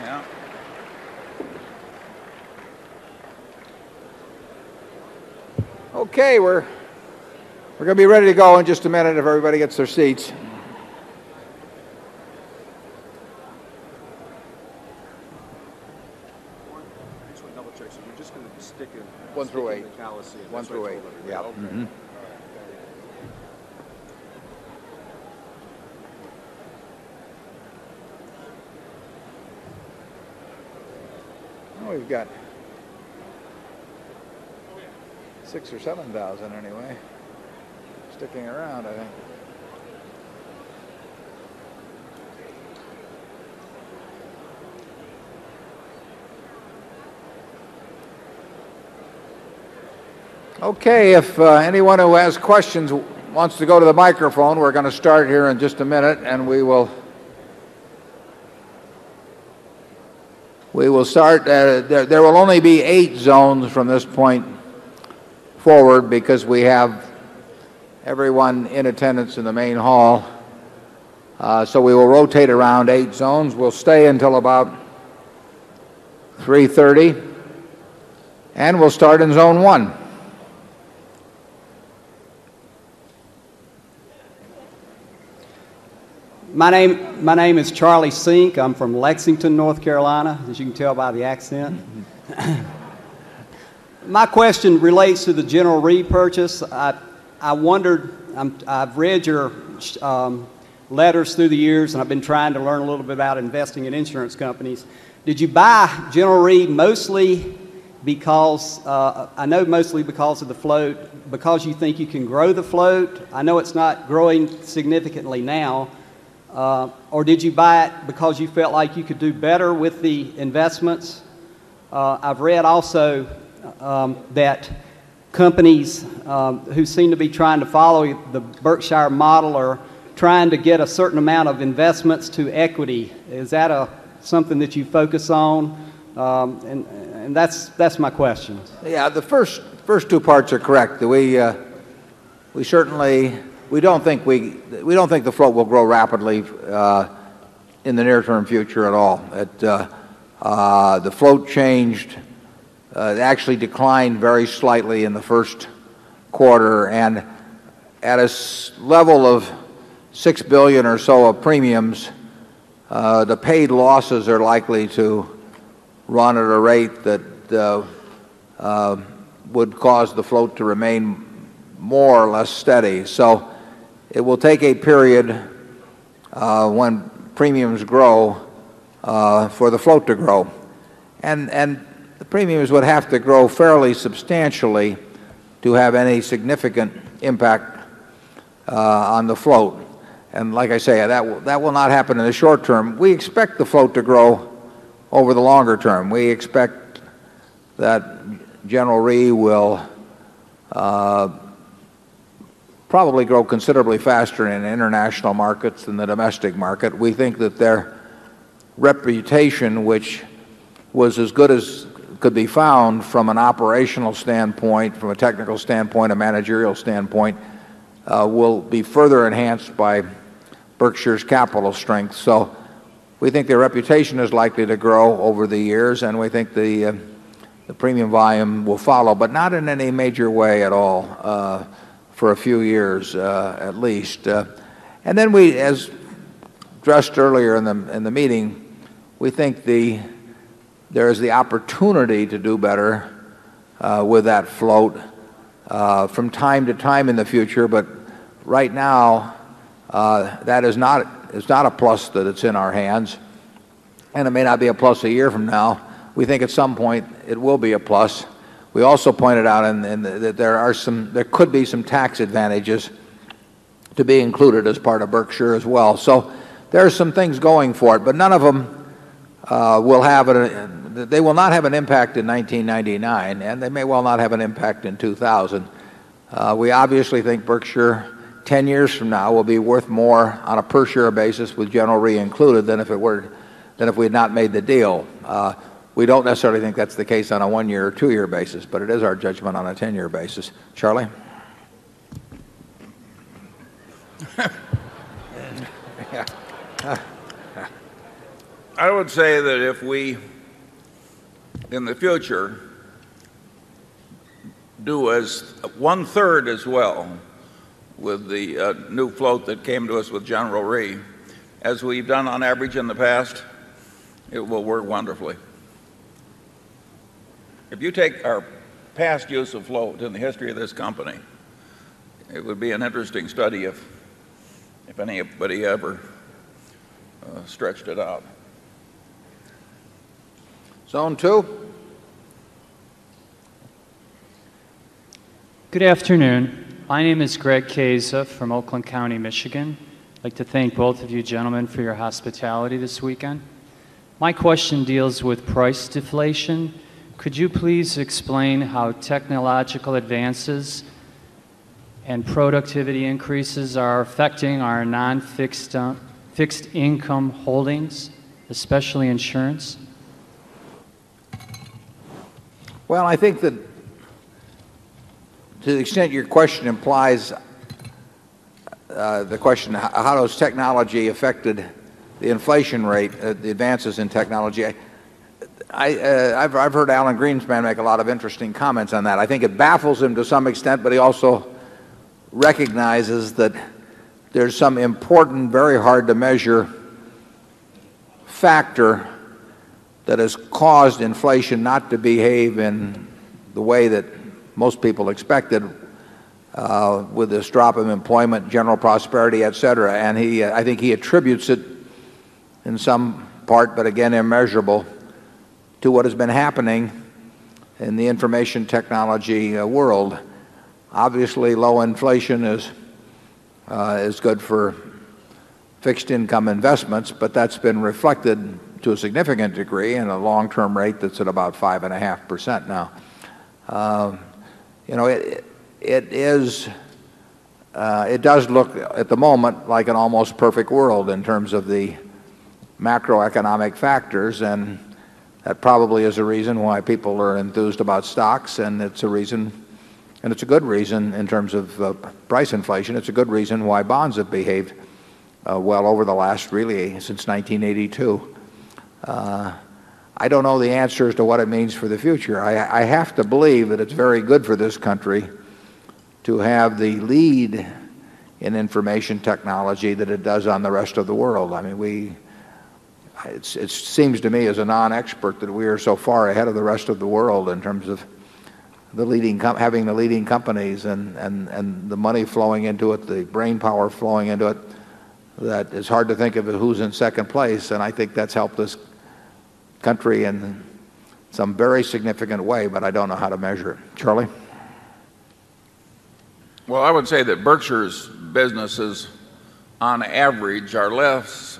Yeah. Okay. We're We're going to be ready to go in just a minute if everybody gets their seats. We've got 6 or 7000 anyway sticking around, I think. Okay. If anyone who has questions wants to go to the microphone, we're going to start here in just a minute and we will start there will only be 8 zones from this point forward because we have everyone in attendance in the main hall. So we will rotate around 8 zones. We'll stay until about 3:30. And we'll start in zone 1. My name is Charlie Sink. I'm from Lexington, North Carolina, as you can tell by the accent. My question relates to the General Re purchase. I wondered I've read your letters through the years, and I've been trying to learn a little bit about in insurance companies. Did you buy General Reed mostly because, I know mostly because of the float, because you think you can grow the float? I know it's not growing significantly now. Or did you buy it because you felt like you could do better with the investments? I've read also, that companies, who seem to be trying to follow the Berkshire model are trying to get a certain amount of investments to equity. Is that something that you focus on? And that's my question. Yeah. The first two parts are correct. We certainly we don't think we we don't think the float will grow rapidly in the near term future at all. The float changed. It actually declined very slightly in the Q1. And at a level of $6,000,000,000 or so of premiums, the paid losses are likely to run at a rate that would cause the float to remain more or less steady. So it will take a period, when premiums grow for the float to grow. And the premiums would have to grow fairly substantially to have any significant impact on the float. And like I say, that will not happen in the short term. We expect the float to grow over the longer term. We expect that General Re will probably grow considerably faster in international markets than the domestic market. We think that their reputation, which was as good as could be found from an operational standpoint, from a technical a managerial standpoint, will be further enhanced by Berkshire's capital strength. So we think their reputation is likely to grow over the years. And we think the premium volume will follow. But not in any major way at all, for a few years, at least. And then we, as addressed earlier in the meeting, we think there is the opportunity to do better, with that float, from time to time in the future. But right now, that is not it's not a plus that it's in our hands. And it may not be a plus a year from now. We think at some point, it will be a plus. We also pointed out that there are some there could be some tax advantages to be included as part of Berkshire as well. So there are some things going for it, but none of them, will have it they will not have an impact in 1999, and they may well not have an impact in 2000. We obviously think Berkshire, 10 years from now, will be worth more on a per share basis with General Re included than if it were than if we had not made the deal. We don't necessarily think that's the case on a 1 year or 2 year basis, but it is our judgment on a 10 year basis. Charlie? I would say that if we, in the future, do as 1 third as well with the new float that came to us with General Re. As we've done on average in the past, it will work wonderfully. If you take our past use of float in the history of this company, it would be an interesting study if anybody ever stretched it out. Zone 2. Good afternoon. My name is Greg Casa from Oakland County, Michigan. I'd like to thank both of you gentlemen for your hospitality this weekend. My question deals with price deflation. Could you please explain how technological advances and productivity increases are affecting our non fixed income holdings, especially insurance? Well, I think that to the extent your question implies the question, how does technology affected the inflation rate, the advances in technology? I've heard Alan Greenspan make a lot of comments on that. I think it baffles him to some extent, but he also recognizes that there's some important, very hard to measure factor that has caused inflation not to behave in the way that most people expected, with this drop of employment, general prosperity, etcetera. And he, I think he attributes it in some part, but again immeasurable, to what has been happening in the information technology world. Obviously, low inflation is, is good for fixed income investments. But that's been reflected, to a significant degree, in a long term rate that's at about 5.5% now. You know, it is, it does look at the moment like an almost perfect world in terms of the macroeconomic factors. And that probably is a reason why people are enthused about stocks. And it's a reason and it's a good reason in terms of price inflation, it's a good reason why bonds have behaved well over the last, really, since 1982. I don't know the answer as to what it means for the future. I I have to believe that it's very good for this country to have the lead in information technology that it does on the rest of the world. I mean, we it seems to me as a non expert that we are so far ahead of the rest of the world in terms of the leading having the leading companies and the money flowing into it, the brainpower flowing into it, that it's hard to think of who's in 2nd place. And I think that's helped this country in some very significant way, but I don't know how to measure it. Charlie? Well, I would say that Berkshire's businesses, on average, are less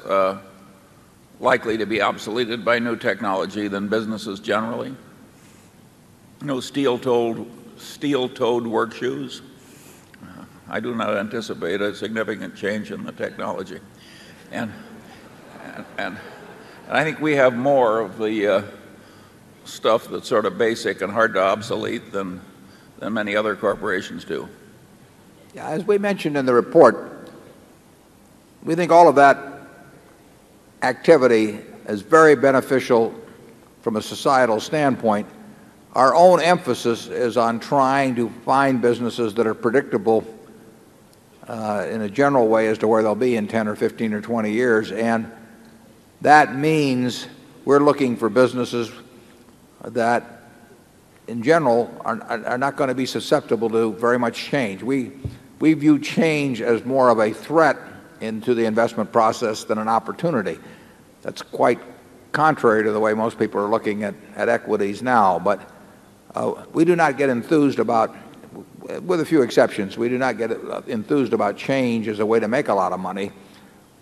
likely to be obsoleted by new technology than businesses generally. No steel toed work shoes. I do not anticipate a significant change in the technology. And I think we have more of the stuff that's sort of basic and hard to obsolete than many other corporations do. Yeah. As we mentioned in the report, we think all of that activity is very beneficial from a societal standpoint. Our own emphasis is on trying to find businesses that are predictable, in a general way as to where they'll be in 10 or 15 or 20 years. And that means we're looking for businesses that, in general, are not going to be susceptible to very much change. We view change as more of a threat into the investment process than an opportunity. That's quite contrary to the way most people are looking at equities now. But we do not get enthused about with a few exceptions we do not get enthused about change as a way to make a lot of money.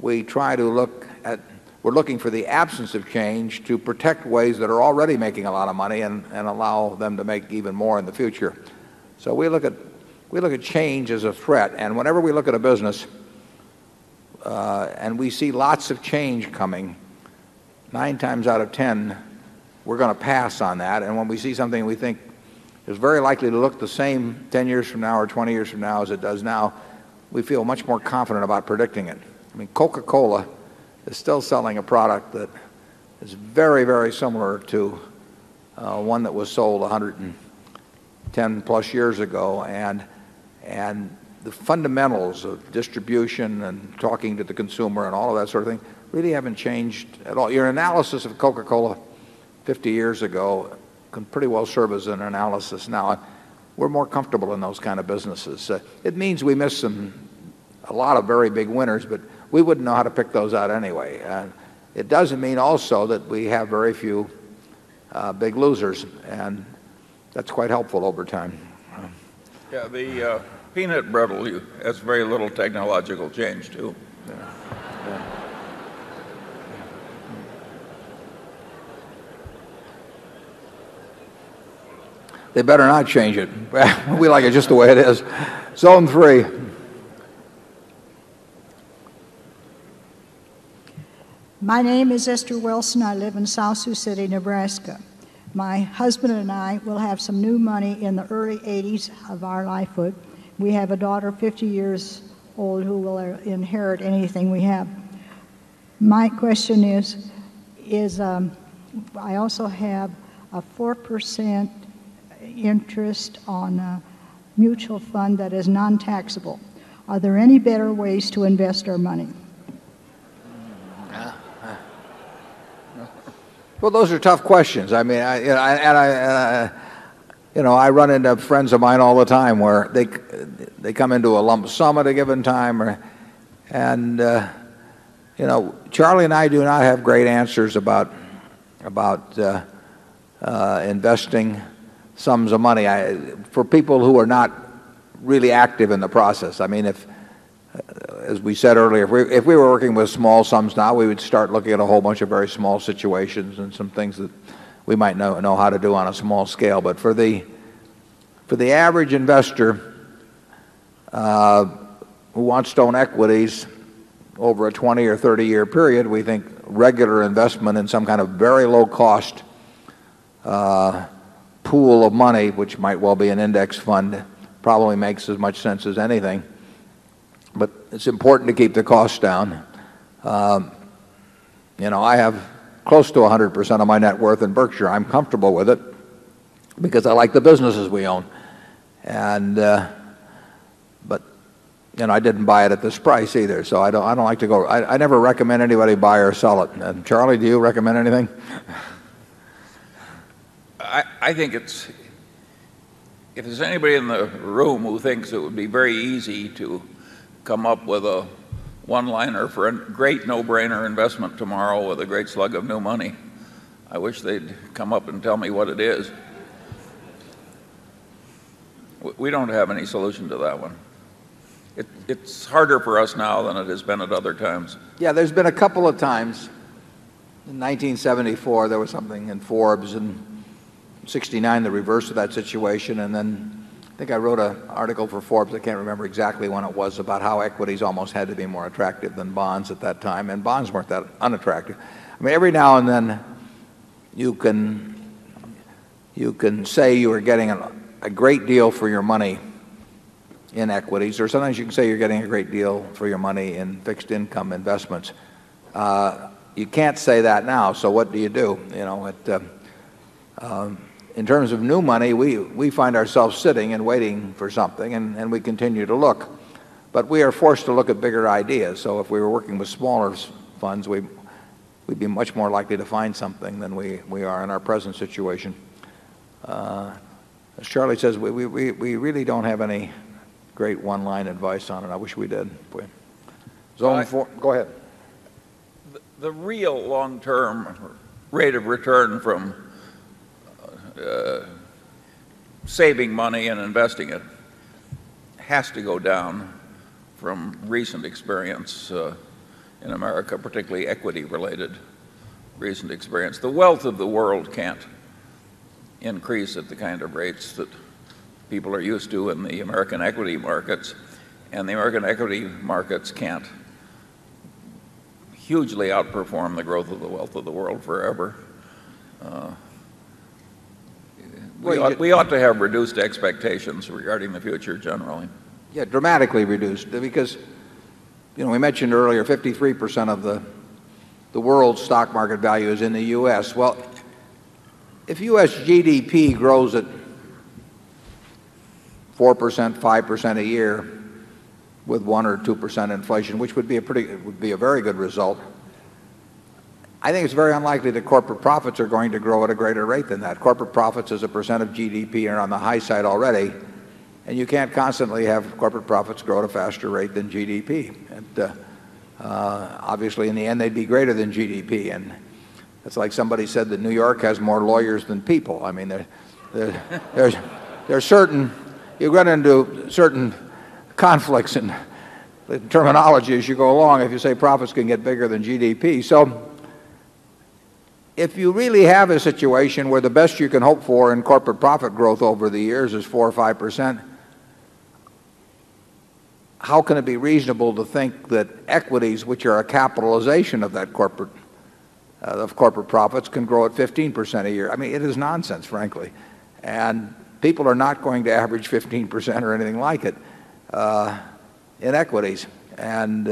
We try to look at we're looking for the absence of change to protect ways that are already making a lot of money and allow them to make even more in the future. So we look at change as a threat. And whenever we look at a business, and we see lots of change coming, 9 times out of 10, we're going to pass on that. And when we see something we think is very likely to look the same 10 years from now or 20 years from now as it does now, we feel much more confident about predicting it. I mean, Coca Cola is still selling a product that is very, very similar to one that was sold 110 plus years ago. And the fundamentals of distribution and talking to the consumer and all of that sort of thing really haven't changed at all. Your analysis of Coca Cola 50 years ago can pretty well serve as an analysis now. We're more comfortable in those kind of businesses. It means we miss some a lot of very big winners, but we wouldn't know how to pick those out anyway. It doesn't mean also that we have very few, big losers. And that's quite helpful over time. Yeah, the peanut brittle has very little technological change too. They better not change it. We like it just the way it is. Zone 3. My name is Esther Wilson. I live in Sosu City, Nebraska. My husband and I will have some new money in the early eighties of our life. We have a daughter 50 years old who will inherit anything we have. My question is, is, I also have a 4% interest on a mutual fund that is nontaxable. Are there any better ways to invest our money? Well, those are tough questions. I mean, and I, you know, I run into friends of mine all the time where they come into a lump sum at a given time. And you know, Charlie and I do not have great answers about investing sums of money for people who are not really active in the process. I mean, if as we said earlier, if we were working with small sums now, we would start looking at a whole bunch of very small situations and some things that we might know how to do on a small scale. But for the average investor who wants to own equities over a 20 or 30 year period, we think regular investment in some kind of very low cost pool of money, which might well be an index fund. It probably makes as much sense as anything. But it's important to keep the costs down. You know, I have close to 100% of my net worth in Berkshire. I'm comfortable with it because I like the businesses we own. And but, you know, I didn't buy it at this price either. So I don't like to go I never recommend anybody buy or sell it. Charlie, do you recommend anything? I think it's, if there's anybody in the room who thinks it would be very easy to come up with a one liner for a great no brainer investment tomorrow with a great slug of new money, I wish they'd come up and tell me what it is. We don't have any solution to that one. It's harder for us now than it has been at other times. Yes, there's been a couple of times. In 1974, there was something in Forbes in 'sixty nine, the reverse of that situation. And then I wrote an article for Forbes, I can't remember exactly when it was, about how equities almost had to be more attractive than bonds at that time. And bonds weren't that unattractive. I mean, every now and then, you can say you are getting a great deal for your money in equities or sometimes you can say you're getting a great deal for your money in fixed income investments. You can't say that now. So what do you do? In terms of new money, we find ourselves sitting and waiting for something and we continue to look. But we are forced to look at bigger ideas. So if we were working with smaller funds, we'd be much more likely to find something than we are in our present situation. As Charlie says, we really don't have any great one line advice on it. I wish we did. Go ahead. The real long term rate of return from saving money and investing it has to go down from recent experience in America, particularly equity related recent experience. The wealth of the world can't increase at the kind of rates that people are used to in the American Equity Markets. And the American Equity Markets can't hugely outperform the growth of the wealth of the world forever. We ought to have reduced expectations regarding the future, generally. Yes, dramatically reduced. Because, you know, we mentioned earlier, 53 percent of the world's stock market value is in the U. S. Well, if U. S. GDP grows at 4%, 5% a year, with 1% or 2% inflation, which would be a pretty it would be a very good result, I think it's very unlikely that corporate profits are going to grow at a greater rate than that. Corporate profits as a percent of GDP are on the high side already. And you can't constantly have corporate profits grow at a faster rate than GDP. And, obviously in the end they'd be greater than GDP. And it's like somebody said that New York has more lawyers than people. I mean, there's certain you run into certain conflicts and terminology as you go along, if you say profits can get bigger than GDP. So if you really have a situation where the best you can hope for in corporate profit growth over the years is 4% or 5%, How can it be reasonable to think that equities, which are a capitalization of corporate profits, can grow at 15% a year? I mean, it is nonsense, frankly. And people are not going to average 15% or anything like it in equities. And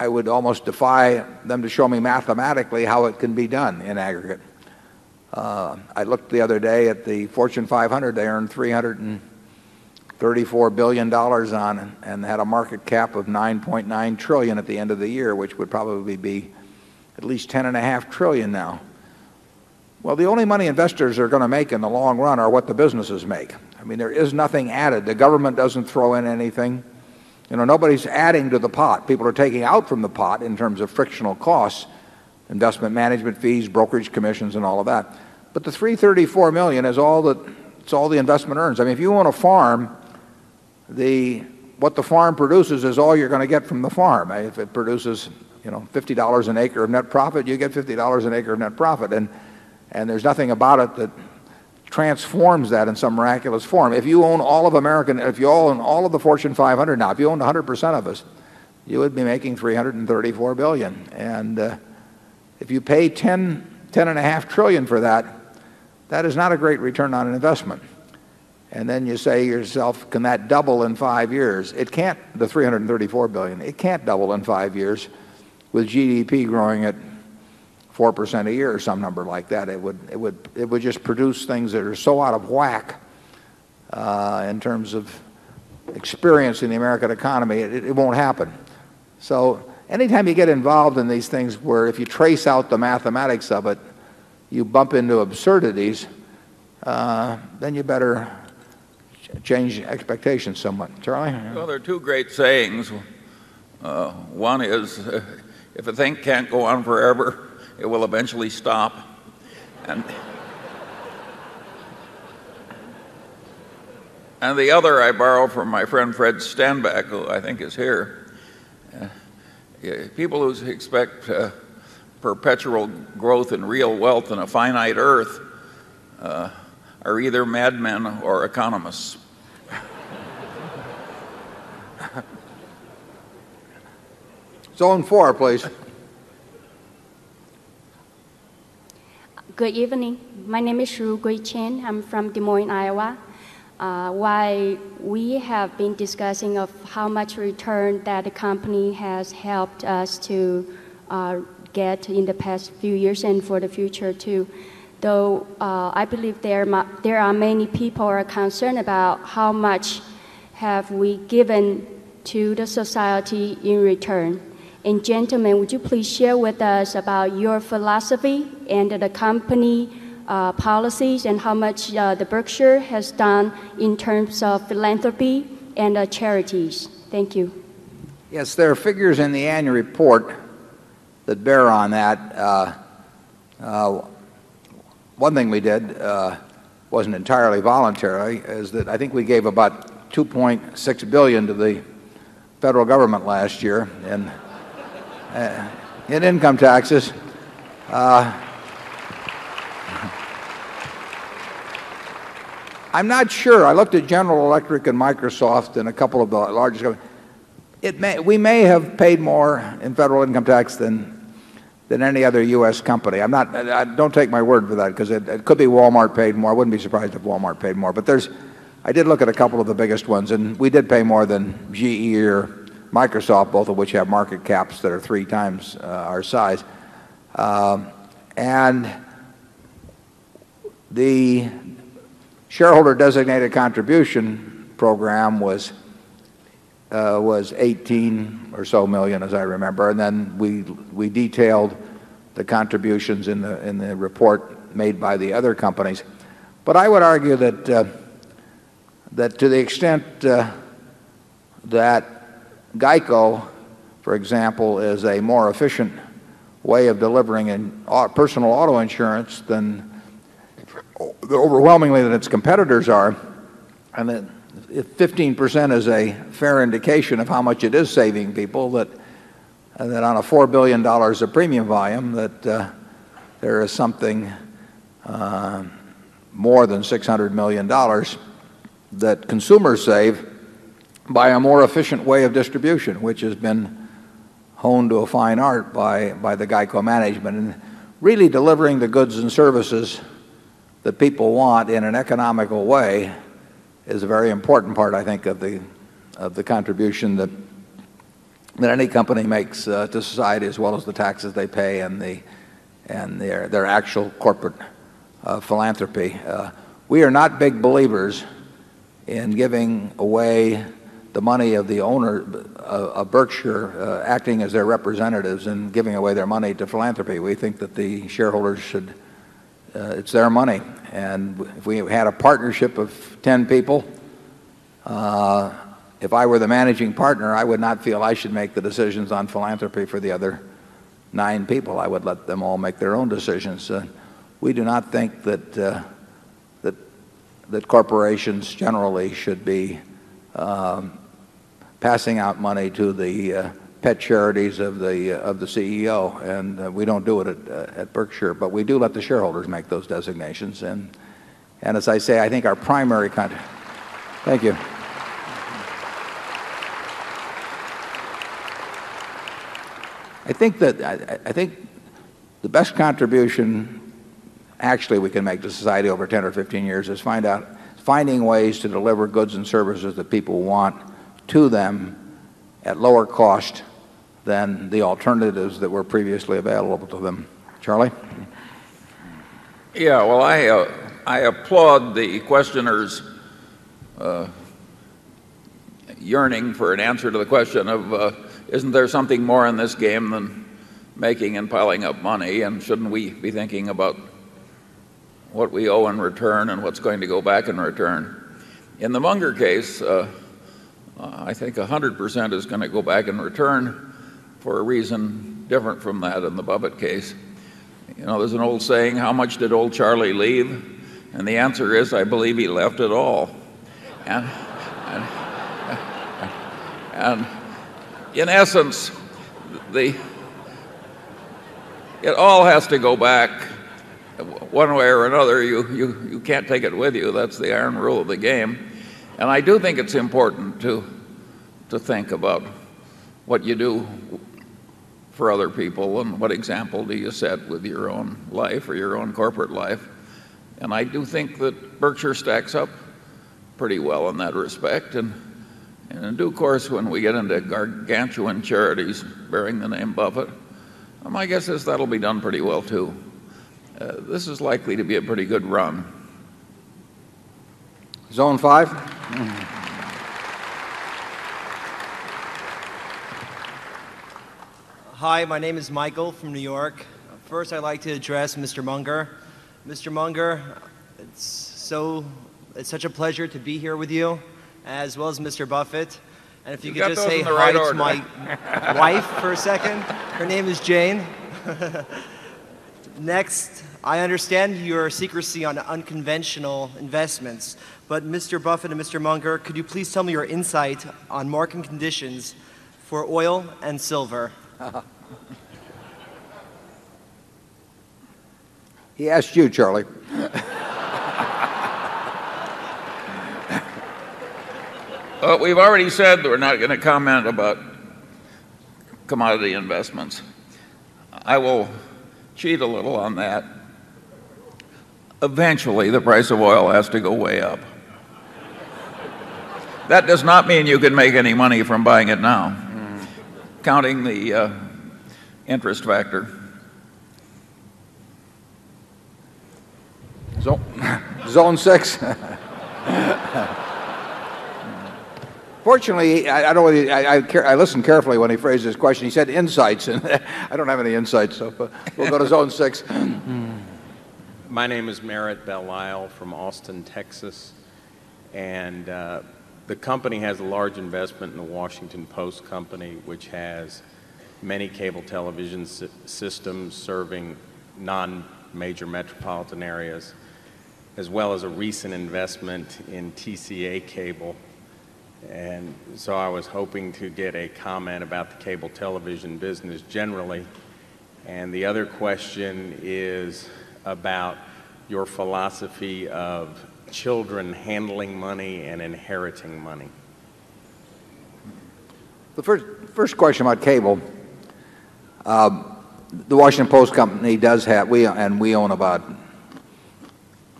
I would almost defy them to show me mathematically how it can be done in aggregate. I looked the other day at the Fortune 500. They earned 3 $34,000,000,000 on and had a market cap of $9,900,000,000,000 at the end of the year, which would probably be at least $10,500,000,000,000 now. Well, the only money investors are going to make in the long run are what the businesses make. I mean, there is nothing added. The government doesn't throw in anything. Know, nobody's adding to the pot. People are taking out from the pot in terms of frictional costs, investment management fees, brokerage commissions, and all of that. But the 334,000,000 is all that it's all the investment earns. I mean, if you want a farm, what the farm produces is all you're going to get from the farm. If it produces, you know, dollars 50 an acre of net profit, you get $50 an acre of net profit. And and there's nothing about it that transforms that in some miraculous form. If you own all of American if you own all of the Fortune 500 now, if you own 100 percent of us, you would be making 334,000,000,000. And if you pay 10, 10 and a half trillion for that, that is not a great return on investment. And then you say to yourself, can that double in 5 years? It can't, the 334,000,000,000 it can't double in 5 years, with GDP growing at 4% a year or some number like that. It would it would just produce things that are so out of whack, in terms of experience in the American economy, it won't happen. So anytime you get involved in these things where if you trace out the mathematics of it, you bump into absurdities, then you better change expectations somewhat. Charlie? Well, there are 2 great sayings. 1 is, if the thing can't go on forever, it will eventually stop. And the other I borrow from my friend Fred Stanback, who I think is here. People who expect perpetual growth and real wealth and a finite earth are either madmen or economists. Zone 4, please. Good evening. My name is Shru Guey Chen. I'm from Des Moines, Iowa. Why we have been discussing of how much return that the company has helped us to get in the past few years and for the future too. Though I believe there are many people who are concerned about how much have we given to the society in return. And gentlemen, would you please share with us about your philosophy and the company policies and how much the Berkshire has done in terms of philanthropy and charities? Thank you. Yes. There are figures in the annual report that bear on that. One thing we did wasn't entirely voluntary. I think we gave about $2,600,000,000 to the federal government last year in income taxes. I'm not sure. I looked at General Electric and Microsoft and a couple of the largest companies. We may have paid more in federal income tax than any other U. S. Company. I'm not don't take my word for that because it could be Walmart paid more. I wouldn't be surprised if Walmart paid more. But there's I did look at a couple of the biggest ones. And we did pay more than GE or Microsoft, both of which have market caps that are 3 times our size. And the shareholder designated contribution program was $18 or so million, as I remember. And then we detailed the contributions in the report made by the other companies. But I would argue that, that to the extent that GEICO, for example, is a more efficient way of delivering personal auto insurance than overwhelmingly than its competitors are. 15% is a fair indication of how much it is saving people. And that on a $4,000,000,000 of premium volume, there is something more than $600,000,000 that consumers save by a more efficient way of distribution, which has been honed to a fine art by the GEICO management. And really delivering the goods and services that people want in an economical way is a very important part, I think, of the contribution that any company makes to society as well as the taxes they pay and their actual corporate philanthropy. We are not big believers in giving away the money of the owner of Berkshire acting as their representatives and giving away their money to philanthropy. We think that the shareholders should it's their money. And if we had a partnership of 10 people, if I were the managing partner, I would not feel I should make the decisions on philanthropy for the other 9 people. I would let them all make their own decisions. We do not think that corporations generally should be passing out money to the pet charities of the CEO. And we don't do it at Berkshire. But we do let the shareholders make those designations. And as I say, I think our primary thank you. I think that I think the best contribution, actually, we can make to society over 10 or 15 years is finding ways to deliver goods and services that people want to them at lower cost than the alternatives that were previously available to them. Charlie? Yeah. Well, I applaud the questioner's yearning for an answer to the question of, isn't there something more in this game than making and piling up money? And shouldn't we be thinking about what we owe in return and what's going to go back in return? In the Munger case, I think 100% is going to go back in return for a reason different from that in the Bubba case. There's an old saying, how much did old Charlie leave? And the answer is, I believe he left at all. And in essence, it all has to go back. One way or another, you can't take it with you. That's the iron rule of the game. And I do think it's important to think about what you do for other people and what example do you set with your own life or your own corporate life. And I do think that Berkshire stacks up pretty well in that respect. And in due course, when we get into gargantuan charities bearing the name it. My guess is that will be done pretty well too. This is likely to be a pretty good run. Zone 5. Hi, my name is Michael from New York. First, I'd like to address mister Munger. Mister Munger, it's so it's such a pleasure to be here with you as well as mister Buffet. And if you could just say hi to my wife for a second. Her name is Jane. Next, I understand your secrecy on unconventional investments, but Mr. Buffet and Mr. Munger, could you please tell me your insight on market conditions for oil and silver? He asked you, Charlie. We've already said that we're not going to comment about commodity investments. I will cheat a little on that. Eventually, the price of oil has to go way up. That does not mean you can make any money from buying it now, counting the interest factor. Zone 6. Fortunately, I don't really I listen carefully when he phrased his question. He said insights. I don't have any insights. So we'll go to zone 6. My name is Merritt Belisle from Austin, Texas. And the company has a large investment in the Washington Post Company, which has many cable television systems serving non major metropolitan areas, as well as a recent investment in TCA cable. And so I was hoping to get a comment about cable television business generally. And the other question is about your philosophy of children handling money and inheriting money. The first question about cable. The Washington Post Company does have and we own about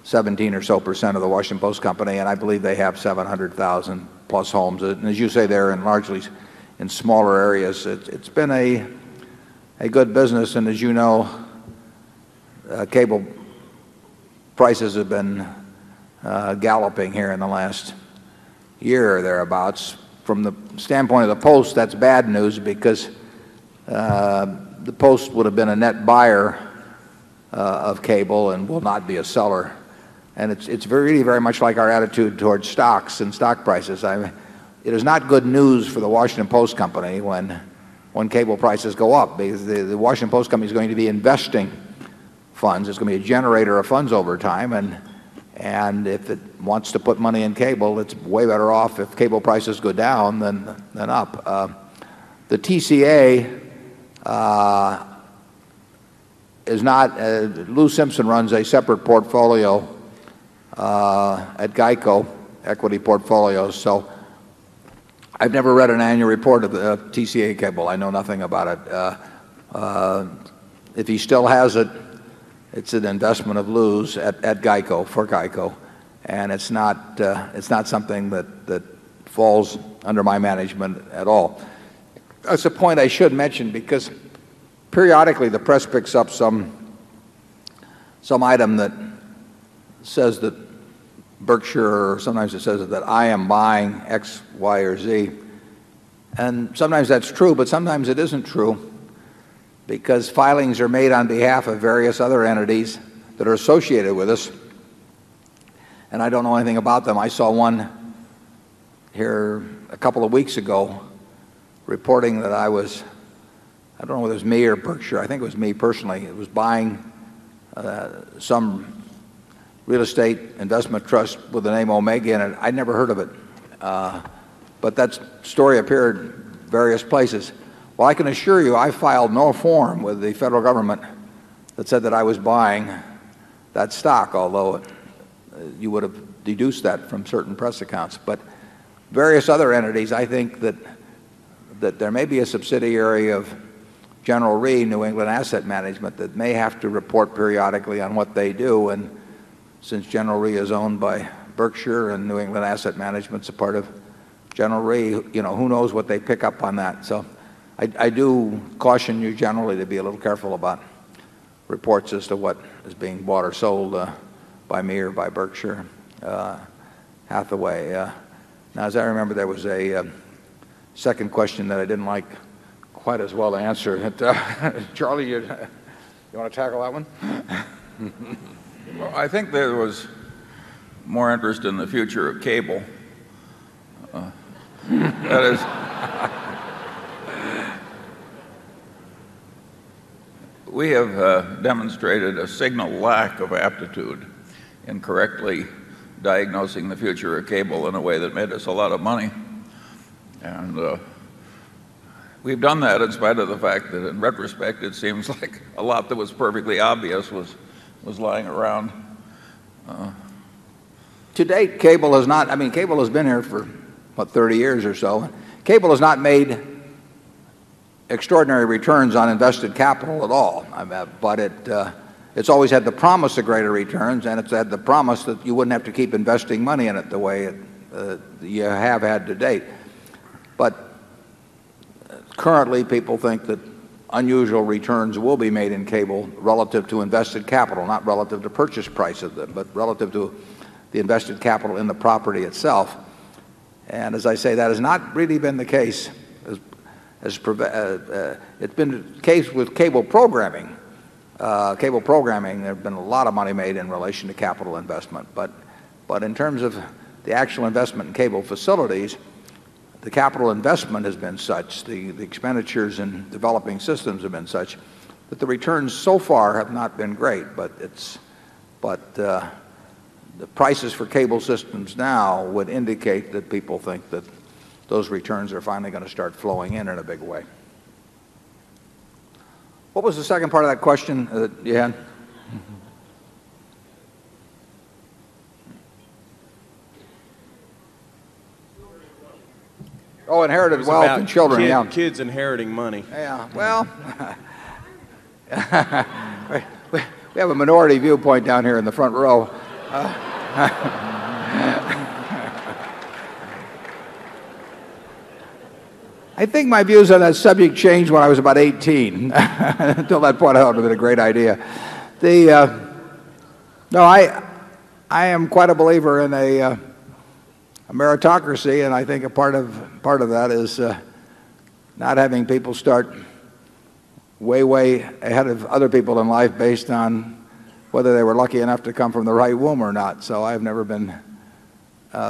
17 or so percent of the Washington Post Company. And I believe they have 700,000 plus homes. And as you say, they're largely in smaller areas. It's been a good business. And as you know, cable prices have been galloping here in the last year or thereabouts. From the standpoint of the Post, that's bad news because the Post would have been a net buyer of cable and will not be a seller. And it's very, very much like our attitude towards stocks and stock prices. It is not good news for the Washington Post company when cable prices go up. The Washington Post company is going to be investing funds. It's going to be a generator of funds over time. And if it wants to put money in cable, it's way better off if cable prices go down than up. The TCA, is not, Lou Simpson runs a separate portfolio, at GEICO Equity Portfolios. So I've never read an annual report of the TCA cable. I know nothing about it. If he still has it, it's an investment of Lew's at GEICO, for GEICO. And it's not something that falls under my management at all. That's a point I should mention because periodically the press picks up some some item that says that Berkshire or sometimes it says that I am buying X, Y, or Z. And sometimes that's true. But sometimes it isn't true because filings are made on behalf of various other entities that are associated with us. And I don't know anything about them. I saw one here a couple of weeks ago reporting that I was I don't know whether it was me or Berkshire, I think it was me personally, who was buying some real estate investment trust with the name Omega in it. I had never heard of it. But that story appeared various places. Well, I can assure you I filed no form with the federal government that said that I was buying that stock, although you would have deduced that from certain press accounts. But various other entities, I think, that there may be a subsidiary of General Re New England Asset Management that may have to report periodically on what they do. And since General Re is owned by Berkshire and New England Asset Management is a part of General Re, you know, who knows what they pick up on that. So I do caution you generally to be a little careful about reports as to what is being bought or sold by me or by Berkshire Hathaway. Now as I remember there was a second question that I didn't like quite as well to answer. Charlie, you want to tackle that one? Well, I think there was more interest in the future of cable. We have demonstrated a signal lack of aptitude in correctly diagnosing the future of cable in a way that made us a lot of money. And we've done that in spite of the fact that in retrospect, it seems like a lot that was perfectly obvious was lying around. To date, cable has not I mean, cable has been here for, what, 30 years or so. Cable has not made extraordinary returns on invested capital at all. But it's always had the promise of greater returns and it's had the promise that you wouldn't have to keep investing money in it the way you have had to date. But currently, people think that unusual returns will be made relative to invested capital. Not relative to purchase price of them, but relative to the invested capital in the property itself. And as I say, that has not really been the case as it's been the case with cable programming. Cable programming, there have been a lot of money made in relation to capital investment. But in terms of the actual investment in cable facilities, the capital investment has been such, the expenditures in developing systems have been such, that the returns so far have not been great. But it's but the prices for cable systems now would indicate that people think that those returns are finally going to start flowing in, in a big way. What was the second part of that question, Yan? Oh, inherited wealth and children. Kids inheriting money. Yeah. Well, we have a minority viewpoint down here in the front row. I think my views on that subject changed when I was about 18. Until that point, I thought it would have been a great idea. The no, I am quite a believer in a meritocracy. And I think a part of that is not having people start way, way ahead of other people in life based on whether they were lucky enough to come from the right womb or not. So I've never been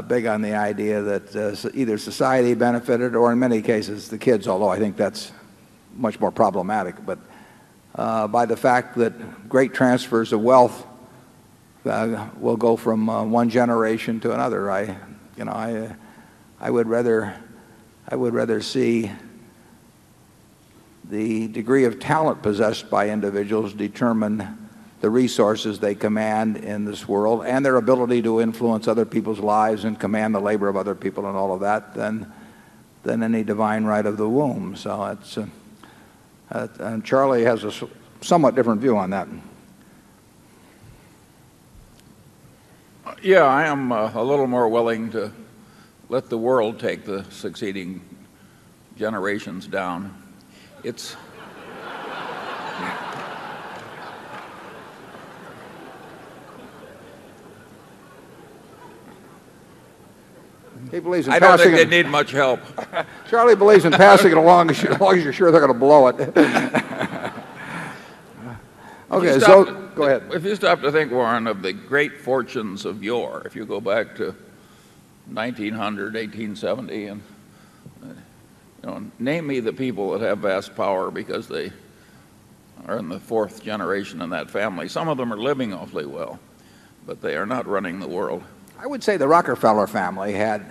big on the idea that either society benefited or in many cases the kids, although I think that's much more problematic. But by the fact that great transfers of wealth will go from one generation to another. I would rather see the degree of talent possessed by individuals determine the resources they command in this world and their ability to influence other people's lives and command the labor of other people and all of that than any divine right of the womb. So that's and Charlie has a somewhat different view on that. Yeah. I am a little more willing to let the world take the succeeding generations down. It's I think they need much help. Charlie believes in passing it along as you're always sure they're going to blow it. Okay. So go ahead. If you stop to think, Warren, of the great fortunes of yore, if you go back to 1900, 18 70, and name me the people that have vast power because they are in the 4th generation in that family. Some of them are living awfully well, but they are not running the world. I would say the Rockefeller family had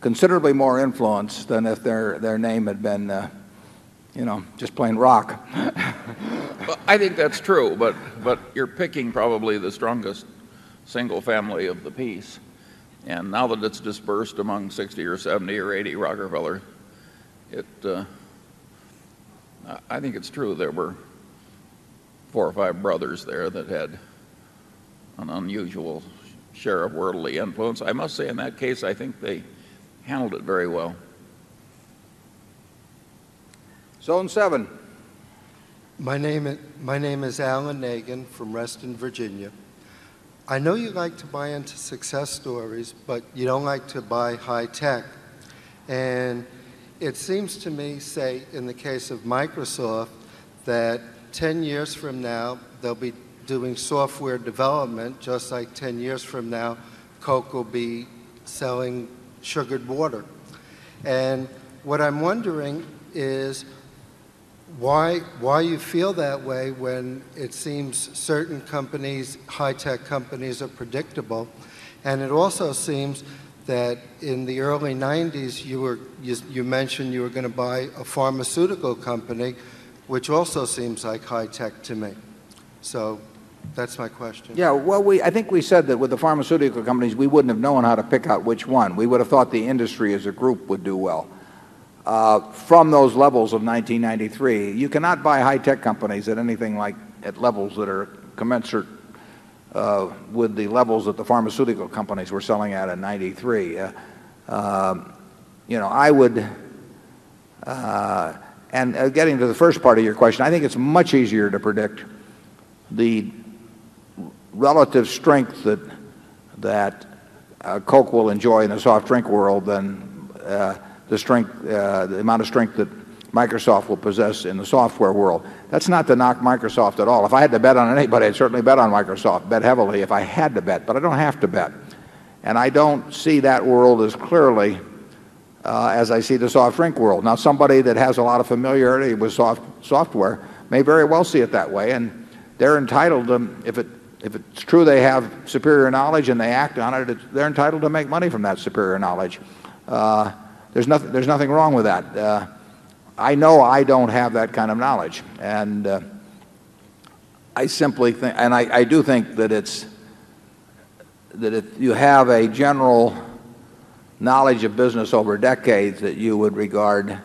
considerably more influence than if their name had been, you know, just plain rock. I think that's true. But you're picking probably the strongest single family of the piece. And now that it's dispersed among 60 or 70 or 80 Rockefeller, I think it's true there were 4 or 5 brothers there that had an unusual share of worldly influence. I must say, in that case, I think they handled it very well. Zone 7. My name is Alan Nagin from Reston, Virginia. I know you like to buy into success stories, but you don't like to buy high-tech. And it seems to me, say in the case of Microsoft, that 10 years from now they'll be doing software development just like 10 years from now Coke will be selling sugared water. And what I'm wondering is why you feel that way when it seems certain companies, high-tech companies are predictable? And it also seems that in the early 90s you mentioned you were going to buy a pharmaceutical company, which also seems like high-tech to me. So that's my question. Yeah. Well, I think we said that with the pharmaceutical companies, we wouldn't have known how to pick out which one. We would have thought the industry as a group would do well. From those levels of 1993, you cannot buy high-tech companies at anything like at levels that are commensurate with the levels that the pharmaceutical companies were selling at in 93. You know, I would and getting to the first part of your question, I think it's much easier to predict the relative strength that Coke will enjoy in the soft drink world than the amount of strength that Microsoft will possess in the software world. That's not to knock Microsoft at all. If I had to bet on anybody, I'd certainly bet on Microsoft. Bet heavily if I had to bet. But I don't have to bet. And I don't see that world as clearly, as I see the soft drink world. Now somebody that has a lot of familiarity with soft software may very well see it that way. And they're entitled to them if it if it's true they have superior knowledge and they act on it, they're entitled to make money from that superior knowledge. There's nothing wrong with that. I know I don't have that kind of knowledge. And I simply think and I do think that it's that if you have a general knowledge of business over decades, that you would regard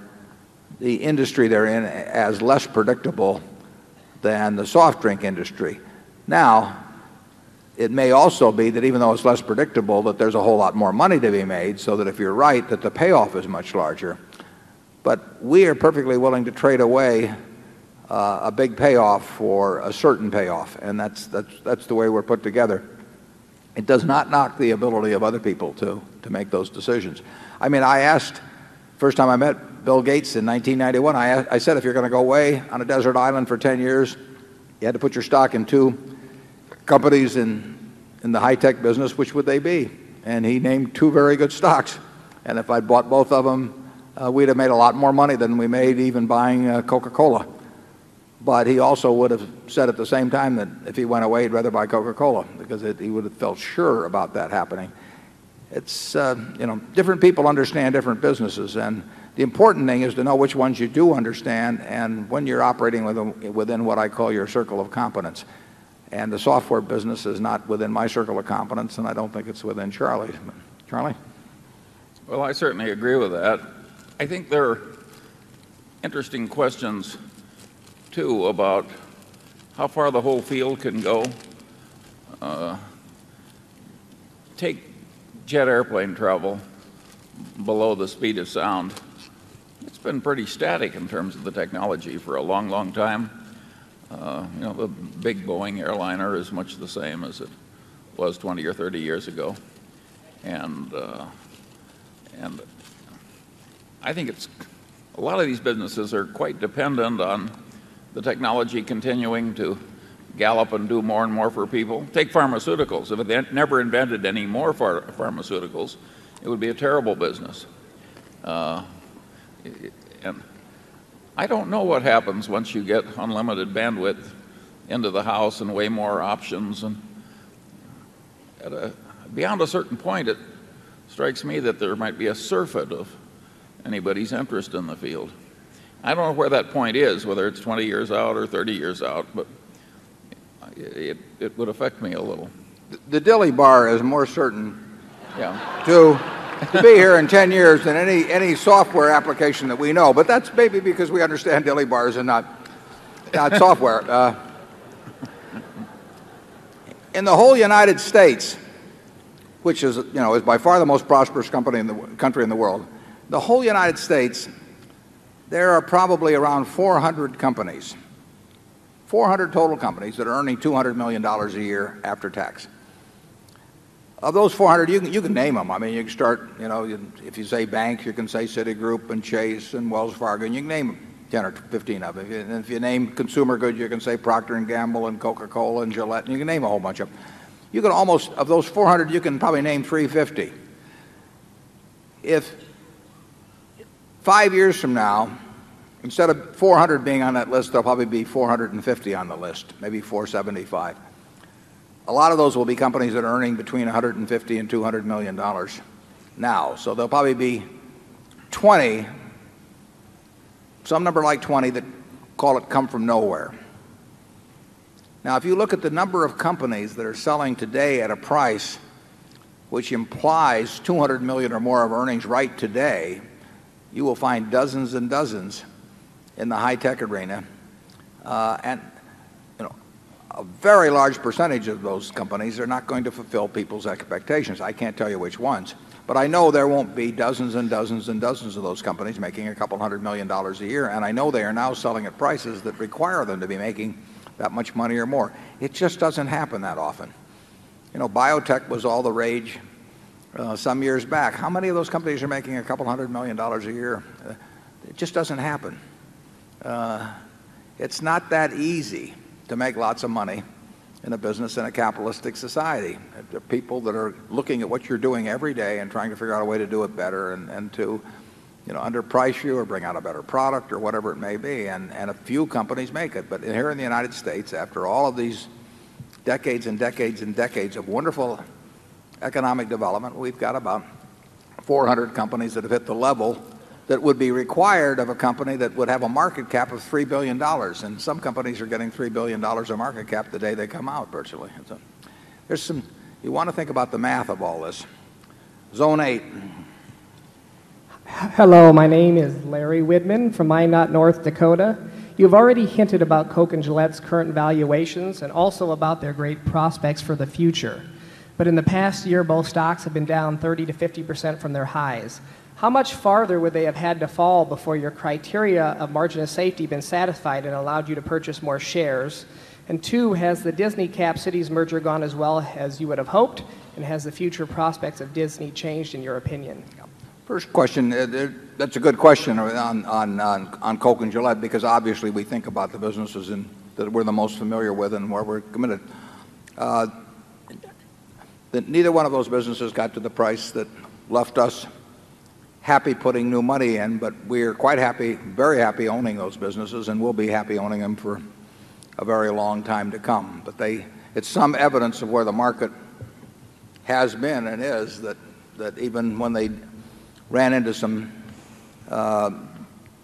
the industry they're in as less predictable than the soft drink industry. Now, it may also be that even though it's less predictable that there's a whole lot more money to be made, so that if you're right, that the payoff is much larger. But we are perfectly willing to trade away a big payoff for a certain payoff. And that's the way we're put together. It does not knock the ability of other people to make those decisions. I mean, I asked, the first time I met Bill Gates in 1991, I said, if you're going to go away on a desert island for 10 years, you had to put your stock in 2 companies in the high-tech business, which would they be? And he named 2 very good stocks. And if I'd bought both of them, we'd have made a lot more money than we made even buying Coca Cola. But he also would have said at the same time that if he went away, he'd rather buy Coca Cola because he would have felt sure about that happening. It's, you know, different people understand different businesses. And important thing is to know which ones you do understand and when you're operating within what I call your circle of competence. And the software business is not within my circle of competence and I don't think it's within Charlie. Charlie? Well I certainly agree with that. I think there are interesting questions too about how far the whole field can go. Take jet airplane travel below the speed of sound. It's been pretty static in terms of the technology for a long, long time. The And I think it's a lot of these businesses are quite dependent on the technology continuing to gallop and do more and more for people. Take pharmaceuticals. If they never invented any more pharmaceuticals, it would be a terrible business. And I don't know what happens once you get unlimited bandwidth into the house and way more options. And beyond a certain point, it strikes me that there might be a surfeit of anybody's interest in the field. I don't know where that point is, whether it's 20 years out or 30 years out. But it would affect me a little. The dilly bar is more certain to be here in 10 years than any software application that we know. But that's maybe because we understand deli bars and not software. In the whole United States, which is, you know, is by far the most prosperous country in the world, the whole United States, there are probably around 400 companies, 400 total companies that are earning $200,000,000 a year after tax. Of those 400, you can name them. I mean, you can start, you know, if you say bank, you can say Citigroup and Chase and Wells Fargo. And you can name 10 or 15 of them. And if you name consumer goods, you can say Procter and Gamble and Coca Cola and Gillette. And you can name a whole bunch of them. You can almost of those 400, you can probably name 350. If 5 years from now, instead of 400 being on that list, there'll probably be 450 on the list, maybe 475. A lot of those will be companies that are earning between $150,000,000 $200,000,000 now. So there'll probably be 20 some number like 20 that, call it, come from nowhere. Now if you look at the number of companies that are selling today at a price which implies $200,000,000 or more of earnings right today, you will find dozens and dozens in the high-tech arena. And, you know, a very large percentage of those companies are not going to fulfill people's expectations. I can't tell you which ones. But I know there won't be dozens and dozens and dozens of those companies making a couple $100,000,000 a year. And I know they are now selling at prices that require them to be making that much money or more. It just doesn't happen that often. You know, biotech was all the rage some years back. How many of those companies are making a couple of $100,000,000 a year? It just doesn't happen. It's not that easy to make lots of money in a business in a capitalistic society. The people that are looking at what you're doing every day and trying to figure out a way to do it better and to under price you or bring out a better product or whatever it may be. And a few companies make it. But here in the United States, after all of these decades decades decades of wonderful economic development, we've got about 400 companies that have hit the level that would be required of a company that would have a market cap of $3,000,000,000 And some companies are getting $3,000,000,000 of market cap the day they come out virtually. There's some you want to think about the math of all this. Zone 8. Hello. My name is Larry Whitman from Minot, North Dakota. You have already hinted about Coke and Gillette's current valuations and also about their great prospects for the future. But in the past year, both stocks have been down 30% to 50% from their highs. How much farther would they have had to fall before your criteria of margin of safety been satisfied and allowed you to purchase more shares? And 2, has the Disney Cap Cities merger gone as well as you would have hoped? And has the future prospects of Disney changed in your opinion? First question, that's a good question on Coke and Gillette because obviously we think about the businesses that we're the most familiar with and where we're committed. Neither one of those businesses got to the price that left us happy putting new money in, but we are quite happy, very happy owning those businesses. And we'll be happy owning them for a very long time to come. But they it's some evidence of where the market has been and is that even when they ran into some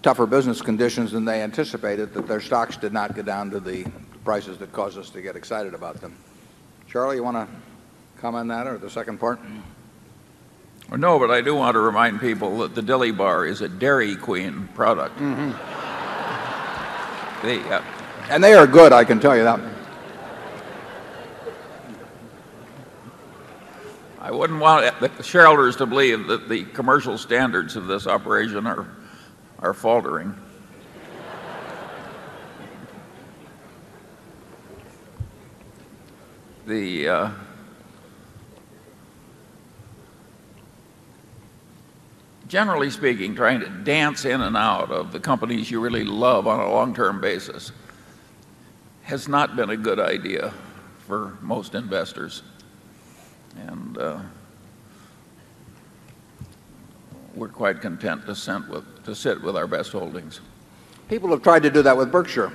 tougher business conditions than they anticipated, that their stocks did not go down to the prices that caused us to get excited about them. Charlie, you want to comment on that or the second part? No. But I do want to remind people that the deli bar is a Dairy Queen product. And they are good, I can tell you that. I wouldn't want shareholders to believe that the commercial standards of this operation are faltering. Generally speaking, trying to dance in and out of companies you really love on a long term basis has not been a good idea for most investors. And we're quite content to sit with our best holdings. People have tried to do that with Berkshire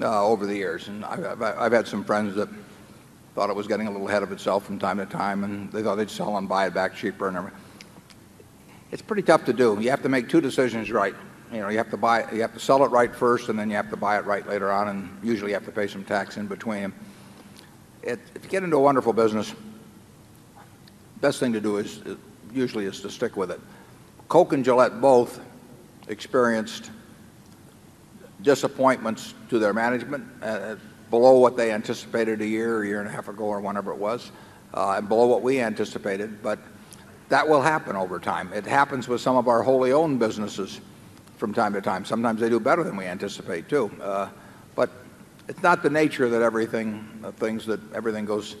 over the years. And I've had some friends that thought it was getting a little ahead of itself from time to time. And they thought they'd sell and buy it back cheaper. It's pretty tough to do. You have to make 2 decisions right. You know, you have to buy you have to sell it right first and then you have to buy it right later on. And usually, you have to pay some tax in between. To get into a wonderful business, the best thing to do usually is to stick with it. Coke and Gillette both experienced disappointments to their management, below what they anticipated a year, a year and a half ago, or whenever it was, and below what we anticipated. But that will happen over time. It happens with some of our wholly owned businesses from time to time. Sometimes they do better than we anticipate too. But it's not the nature that everything goes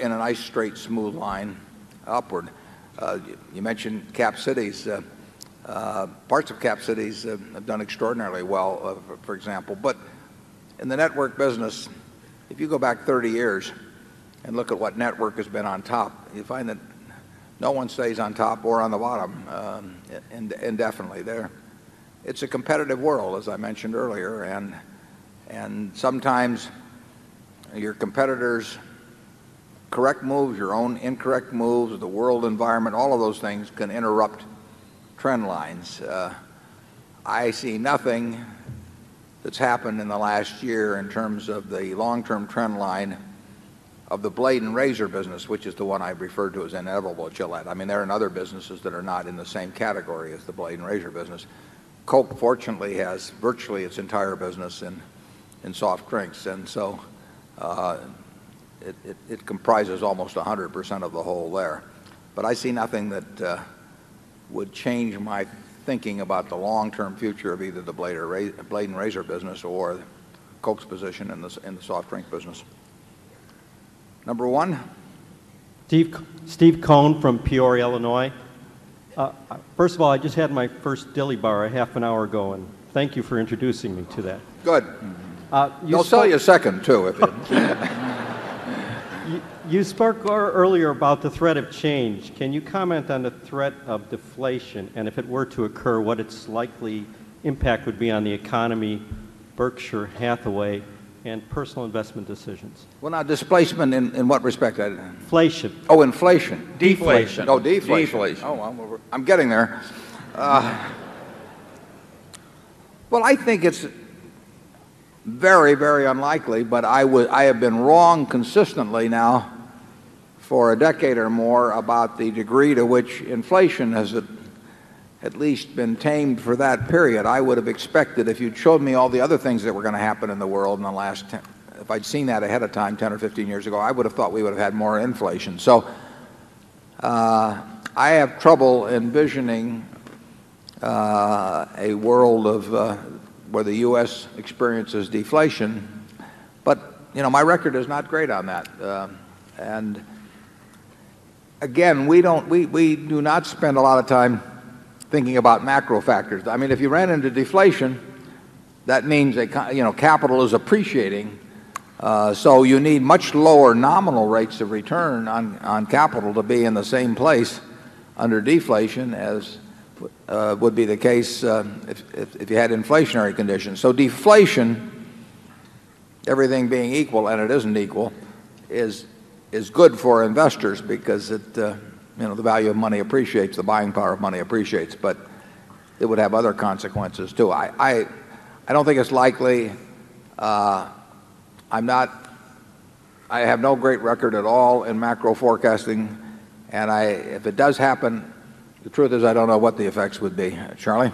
in a nice straight smooth line upward. You mentioned cap cities. Parts of cap cities have done extraordinarily well, for example. But in the network business, if you go back 30 years and look at what network has been on top, you find that no one stays on top or on the bottom, indefinitely there. It's a competitive world, as I mentioned earlier. And sometimes your competitors' correct moves, your own incorrect moves, the world environment, all of those things can interrupt trend lines. I see nothing that's happened in the last year in terms of the long term trend line of the blade and razor business, which is the one I referred to as inevitable Gillette. I mean, there are other businesses that are not in the same category as the blade and razor business. Culp fortunately has virtually its entire business in soft cranks. And so it comprises almost 100% of the hole there. But I see nothing that would change my thinking about the long term future of either the blade or blade and razor business or Coke's position in the soft drink business. Number 1? Steve Cohn from Peoria, Illinois. First of all, I just had my first delibar a half an hour ago. And thank you for introducing me to that. Good. I'll tell you a second too. You spoke earlier about the threat of change. Can you comment on the threat of deflation? And if it were to occur, what its likely impact would be on the economy, Berkshire Hathaway and personal investment decisions? Well, now displacement in what respect? Inflation. Oh, inflation. Deflation. No deflation. Oh, I'm getting there. Well, I think it's very, very unlikely. But I would I have been wrong consistently now for a decade or more about the degree to which inflation has at least been tamed for that period. I would have expected if you'd showed me all the other things that were going to happen in the world in the last if I'd seen that ahead of time 10 or 15 years ago, I would have thought we would have had more inflation. So I have trouble envisioning a world of where the US experiences deflation. But you know, my record is not great on that. And again, we don't we do not spend a lot of time thinking about macro factors. I mean, if you ran into deflation, that means that, you know, capital is appreciating. So you need much lower nominal rates of return on capital to be in the same place under deflation as would be the case if you had inflationary conditions. So deflation, everything being equal and it isn't equal, is good for investors because it, you know, the value of money appreciates, the buying power of money appreciates. But it would have other consequences too. I don't think it's likely. I'm not I have no great record at all in macro forecasting. And if it does happen, the truth is I don't know what the effects would be. Charlie?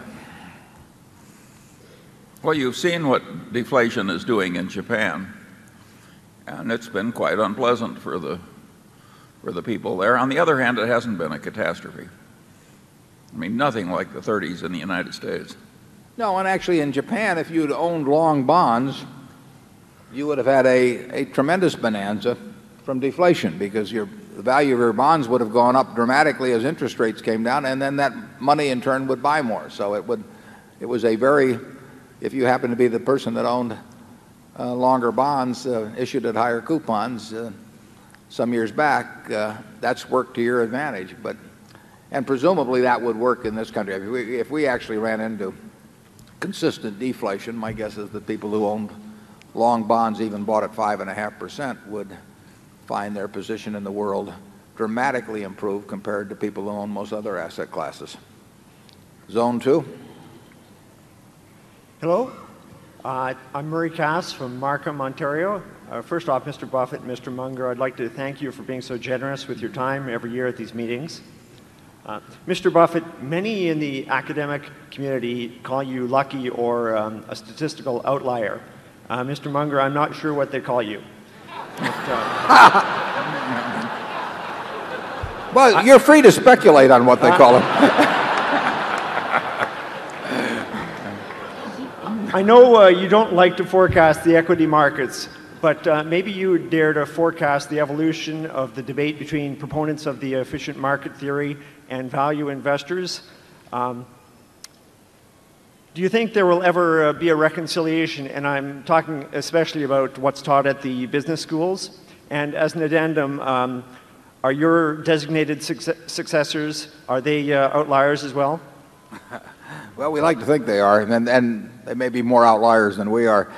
You've seen what deflation is doing in Japan. And it's been quite unpleasant for the people there. On the other hand, it hasn't been a catastrophe. I mean, nothing like the 30s in the United States. No, and actually in Japan, if you'd owned long bonds, you would have had a tremendous bonanza from deflation because your value of your bonds would have gone up dramatically as interest rates came down. And then that money, in turn, would buy more. So it would it was a very if you happen to be the person that owned longer bonds, issued at higher coupons some years back, that's worked to your advantage. But and presumably that would work in this country. If we actually ran into consistent deflation, my guess is that people who owned long bonds, even bought at 5.5%, would find their position in the world dramatically improved compared to people who own most other asset classes. Zone 2? Hello. I'm Murray Cass from Markham, Ontario. First off, Mr. Buffet and Mr. Munger, I'd like to thank you for being so generous with your time every year at these meetings. Mr. Buffet, many in the academic community call you lucky or a statistical outlier. Mr. Munger, I'm not sure what they call you. Well, you're free to speculate on what they call them. I know you don't like to forecast the equity markets, but maybe you would dare to forecast of the debate between proponents of the efficient market theory and value investors. Do you think there will ever be a reconciliation? And I'm talking especially about what's taught at the business schools. And as an addendum, are your designated successors, are they outliers as well? Well, we like to think they are. And there may be more outliers than we are.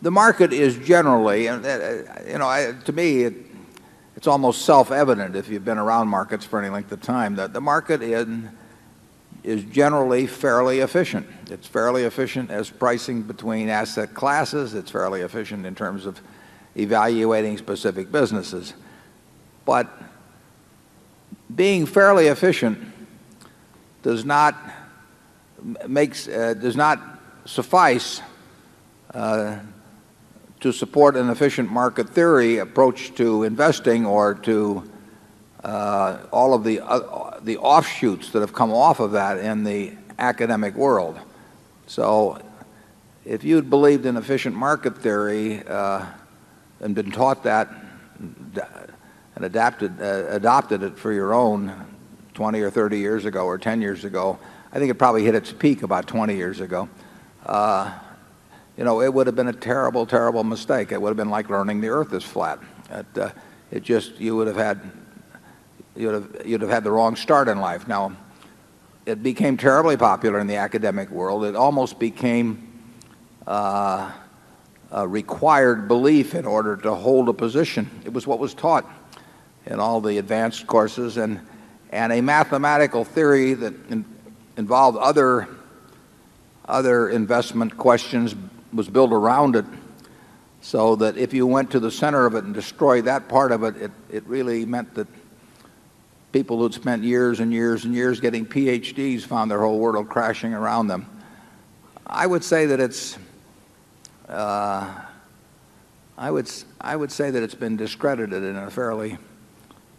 The market is generally and to me, it's almost self evident if you've been around markets for any length of time that the market is generally fairly efficient. It's fairly efficient as pricing between asset classes. It's fairly efficient in terms of evaluating specific businesses. But being fairly efficient does not makes does not suffice to support an efficient market theory approach to investing or to all of the offshoots that have come off of that in the academic world. So if you had believed in efficient market theory and been taught that and adopted it for your own 20 or 30 years ago or 10 years ago, I think it probably hit its peak about 20 years ago. You know, it would have been a terrible, terrible mistake. Would have been like learning the earth is flat. It just you would have had you'd have had the wrong start in life. Now it became terribly popular in the academic world. It almost became, required belief in order to hold a position. It was what was taught in all the advanced courses. And and a mathematical theory that involved other other investment questions was built around it. So that if you went to the center of it and destroyed that part of it, it really meant that people who'd spent years years years getting PhDs found their whole world crashing around them. I would say that it's been discredited in a fairly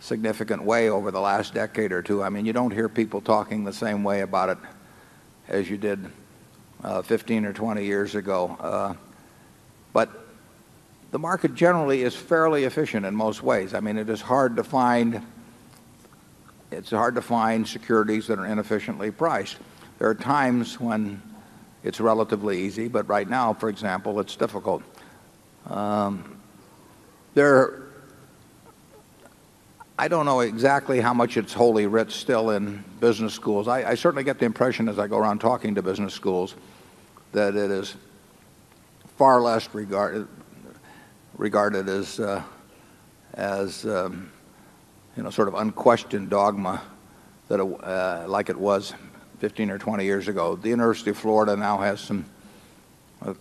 significant way over the last decade or 2. I mean you don't hear people talking the same way about it as you did 15 or 20 years ago. But the market generally is fairly efficient in most ways. I mean, it is hard to find it's hard to find securities that are inefficiently priced. There are times when it's relatively easy. But right now, for example, it's difficult. There I don't know exactly how much it's wholly writ still in business schools. I certainly get the impression as I go around talking to business schools that it is far less regarded regarded as, as, you know, sort of unquestioned dogma that, like it was 15 or 20 years ago. The University of Florida now has some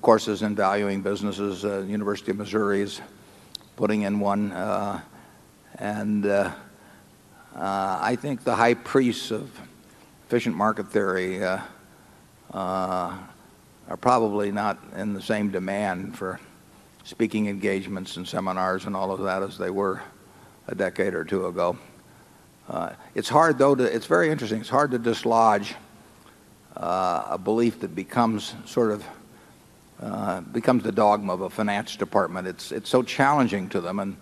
courses in valuing businesses. The University of Missouri is putting in 1. And I think the high priests of efficient market theory are probably not in the same demand for speaking engagements and seminars and all of that as they were a decade or 2 ago. It's hard though to it's very interesting. It's hard to dislodge a belief that becomes sort of becomes the dogma of a finance department. It's it's so challenging to them.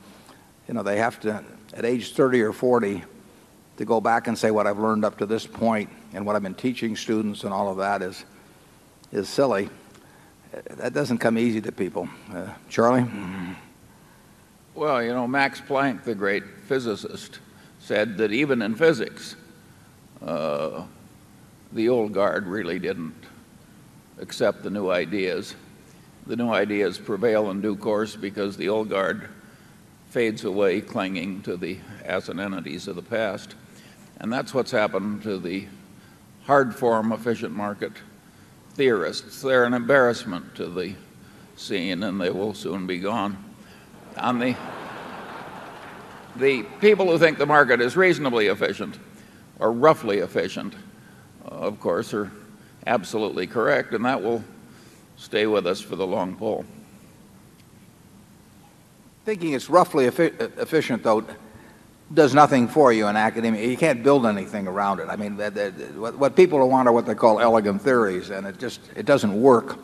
And, you know, they have to, at age 30 or 40, to go back and say what I've learned up to this point and what I've been teaching students and all of that is is silly. That doesn't come easy to people. Charlie? Well, you know, Max Planck, the great physicist, said that even in physics, the old guard really didn't accept the new ideas. The new ideas prevail in due course because the old guard fades away, clinging to the asset entities of the past. And that's what's happened to the hard form efficient market theorists. They're an embarrassment to the scene, and they will soon be gone. The people who think the market is reasonably efficient or roughly efficient, of course, are absolutely correct. And that will stay with us for the long haul. Thinking it's roughly efficient, though, does nothing for you in academia. You can't build anything around it. I mean, what people want are what they call elegant theories. And it just it doesn't work.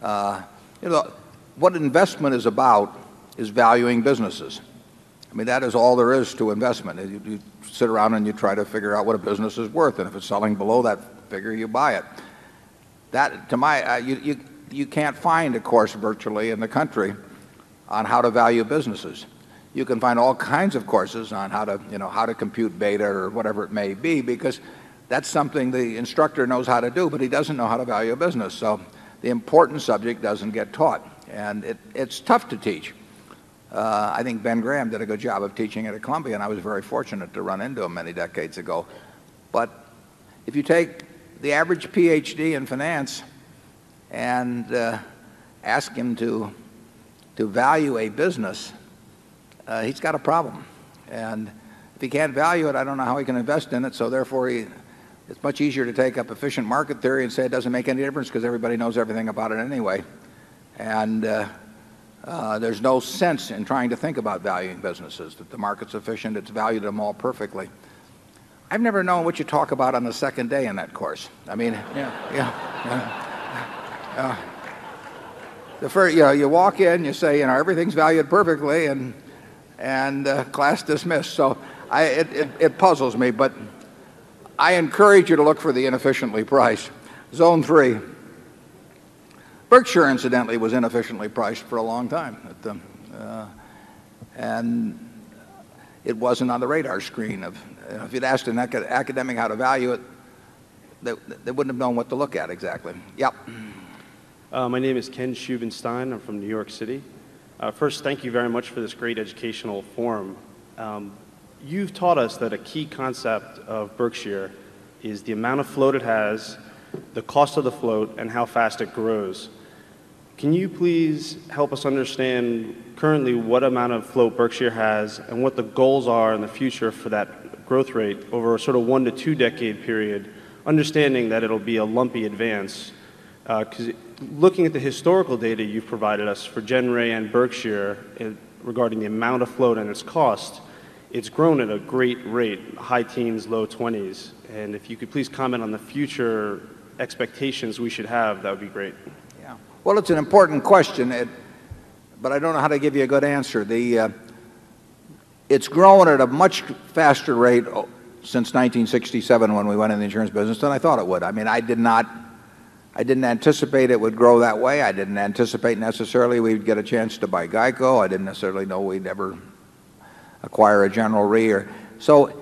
You know, what investment is about is valuing businesses. I mean, that is all there is to investment. You sit around and you try to figure out what a business is worth. And if it's selling below that figure, you buy it. That, to my, you you can't find a course virtually in the country on how to value businesses. You can find all kinds of courses on how to know how to compute beta or whatever it may be. Because that's something the instructor knows how to do, but he doesn't know how to value a business. So the important subject doesn't get taught. And it's tough to teach. I think Ben Graham did a good job of teaching it at Columbia and I was very fortunate to run into him many decades ago. But if you take the average PhD in finance and ask him to value a business, he's got a problem. And if he can't value it, I don't know how he can invest in it. So therefore, it's much easier to take up efficient market theory and say it doesn't make any difference because everybody knows everything about it anyway. And there's no sense in trying to think about valuing businesses. That the market's efficient. It's valued them all perfectly. I've never known what you talk about on the 2nd day in that course. I mean, yeah. The first, you know, you walk in, you say, you know, everything's valued perfectly. And And class dismissed. So it puzzles me. But I encourage you to look for the inefficiently priced. Zone 3. Berkshire, incidentally, was inefficiently priced for a long time. And it wasn't on the radar screen. If you'd asked an academic how to value it, they wouldn't have known what to look at exactly. Yeah. My name is Ken Schuvenstein. I'm from New York City. First, thank you very much for this great educational forum. You've taught us that a key concept of Berkshire is the amount of float it has, the cost of the float and how fast it grows. Can you please help us understand currently what amount of flow Berkshire has and what the goals are in the future for that growth rate over a sort of 1 to 2 decade period, understanding that it'll be a lumpy advance. Because looking at the historical data you provided us for Genray and Berkshire regarding the amount of float and its cost, it's grown at a great rate, high teens, low 20s. And if you could please comment on the future expectations we should have, that would be great. Yeah. Well, it's an important question, but I don't know how to give you a good answer. The It's growing at a much faster rate since 1967 when we went into the insurance business than I thought it would. I mean, I did not I didn't anticipate it would grow that way. I didn't anticipate necessarily we'd get a chance to buy GEICO. I didn't necessarily know we'd ever acquire a General Re. So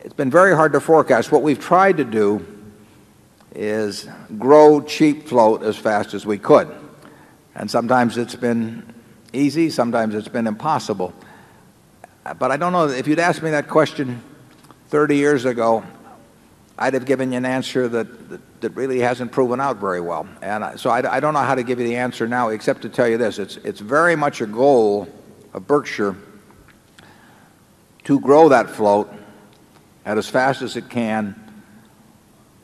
it's been very hard to forecast. What we've tried to do is grow cheap float as fast as we could. And sometimes it's been easy. Sometimes it's been impossible. But I don't know if you'd asked me that question 30 years ago, I'd have given you an answer that really hasn't proven out very well. And so I don't know how to give you the answer now except to tell you this: It's very much a goal of Berkshire to grow that float as fast as it can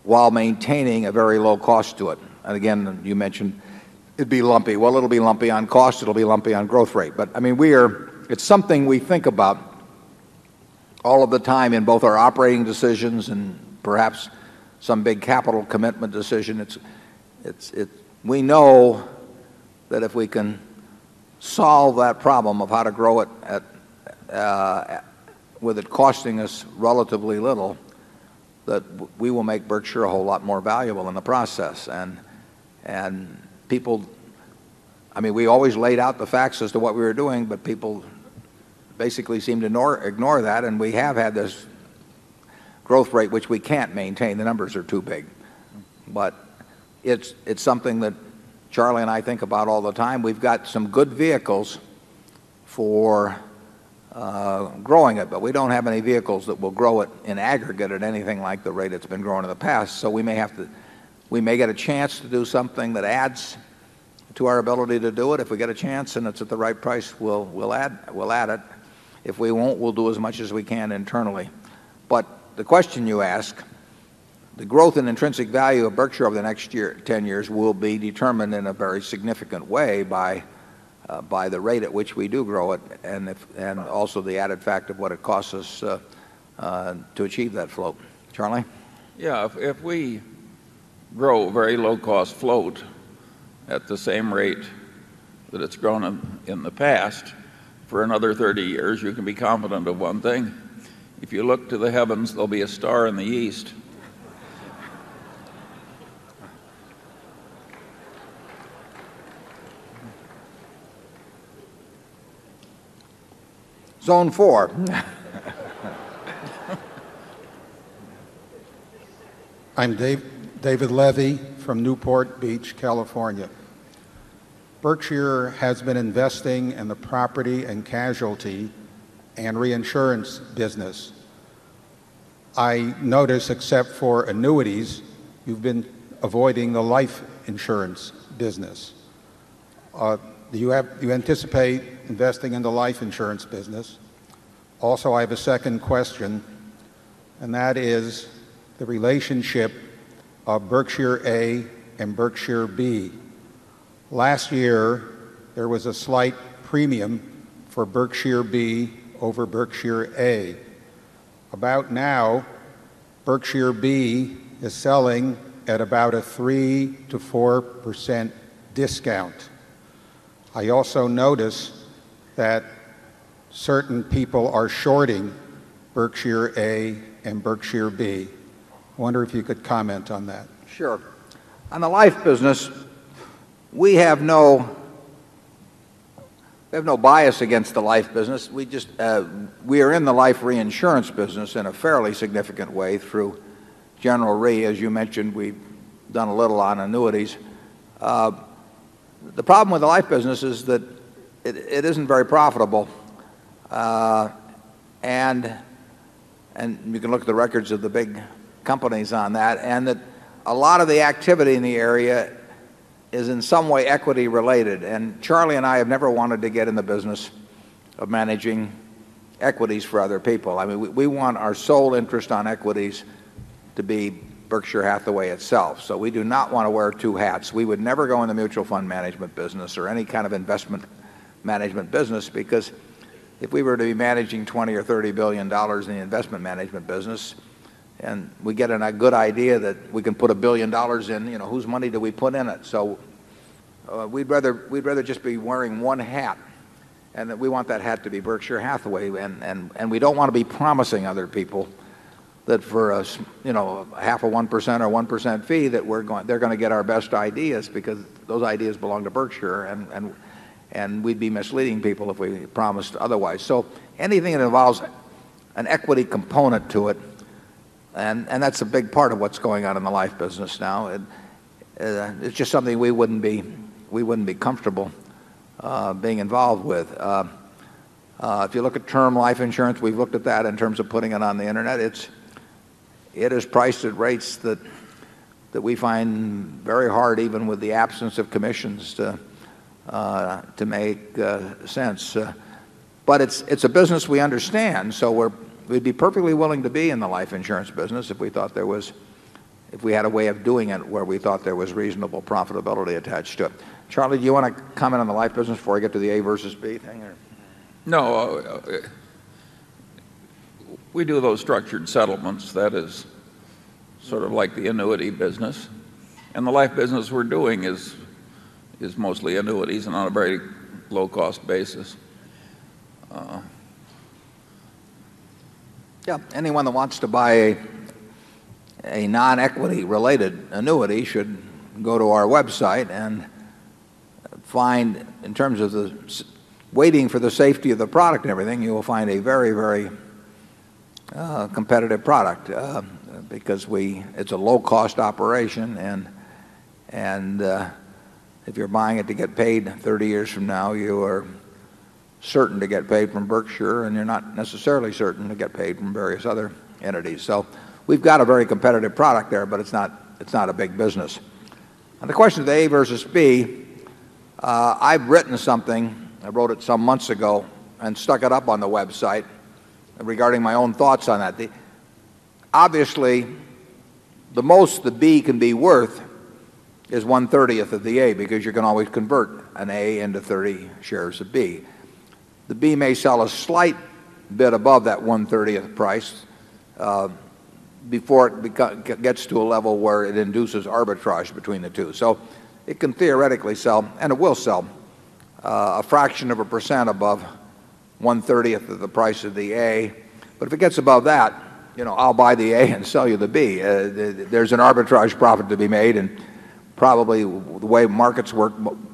while maintaining a very low cost to it. And again, you mentioned it'd be lumpy. Well, it'll be lumpy on cost, it'll be lumpy on growth rate. But I mean, we are it's something we think about all of the time in both our operating decisions and perhaps some big capital commitment decision. We know that if we can solve that problem of how to grow it with it costing us relatively little, that we will make Berkshire a whole lot more valuable in the process. And people I mean, we always laid out the facts as to what we were doing, but people basically seemed to ignore that. And we have had this growth rate which we can't maintain. The numbers are too big. But it's something that Charlie and I think about all the time. We've got some good vehicles for growing it. But we don't have any vehicles that will grow it in aggregate at anything like the rate it's been growing in the past. So we may have to we may get a chance to do something that adds to our ability to do it. If we get a chance and it's at the right price, we'll add it. If we won't, we'll do as much as we can internally. But the question you ask, the growth and intrinsic value of Berkshire over the next 10 years will be determined in a very significant way by the rate at which we do grow it. And also the added fact of what it costs us to achieve that float. Charlie? Yes. If we grow very low cost float at the same rate that it's grown in the past for another 30 years, you can be confident of one thing. If you look to the heavens, there'll be a star in the east. Zone 4. I'm Dave David Levy from Newport Beach, California. Berkshire has been investing in the property and casualty and reinsurance business. I notice, except for annuities, you've been avoiding the life insurance business. Do you anticipate investing in the life insurance business? Also, I have a second question, and that is the relationship of Berkshire A and Berkshire B. Last year, there was a slight premium for Berkshire b over Berkshire a. About now, Berkshire b is selling at about a 3 to 4% discount. I also notice that certain people are shorting Berkshire a and Berkshire b. Wonder if you could comment on that. Sure. On the life business, we have no we have no bias against the life business. We just, we are in the life reinsurance business in a fairly significant way through General Re. As you mentioned, we've done a little on annuities. The problem with the life business is that it isn't very profitable. And you can look at the records of the big companies on that. And that a lot of the activity in the area is in some way equity related. And Charlie and I have never wanted to get in the business of managing equities for other people. I mean, we want our sole interest on equities to be Berkshire Hathaway itself. So we do not want to wear 2 hats. We would never go in the mutual fund management business or any kind of investment management business because if we were to be managing $20,000,000,000 or $30,000,000,000 in the investment management business, and we get a good idea that we can put $1,000,000,000 in, you know, whose money do we put in it. So we'd rather just be wearing one hat. And that we want that hat to be Berkshire Hathaway. And we don't want to be promising other people that for us, you know, half of 1 percent or 1 percent fee that we're going they're going to get our best ideas because those ideas belong to Berkshire. And we'd be misleading people if we promised otherwise. So anything that involves an equity component to it, And that's a big part of what's going on in the life business now. It's just something we wouldn't be comfortable being involved with. If you look at term life insurance, we've looked at that in terms of putting it on the internet. It is priced at rates that we find very hard, even with the absence of commissions, to make sense. But it's a business we understand. So we'd be perfectly willing to be in the life insurance business if we thought there was if we had a way of doing it where we thought there was reasonable profitability attached to it. Charlie, do you want to comment on the life business before I get to the a versus b thing? No. We do those structured settlements that is sort of like the annuity business. And the life business we're doing is mostly annuities and on a very low cost basis. Yeah, anyone that wants to buy a non equity related annuity should go to our website and find in terms of waiting for the safety of the product and everything, you will find a very, very competitive product. It's a low cost operation. And if you're buying it to get paid 30 years from now, you're certain to get paid from Berkshire and you're not necessarily certain to get paid from various other entities. So we've got a very competitive product there, but it's not a big business. And the question of A versus B, I've written something. I wrote it some months ago and stuck it up on the website regarding my own thoughts on that. Obviously, the most the B can be worth is 1 30th of the A because you can always convert an A into 30 shares of B. The B may sell a slight bit above that 1 30th price, before it gets to a level where it induces arbitrage between the 2. So it can theoretically sell and it will sell, a fraction of a percent above 1 30th of the price of the A. If it gets above that, I'll buy the A and sell you the B. There is an arbitrage profit to be made. And probably the way markets work,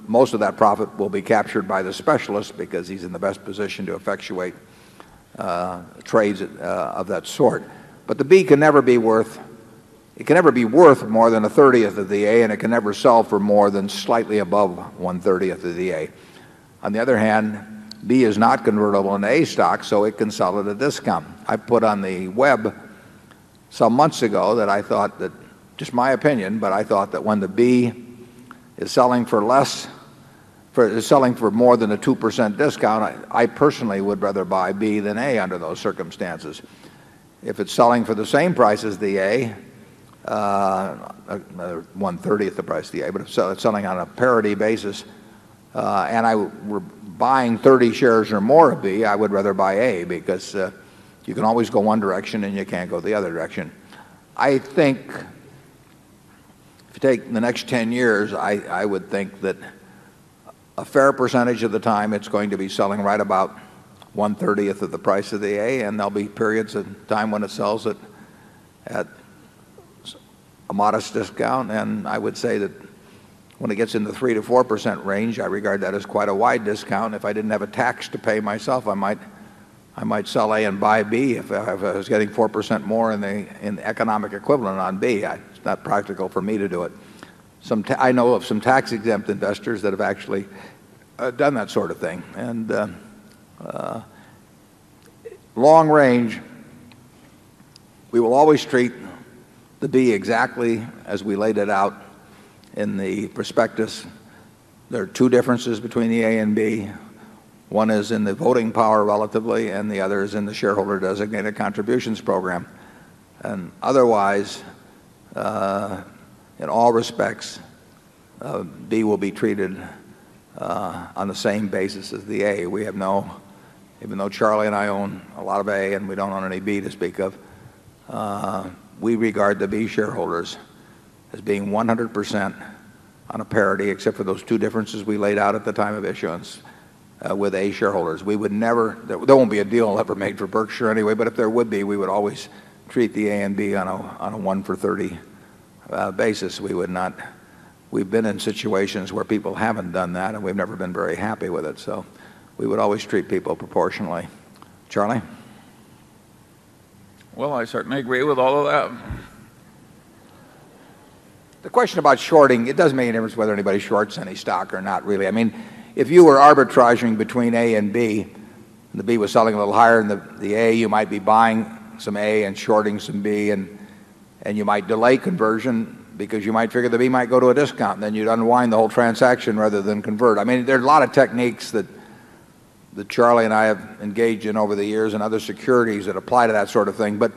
most of that profit will be captured by the specialists because he's in the best position to effectuate trades of that sort. But the B can never be worth it can never be worth more than a 30th of the A. And it can never sell for more than slightly above 1 30th of the A. On the other hand, B is not convertible into A stock, so it can sell at a discount. I put on the web some months ago that I thought that just my opinion but I thought that when the B is selling for less, is selling for more than a 2% discount, I personally would rather buy B than A under those circumstances. If it's selling for the same price as the A, 1 30th the price of the A, but if it's selling on a parity basis, and I were buying 30 shares or more of B, I would rather buy A because you can always go one direction and you can't go the other direction. I think if you take the next 10 years, I would think that a fair percentage of the time it's going to be selling right about onethirtyth of the price of the A. And there'll be periods of time when it sells at a modest discount. And I would say that when it gets in the 3% to 4% range, I regard that as quite a wide discount. If I didn't have a tax to pay myself, I might sell A and buy B if I was getting 4% more in economic equivalent on B. It's not practical for me to do it. I know of some tax exempt investors that have actually done that sort of thing. And long range, we will always treat the B exactly as we laid it out in the prospectus. There are two differences between the A and B. One is in the voting power, relatively, and the other is in the shareholder designated contributions program. And otherwise, in all respects, will be treated on the same basis as the We have no even though Charlie and I own a lot of A and we don't own any B to speak of, we regard the B shareholders as being 100% on a parity, except for those two differences we laid out at the time of issuance with A shareholders. We would never there won't be a deal I'll ever make for Berkshire anyway, but if there would be, we would always treat the A and B on a 1 for 30 basis. We would not we've been in situations where people haven't done that and we've never been very happy with it. So we would always treat people proportionally. Charlie? Well, I certainly agree with all of that. The question about shorting, it doesn't make a difference whether anybody shorts any stock or not really. I mean, if you were arbitraging between A and B, the B was selling a little higher than the A, you might be buying some A and shorting some B. And you might delay conversion because you might figure that B might go to a discount. And then you'd unwind the whole transaction rather than convert. I mean, there are a lot of techniques that Charlie and I have engaged in over the years and other securities that apply to that sort of thing. But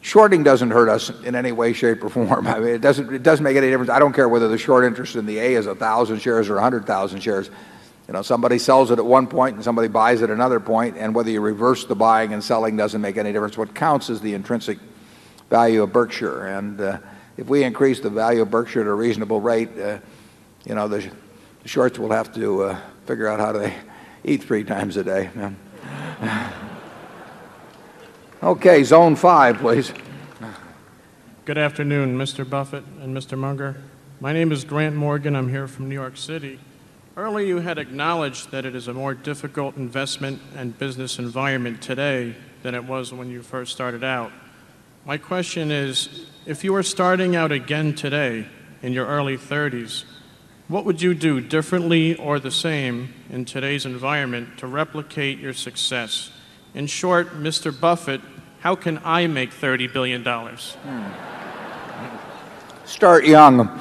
shorting doesn't hurt us in any way, shape, or form. It doesn't make any difference. I don't care whether the short interest in the A is 1,000 shares or 100,000 shares. Somebody sells it at one point and somebody buys at another point. And whether you reverse the buying and selling doesn't make any difference. What counts is the intrinsic value of Berkshire. And if we increase the value of Berkshire at a reasonable rate, you know, the shorts will have to figure out how they eat 3 times a day. Okay. Zone 5, please. Good afternoon, mister Buffet and mister Munger. My name is Grant Morgan. I'm here from New York City. Earlier, you had acknowledged that it is a more difficult investment and business environment today than it was when you first started out. My question is, if you were starting out again today in your early 30s, what would you do differently or the same in today's environment to replicate your success? In short, Mr. Buffet, how can I make $30,000,000,000 Start young?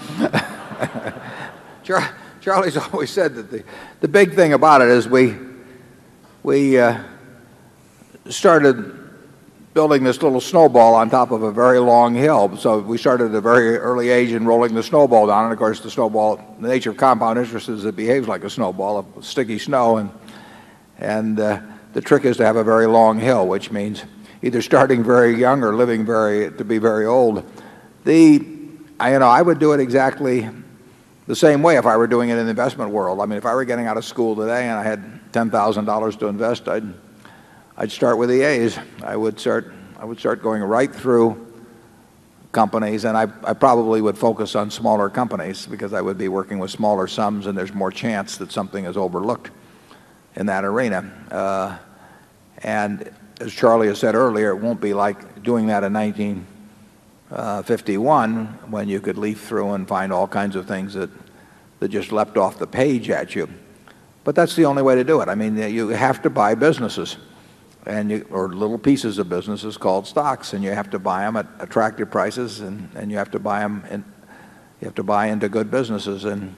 Charlie's always said that the big thing about it is we started building this little snowball on top of a very long hill. So we started at a very early age in rolling the snowball down. And of course, the snowball the nature of compound interest is it behaves like a snowball, sticky snow. And and, the trick is to have a very long hill, which means either starting very young or living very to be very old. The, you know, I would do it exactly the same way if I were doing it in the investment world. I mean, if I were getting out of school today and I had $10,000 to invest, I'd start with EAs. I would start going right through companies. And I probably would focus on smaller companies because I would be working with smaller sums and there's more chance that something is overlooked in that arena. And as Charlie has said earlier, it won't be like doing that in 19 51 when you could leaf through and find all kinds of things that just leapt off the page at you. But that's the only way to do it. I mean, you have to buy businesses or little pieces of businesses called stocks. And you have to buy them at attractive prices and you have to buy them you have to buy into good businesses. And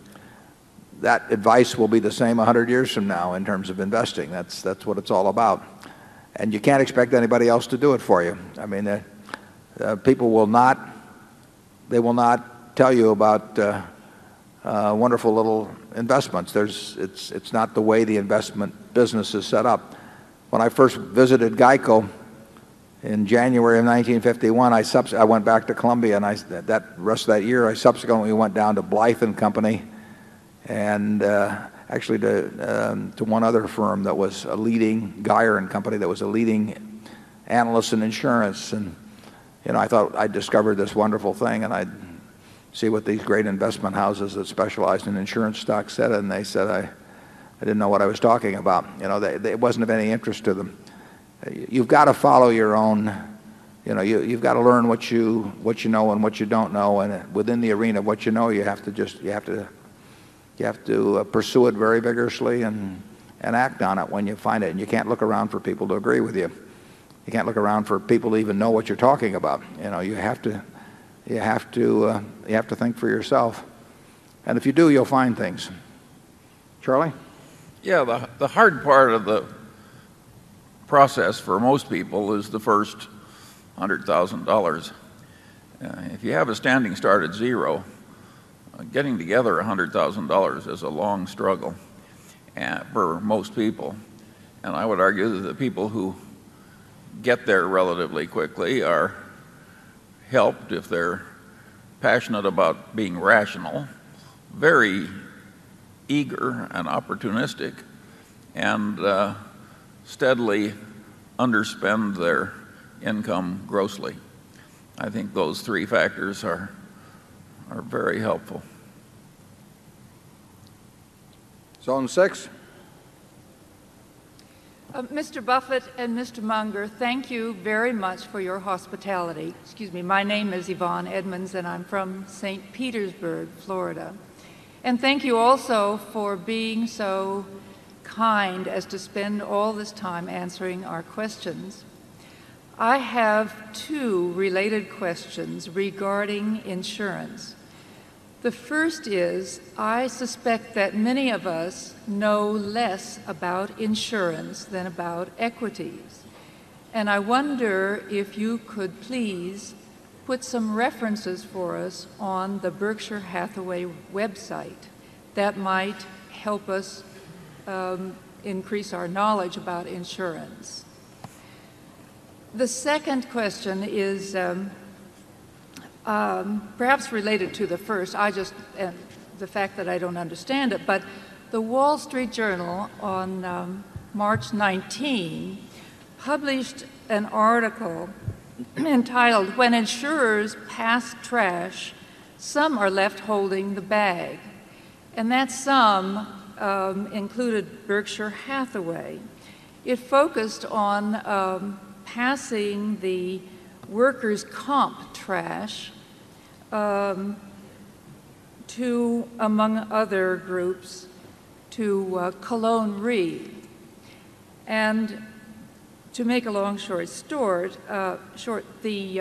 that advice will be the same 100 years from now in terms of investing. That's what it's all about. And you can't expect anybody else to do it for you. I mean, people will not tell you about wonderful little investments. It's not the way the investment business is set up. When I first visited GEICO in January of 1951, I went back to Columbia. And the rest of that year I subsequently went down to Blythe and Company And, actually to one other firm that was a leading Guyer and Company that was a leading analyst in insurance. And, you know, I thought I'd discovered this wonderful thing and I'd see what these great investment houses that specialize in insurance stocks said. And they said I didn't know what I was talking about. You know, it wasn't of any interest to them. You've got to follow your own, you know, you've got to learn what you know and what you don't know. And within the arena, what you know you have to just you have to you have to pursue it very vigorously and and act on it when you find it. And you can't look around for people to agree with you. You can't look around for people to even know what you're talking about. You know, you have to you have to, you have to think for yourself. And if you do, you'll find things. Charlie? Yeah. The hard part of the process for most people is the first $100,000 If you have a standing start at 0, getting together $100,000 is a long struggle for most people. And I would argue that the people who get there relatively quickly are helped if they are passionate about being rational, very eager and opportunistic and steadily underspend their income grossly. I think those three factors are very helpful. Zone 6. Mr. Buffet and Mr. Munger, thank you very much for your hospitality. Excuse me. My name is Yvonne Edmonds and I'm from St. Petersburg, Florida. And thank you also for being so kind as to spend all this time answering our questions. I have 2 related questions regarding insurance. The first is, I suspect that many of us know less about insurance than about equities. And I wonder if you could please put some references for us on the Berkshire Hathaway website that might help us increase our knowledge about insurance. The second question is, perhaps related to the first. I just the fact that I don't understand it, but the Wall Street Journal on March 19 published an article entitled, When insurers pass trash, some are left holding the bag. And that sum, included Berkshire Hathaway. It focused on passing the workers' comp trash to, among other groups, to, Cologne Re. And to make a long story short, short, the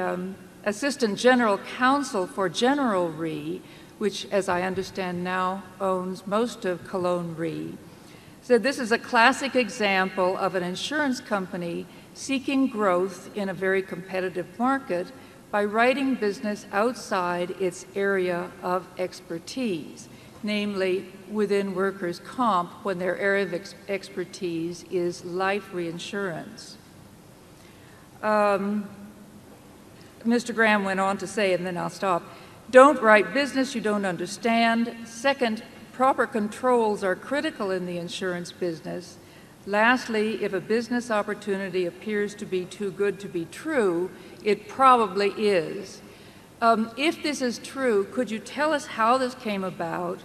assistant general counsel for General Re, which as I understand now owns most of Cologne Re. So this is a classic example of an insurance company seeking growth in a very competitive market by writing business outside its area of expertise, namely within workers' comp when their area of expertise is life reinsurance. Mr. Graham went on to say, and then I'll stop, Don't write business you don't understand. 2nd, proper controls are critical in the insurance business. Lastly, if a business opportunity appears to be too good to be true, it probably is. If this is true, could you tell us how this came about?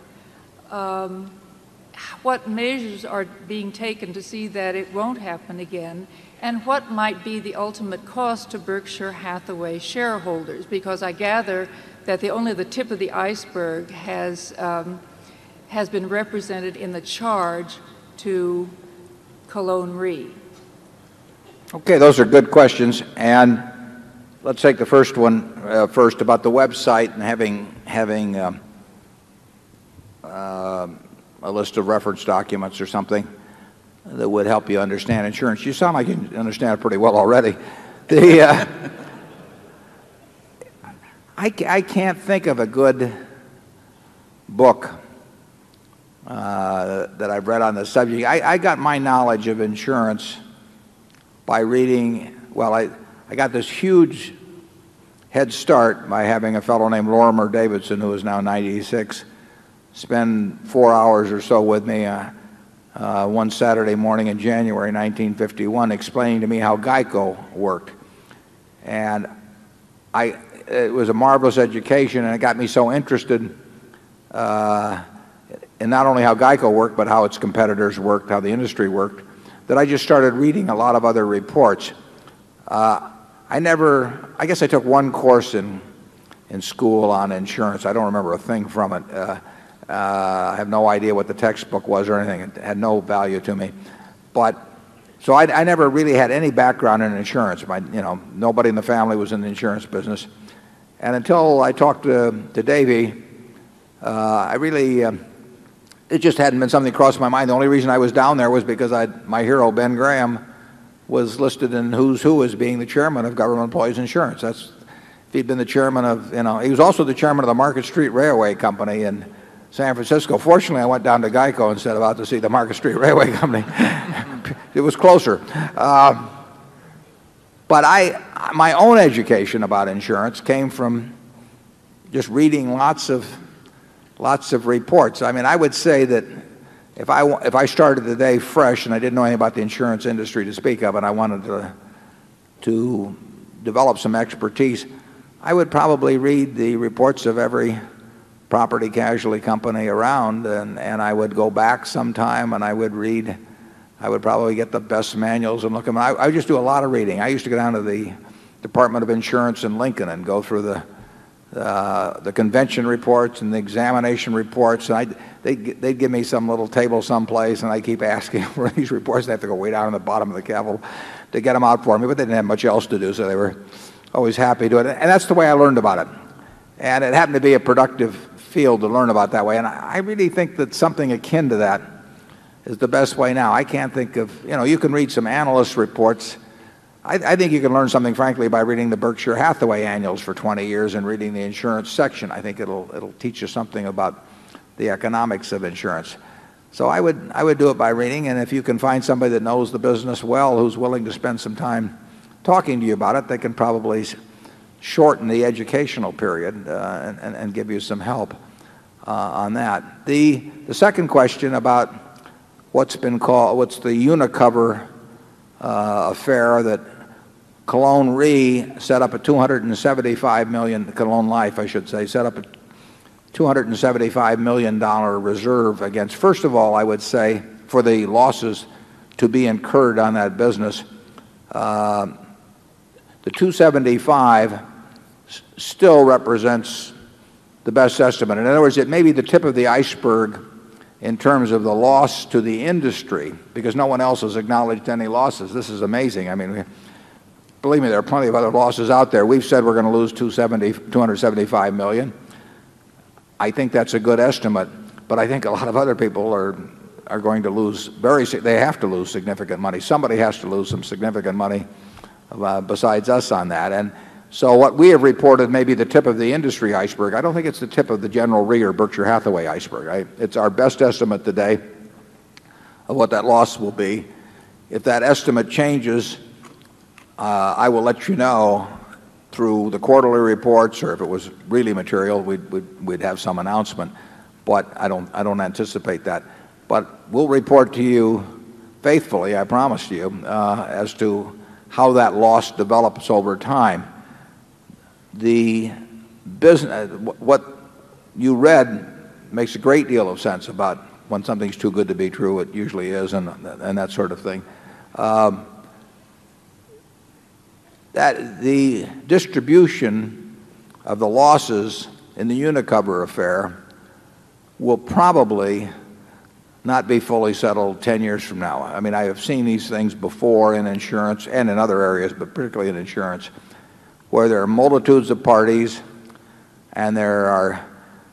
What measures are being taken to see that it won't happen again and what might be the ultimate cost to Berkshire Hathaway shareholders because I gather that only the tip of the iceberg has been represented in the charge to cologne re. Okay. Those are good questions. And let's take the first one first about the website and having having a list of reference documents or something that would help you understand insurance. You sound like you understand it pretty well already. I can't think of a good book that I've read on this subject. I got my knowledge of insurance by reading well, I got this huge head start by having a fellow named Lorimer Davidson, who is now 96, spend 4 hours or so with me one Saturday morning in January, 1951, explaining to me how GEICO worked. And it was a marvelous education and it got me so interested, in not only how GEICO worked, but how its competitors worked, how the industry worked, that I just started reading a lot of other reports. I never I guess I took one course school on insurance. I don't remember a thing from it. I have no idea what the textbook was or anything. It had no value to me. But so I never really had any background in insurance. Nobody in the family was in the insurance business. And until I talked to Davy, I really, it just hadn't been something that crossed my mind. The only reason I was down there was because my hero, Ben Graham, was listed in Who's Who as being the Chairman of Government Employees Insurance. He'd been the Chairman of, you know, he was also the Chairman of the Market Street Railway Company in San Francisco. Fortunately, I went down to GEICO and said about to see the Market Street Railway Company. It was closer. But I my own education about insurance came from just reading lots of lots of reports. I mean, I would say that if I started the day fresh and I didn't know anything about the insurance industry to speak of and I wanted to develop some expertise, I would probably read the reports of every property casualty company around. I would go back sometime and I would read. I would probably get the best manuals and look at them. I would just do a lot of reading. I used to go down to the Department of Insurance in Lincoln and go through the convention reports and the examination reports. And they'd give me some little table someplace. And I keep asking for these reports. I'd have to go way down to the bottom of the table to get them out for me. But they didn't have much else to do, so they were always happy to do it. And that's the way I learned about it. And it happened to be a productive field to learn about that way. And I really think that something akin to that is the best way now. I can't think of you know, you can read some analyst reports. I think you can learn something, frankly, by reading the Berkshire Hathaway annuals for 20 years and reading the insurance section. I think it'll teach you something about the economics of insurance. So I would I would do it by reading. And if you can find somebody that knows the business well, who's willing to spend some time talking to you about it, they can probably shorten the educational period and give you some help on that. The second question about what's been called what's the unit cover affair that cologne re set up a 275,000,000 cologne life, I should say, set up a $275,000,000 reserve against, first of all, I would say, for the losses to be incurred on that business, the 275 still represents the best estimate. In other words, it may be the tip of the iceberg in terms of the loss to the industry because no one else has acknowledged any losses. This is amazing. I mean, believe me, there are plenty of other losses out there. We've said we're going to lose 275,000,000. I think that's a good estimate. But I think a lot of other people are going to lose very they have to lose significant money. Somebody has to lose some significant money, besides us on that. And so what we have reported may be the tip of the industry iceberg. I don't think it's the tip of the General Ringer Berkshire Hathaway iceberg. It's our best estimate today of what that loss will be. If that estimate changes, I will let you know through the quarterly reports or if it was really material, we'd have some announcement. But I don't anticipate that. But we'll report to you faithfully, I promise you, as to how that loss develops over time. The business what you read makes a great deal of sense about when something's too good to be true it usually is and that sort of thing The distribution of the losses in the unicubber affair will probably not be fully settled 10 years from now. I mean, I have seen these things before in insurance and in other areas, but particularly in insurance, where there are multitudes of parties and there are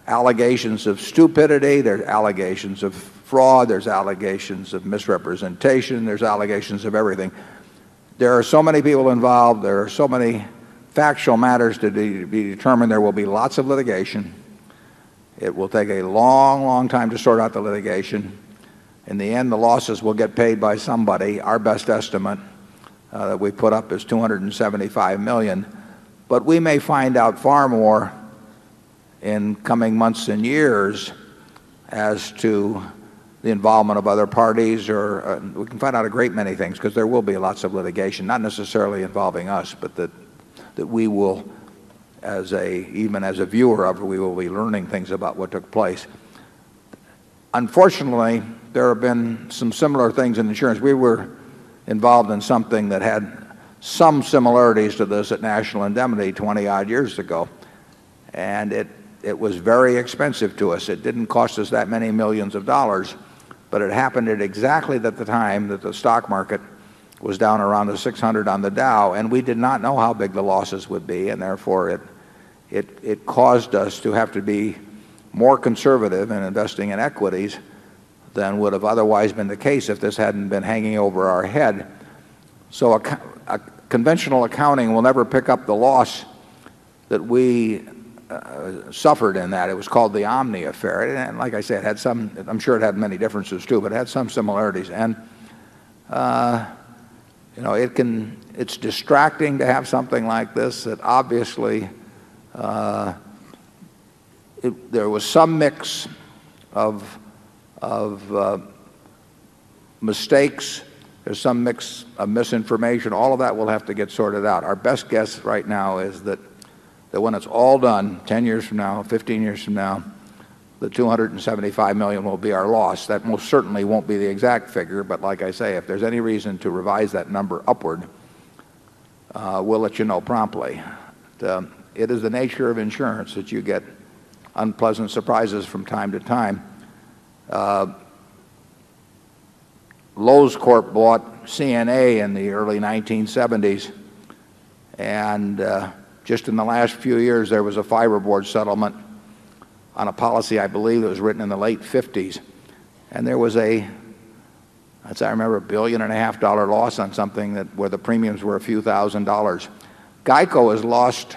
allegations of stupidity. There are allegations of fraud. There are allegations of misrepresentation. There are allegations of everything. There are so many people involved. There are so many factual matters to be determined. There will be lots of litigation. It will take a long, long time to sort out the litigation. In the end, the losses will get paid by somebody. Our best estimate, that we put up is 275,000,000 dollars But we may find out far more in coming months years as to the involvement of other parties. Or we can find out a great many things because there will be lots of litigation. Not necessarily involving us, but that that we will even as a viewer of it, we will be learning things about what took place. Unfortunately, there have been some similar things in insurance. We were involved in something that had some similarities to this at National Indemnity 20 odd years ago. And it it was very expensive to us. It didn't cost us that many 1,000,000 of dollars. But it happened at exactly the time that the stock market was down around the 600 on the Dow. And we did not know how big the losses would be and therefore it caused us to have to be more conservative in investing in equities than would have otherwise been the case if this hadn't been hanging over our head. So conventional accounting will never pick up the loss that we suffered in that. It was called the omni affair. And like I said, it had some I'm sure it had many differences too. But it had some similarities. And, you know, it can it's distracting to have something like this that obviously there was some mix of, mistakes. There's some mix of misinformation. All of that will have to get sorted out. Our best guess right now is that when it's all done, 10 years from now, 15 years from now, the 275,000,000 will be our loss. That most certainly won't be the exact figure but like I say, if there's any reason to revise that number upward, we'll let you know promptly. It is the nature of insurance that you get unpleasant surprises from time to time. Lowe's Corp. Bought CNA in the early 1970s. And just in the last few years, there was a fiberboard settlement on a policy I believe that was written in the late fifties. And there was a I'd say I remember a $1,000,000,000 and a half dollar loss on something that the premiums were a few $1,000. GEICO has lost,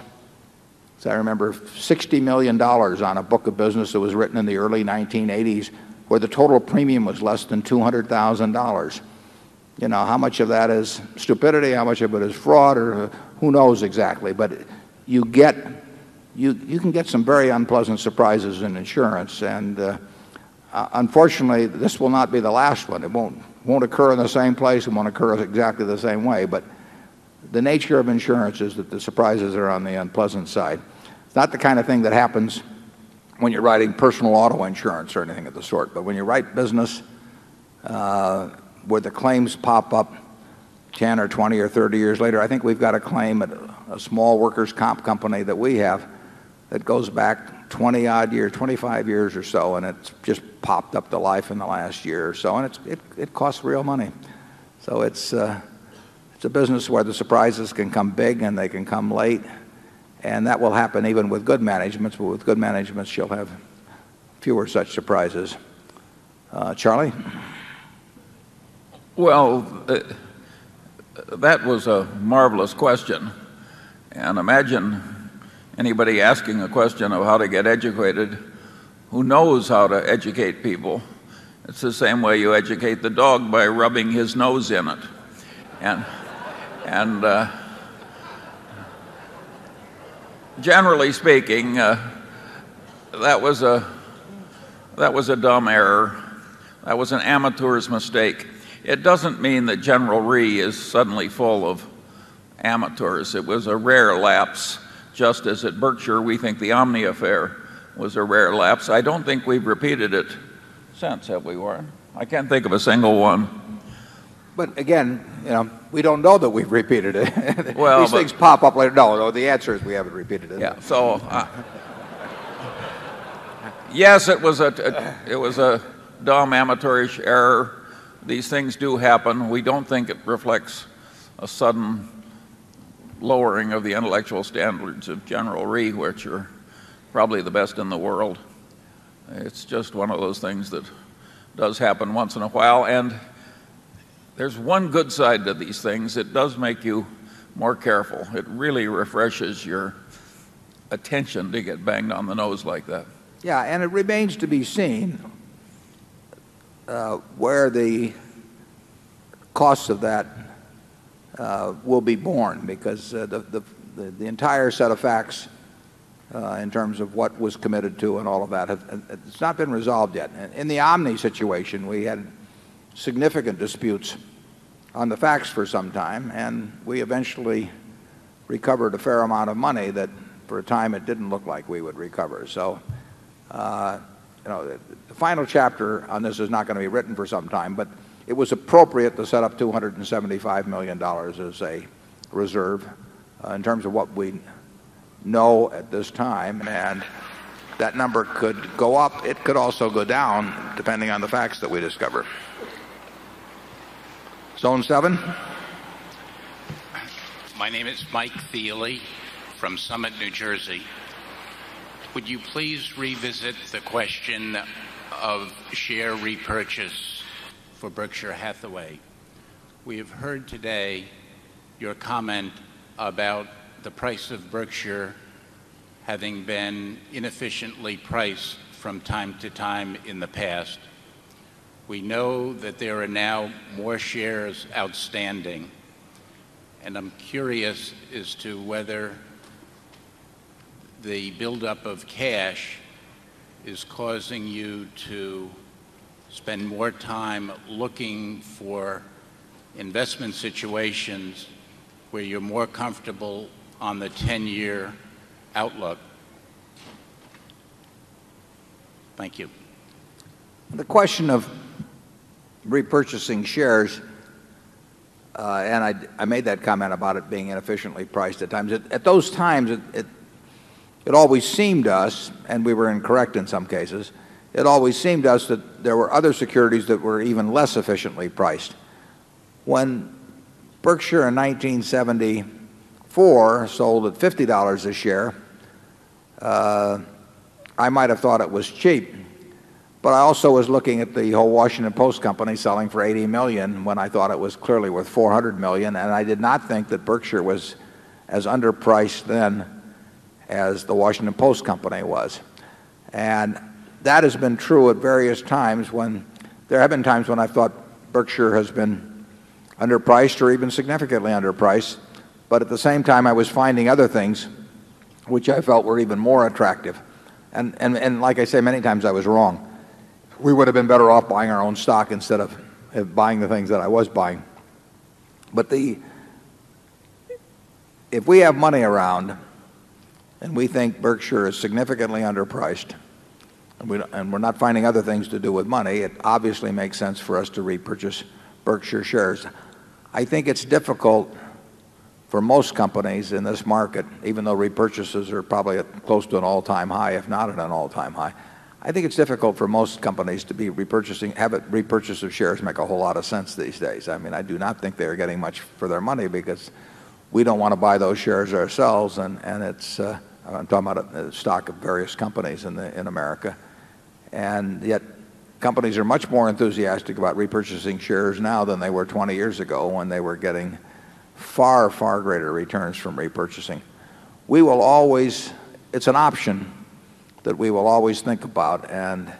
as I remember, dollars 60,000,000 on a book of business that was written in the early 19 eighties, where the total premium was less than $200,000 You know, how much of that is stupidity? How much of it is fraud? Or who knows exactly? But you get you you can get some very unpleasant surprises in insurance. And, unfortunately, this will not be the last one. It won't won't occur in the same place. It won't occur exactly the same way. But the nature of insurance is that the surprises are on the unpleasant side. Not the kind of thing that happens when you're writing personal auto insurance or anything of the sort. But when you write business, where the claims pop up 10 or 20 or 30 years later, I think we've got a claim at a small workers' comp company that we have that goes back 20 odd years, 25 years or so. And it's just popped up to life in the last year or so. And it costs real money. So it's a business where the surprises can come big and they can come late. And that will happen even with good managements. But with good managements, she'll have fewer such surprises. Charlie? Well, that was a marvelous question. And imagine anybody asking a question of how to get educated who knows how to educate people. It's the same way you educate the dog by rubbing his nose in it. And generally speaking, that was a dumb error. That was an amateur's mistake. It doesn't mean that General Re is suddenly full of amateurs. It was a rare lapse, just as at Berkshire, we think the Omni affair was a rare lapse. I don't think we've repeated it since, have we? I can't think of a single one. But again, we don't know that we've repeated it. These things pop up like, no, the answer is we haven't repeated it. Yeah. So yes, it was a dumb amateurish error. These things do happen. We don't think it reflects a sudden lowering of the intellectual standards of General Re, which are probably the best in the world. It's just one of those things that does happen once in a while. And there's one good side to these things. It does make you more careful. It really refreshes your attention to get banged on the nose like that. Yeah. And it remains to be seen where the costs of that, will be borne because the entire set of facts, in terms of what was committed to and all of that, it's not been resolved yet. In the Omni situation, we had significant disputes on the facts for some time. And we eventually recovered a fair amount of money that, for a time, it didn't look like we would recover. So, you know, the final chapter on this is not going to be written for some time. But it was appropriate to set up $275,000,000 as a reserve, in terms of what we know at this time. And that number could go up, it could also go down depending on the facts that we discover. Zone 7. My name is Mike Theely from Summit, New Jersey. Would you please revisit the question of share repurchase for Berkshire Hathaway? We have heard today your comment about the price of Berkshire having been inefficiently priced from time to time in the past. We know that there are now more shares outstanding, And I'm curious as to whether the buildup of cash is causing you to spend more time looking for investment situations where you're more comfortable on the 10 year outlook? Thank you. The question of repurchasing shares, and I made that comment about it being inefficiently priced at those times it always seemed to us and we were incorrect in some cases it always seemed to us that there were other securities that were even less efficiently priced. When Berkshire in 1970 4 sold at $50 a share, I might have thought it was cheap. But I also was looking at the whole Washington Post Company selling for $80,000,000 when I thought it was clearly worth $400,000,000 And I did not think that Berkshire was as underpriced then as the Washington Post company was. And that has been true at various times when there have been times when I thought Berkshire has been underpriced or even significantly underpriced. But at the same time, I was finding other things which I felt were even more attractive. And like I say many times, I was wrong. We would have been better off buying our own stock instead of buying the things that I was buying. But if we have money around and we think Berkshire is significantly underpriced And we're not finding other things to do with money. It obviously makes sense for us to repurchase Berkshire shares. I think it's difficult for most companies in this market, even though repurchases are probably close to an all time high, if not at an all time high, I think it's difficult for most companies to be repurchasing have it repurchase of shares make a whole lot of sense these days. I mean I do not think they're getting much for their money because we don't want to buy those shares ourselves. And it's I'm talking about the stock of various companies in America. And yet companies are much more enthusiastic about repurchasing shares now than they were 20 years ago when they were getting far, far greater returns from repurchasing. We will always it's an option that we will always think about. And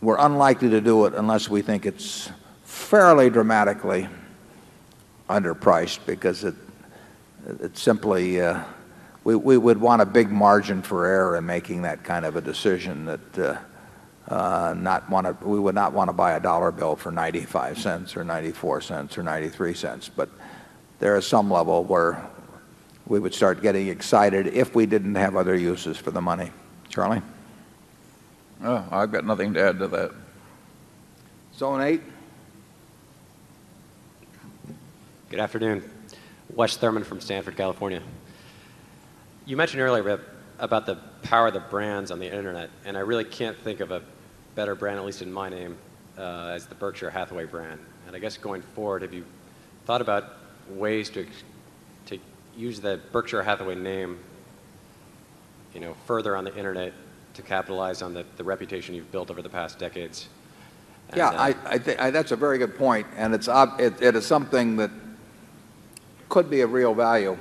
we're unlikely to do it unless we think it's fairly dramatically underpriced. Because it simply, we would want a big margin for error in making that kind of a decision that we would not want to buy a dollar bill for $0.95 or $0.94 or $0.93 But there is some level where we would start getting excited if we didn't have other uses for the money. Charlie? I've got nothing to add to that. Wes Thurman from Stanford, California. You mentioned earlier about the power of the brands on the Internet and I really can't think of a better brand, at least in my name, as the Berkshire Hathaway brand. And I guess going forward, have you thought about ways to use that Berkshire Hathaway name further on the Internet to capitalize on the reputation you've built over the past decades? Yes. That's a very good point. And it is something that could be of real value.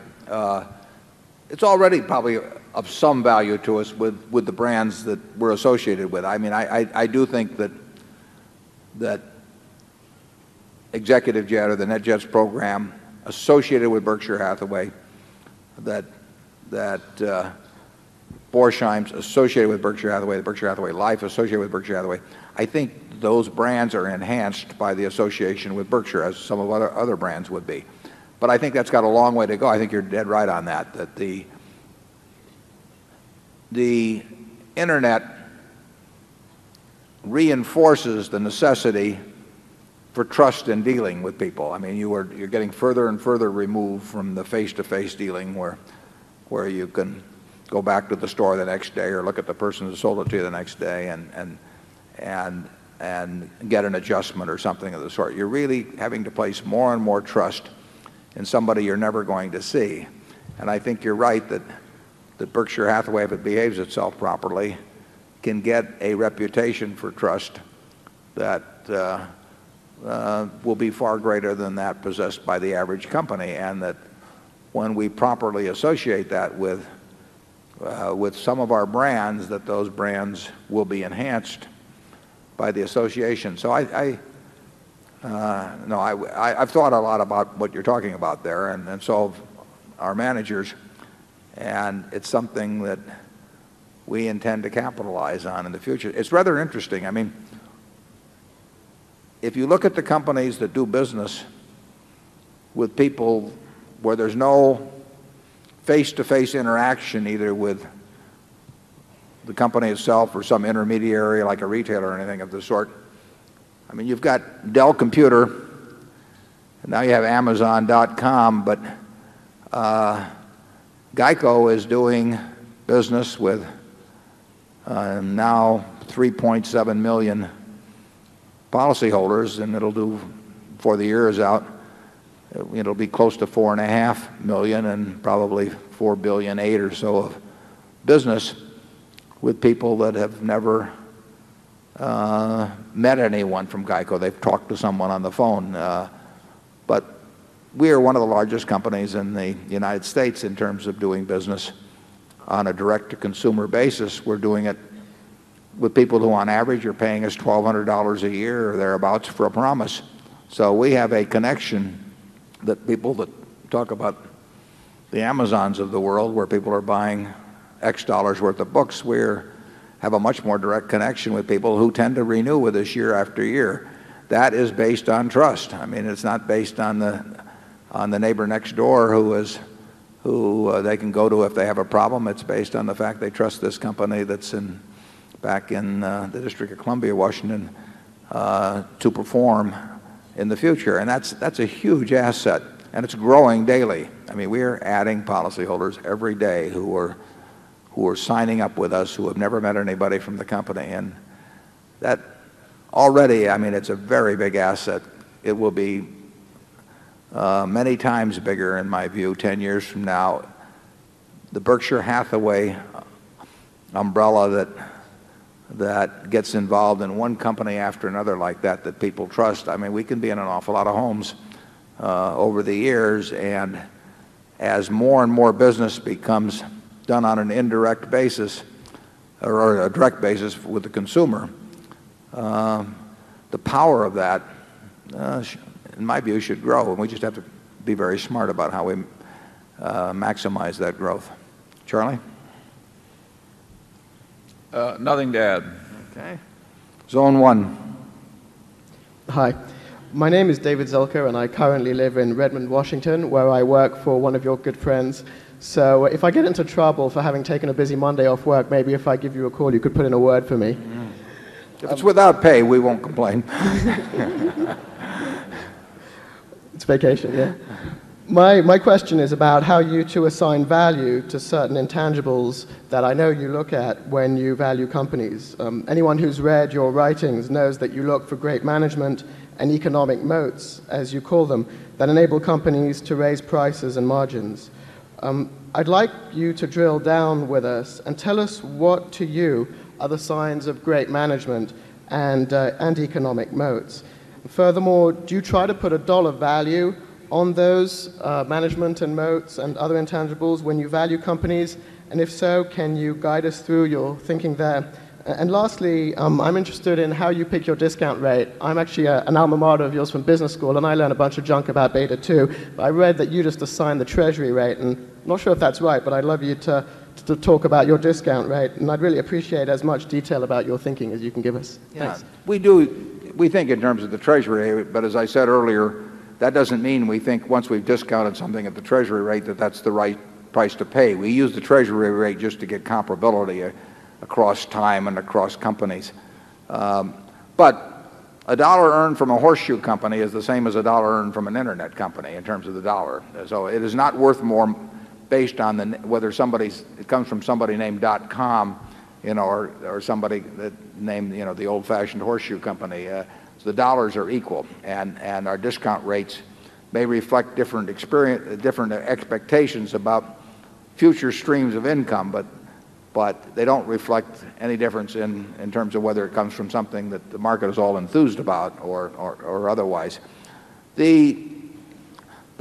It's already probably of some value to us with the brands that we're associated with. I mean, I do think that Executive Jet or the NetJets program associated with Berkshire Hathaway, that Borsheim's associated with Berkshire Hathaway, the Berkshire Hathaway Life associated with Berkshire Hathaway. I think those brands are enhanced by the association with Berkshire as some of other brands would be. But I think that's got a long way to go. I think you're dead right on that. That the Internet reinforces the necessity for trust in dealing with people. I mean, you are getting further and further removed from the face to face dealing where you can go back to the store the next day or look at the person who sold it to you the next day and and and get an adjustment or something of sort. You're really having to place more and more trust in somebody you're never going to see. And I think you're right that that Berkshire Hathaway, if it behaves itself properly, can get a reputation for trust that will be far greater than that possessed by the average company. And that when we properly associate that with some of our brands that those brands will be enhanced by the association. So I I've thought a lot about what you're talking about there and so have our managers. And it's something that we intend to capitalize on in the future. It's rather interesting. I mean, if you look at the companies that do business with people where there is no face to face interaction either with the company itself or some intermediary like a retailer or anything of this sort. I mean, you've got Dell Computer. Now you have Amazon dotcom. But, GEICO is doing business with now 3,700,000 policyholders and it'll do before the year is out. It'll be close to 4 a half 1000000 and probably 4,008,008,000 or so of business with people that have never met anyone from GEICO. They've talked to someone on the phone. But we are one of the largest companies in the in terms of doing business on a direct to consumer basis. We're doing it with people who on average are paying us $1200 a year or thereabouts for a promise. So we have a connection that people that talk about the Amazons of the world where people are buying x dollars worth of books. We have a much more direct connection with people who tend to renew with us year after year. That is based on trust. I mean, it's not based on the on the neighbor next door who they can go to if they have a problem. It's based on the fact they trust this company that's back in the District of Columbia, Washington, to perform in the future. And that's a huge asset. And it's growing daily. I mean, we are adding policyholders every day who are signing up with us, who have never met anybody from the company. And that already, I mean, it's a very big asset. It will be, many times bigger, in my view, 10 years from now. The Berkshire Hathaway umbrella that gets involved in one company after another like that, that people trust. I mean, we can be in an lot of homes, over the years. And as more and more business becomes done on an indirect basis, or on a direct basis with the consumer, the power of that, in my view, should grow. And we just have to be very smart about how we maximize that growth. Charlie? Nothing to add. Okay. Zone 1. Hi. My name is David Zylker, and I currently live in Redmond, Washington, where I work for one of your good friends. So if I get into trouble for having taken a busy Monday off work, maybe if I give you a call, you could put in a word for me. Without pay, we won't complain. It's vacation, yes. My question is about how you two assign value to certain intangibles that I know you look at when you value companies. Anyone who's read your writings knows that you look for great management and economic moats, as you call them, that enable companies to raise prices and margins. I'd like you to drill down with us and tell us what to you are the signs of great management and economic moats. Furthermore, do you try to put a dollar value on those management and moats and other intangibles when you value companies? And if so, can you guide us through your thinking there? And lastly, I'm interested in how you pick your discount rate. I'm actually an alma mater of yours from business school and I learn a bunch of junk about beta 2. I read that you just assigned the treasury rate and not sure if that's right, but I'd love you to talk about your discount rate. And I'd really appreciate as much detail about your thinking as you can give us. We do we think in terms of the Treasury rate. But as I said earlier, that doesn't mean we think once we've discounted something at the Treasury rate, that that's the right price to pay. We use the treasury rate just to get comparability across time and across companies. But a dollar earned from a horseshoe company is the same as a dollar earned from an Internet company in terms of the dollar. So it is not worth more based on whether somebody's it comes from somebody named dotcom, you know, or somebody that named, you know, the old fashioned horseshoe company. The dollars are equal. And our discount rates may reflect different expectations about future streams of income. But they don't reflect any difference in terms of whether it comes from something that the market is all enthused about or otherwise. The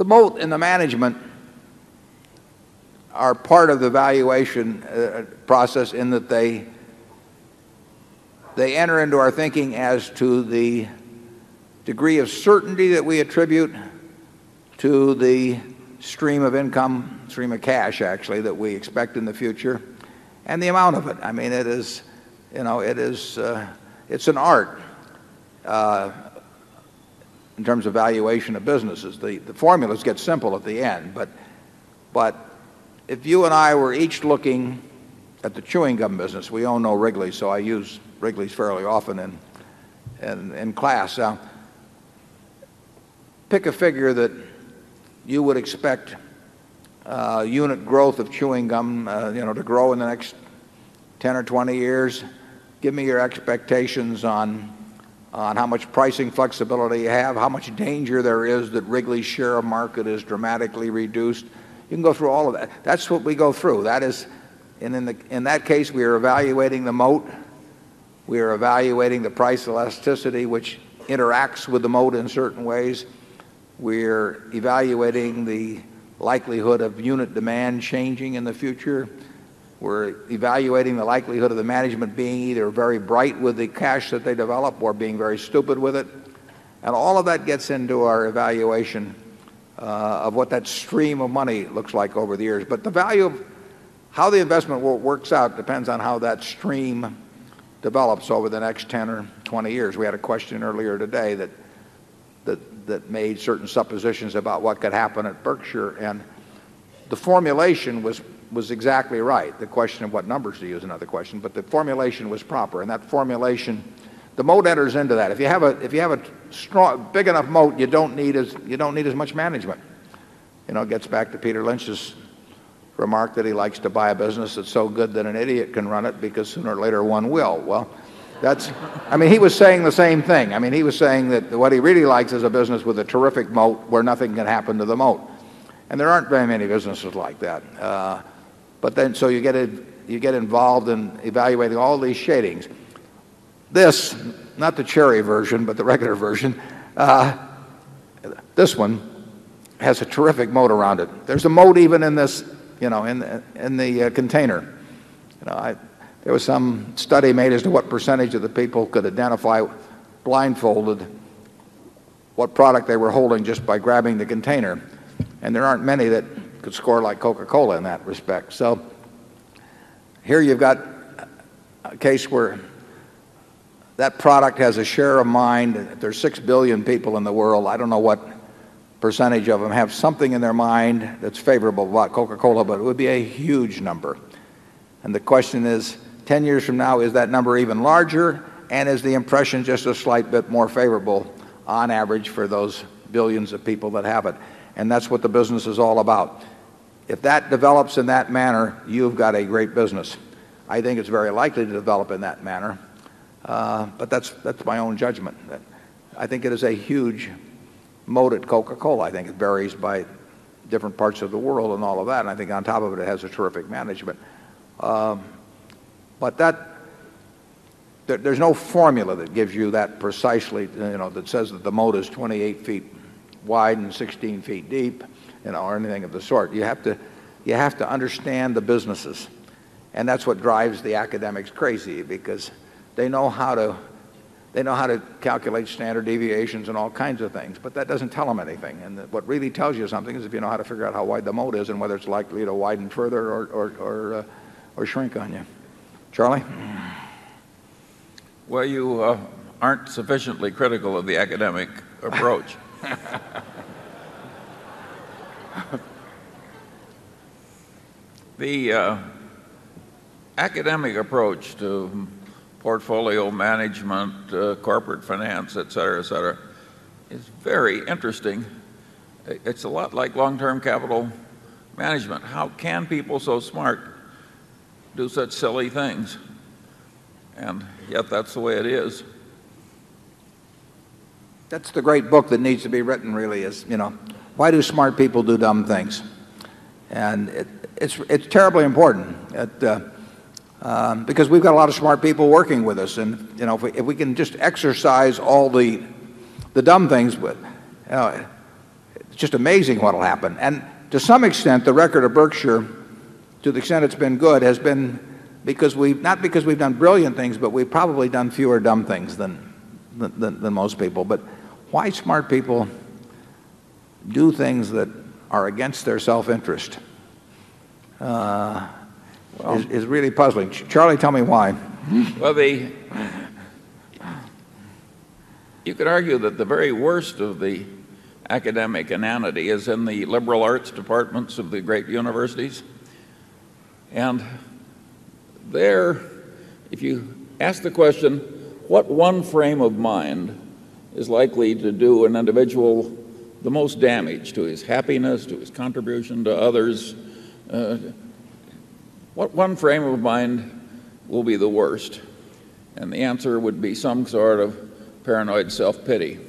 mote and the management are part of the valuation process in that they enter into our thinking as to the degree of certainty that we attribute to the stream of income stream of cash, actually that we expect in the future. And the amount of it. I mean, it is, you know, it's an art in terms of valuation of businesses. The formulas get simple at the end. But if you and I were each looking at the chewing gum business we all know Wrigley's, so I use Wrigley's fairly often in class Pick a figure that you would expect, unit growth of chewing gum, you know, to grow in the next 10 or 20 years. Give me your expectations on how much pricing flexibility you have, how much danger there is that Wrigley's share of market is dramatically reduced. You can go through all of that. That's what we go through. That is and in that case, we are evaluating the moat. We are evaluating the price elasticity, which interacts with the moat in certain ways. We're evaluating the likelihood of unit demand changing in the future. We're evaluating the likelihood of the management being either very bright with the cash that they develop or being very stupid with it. And all of that gets into our evaluation, of what that stream of money looks like over the years. But the value how the investment works out depends on how that stream develops over the next 10 or 20 years. We had a question earlier today that that made certain suppositions about what could happen at Berkshire. And the formulation was was exactly right. The question of what numbers to use is question. But the formulation was proper. And that formulation the moat enters into that. If you have a if you have a strong big enough moat, you don't need as you don't need as much management. You know, it gets back to Peter Lynch's remark that he likes to buy a business that's so good that an idiot can run it because sooner or later one will. Well, that's I mean, he was saying the same thing. I mean, he was saying that what he really likes is a business with a terrific moat where nothing can happen to the moat. And there aren't very many businesses like that. But then so you get involved in evaluating all these shadings. This not the cherry version, but the regular version this one has a terrific moat around it. There's a moat even in this, you know, in the container. There was some study made as to what percentage of the people could identify blindfolded what product they were holding just by grabbing the container. And there aren't many that could score like Coca Cola in that respect. So here you've got a case where that product has a share of mind. There's 6,000,000,000 people in the world. I don't know what percentage of them have something in their mind that's favorable about Coca Cola, but it would be a huge number. And the question is, 10 years from now, is that number even larger? And is the impression just a slight bit more favorable, on average, for those billions of people that have it? And that's what the business is all about. If that develops in that manner, you've got a great business. I think it's very likely to develop in that manner. But that's my own judgment. I think it is a huge mode at Coca Cola. I think it varies by different parts of the world and all of that. And I think on top of it, it has a terrific management. But that there's no formula that gives you that precisely, you know, that says that the moat is 28 feet wide and 16 feet deep, you know, or anything of the sort. You have to you have to understand the businesses. And that's what drives the academics crazy. Because they know how to they know how to calculate standard deviations and all kinds of things. But that doesn't tell them anything. And what really tells you something is if you know how to figure out how wide the mode is and whether it's likely to widen further or or or shrink on you. Charlie? Well, you aren't sufficiently critical of the academic approach. The academic approach to portfolio management, corporate finance, etcetera, etcetera. It's very interesting. It's a lot like long term capital management. How can people so smart do such silly things? And yet that's the way it is. That's the great book that needs to be written, really, is, you know, why do smart people do dumb things? And it's terribly important because we've got a lot of smart people working with us. And if we can just exercise all the dumb things, It's just amazing what will happen. And to some extent, the record of Berkshire, to the extent it's been good, has been because we not because we've done brilliant things, but we've probably done few dumb things than most people. But why smart people do things that are against their self interest is really puzzling. Charlie, tell me why. Well, the you could argue that the very worst of the academic inanity is in the liberal arts departments of the great universities. And there, if you ask the question, what one frame of mind is likely to do an individual the most damage to his happiness, to his contribution to others, What one frame of mind will be the worst? And the answer would be some sort of paranoid self pity.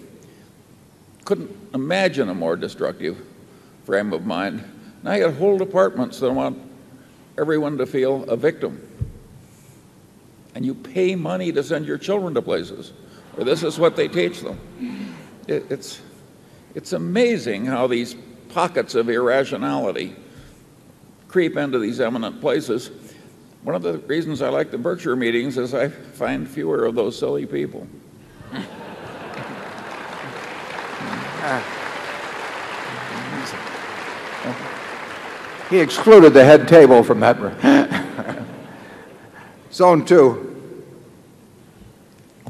I couldn't imagine a more destructive frame of mind. Now you've got whole departments that want everyone to feel a victim. And you pay money to send your children to places, or this is what they teach them. It's it's amazing how these pockets of irrationality creep into these imminent places. One of the reasons I like the Berkshire meetings is I find fewer of those silly people. He excluded the head table from that room. Zone 2.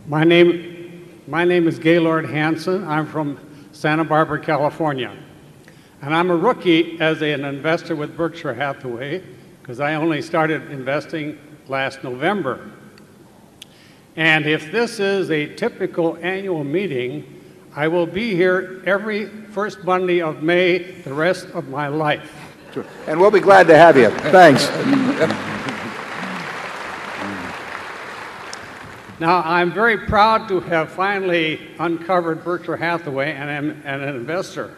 My name my name is Gaylord Hanson. I'm from Santa Barbara, California. And I'm a rookie as an investor with Berkshire Hathaway because I only started investing last november. And if this is a typical annual meeting, I will be here every 1st Monday of May, the rest of my life. And we'll be glad to have you. Thanks. Now, I'm very proud to have finally uncovered Berkshire Hathaway and an an investor.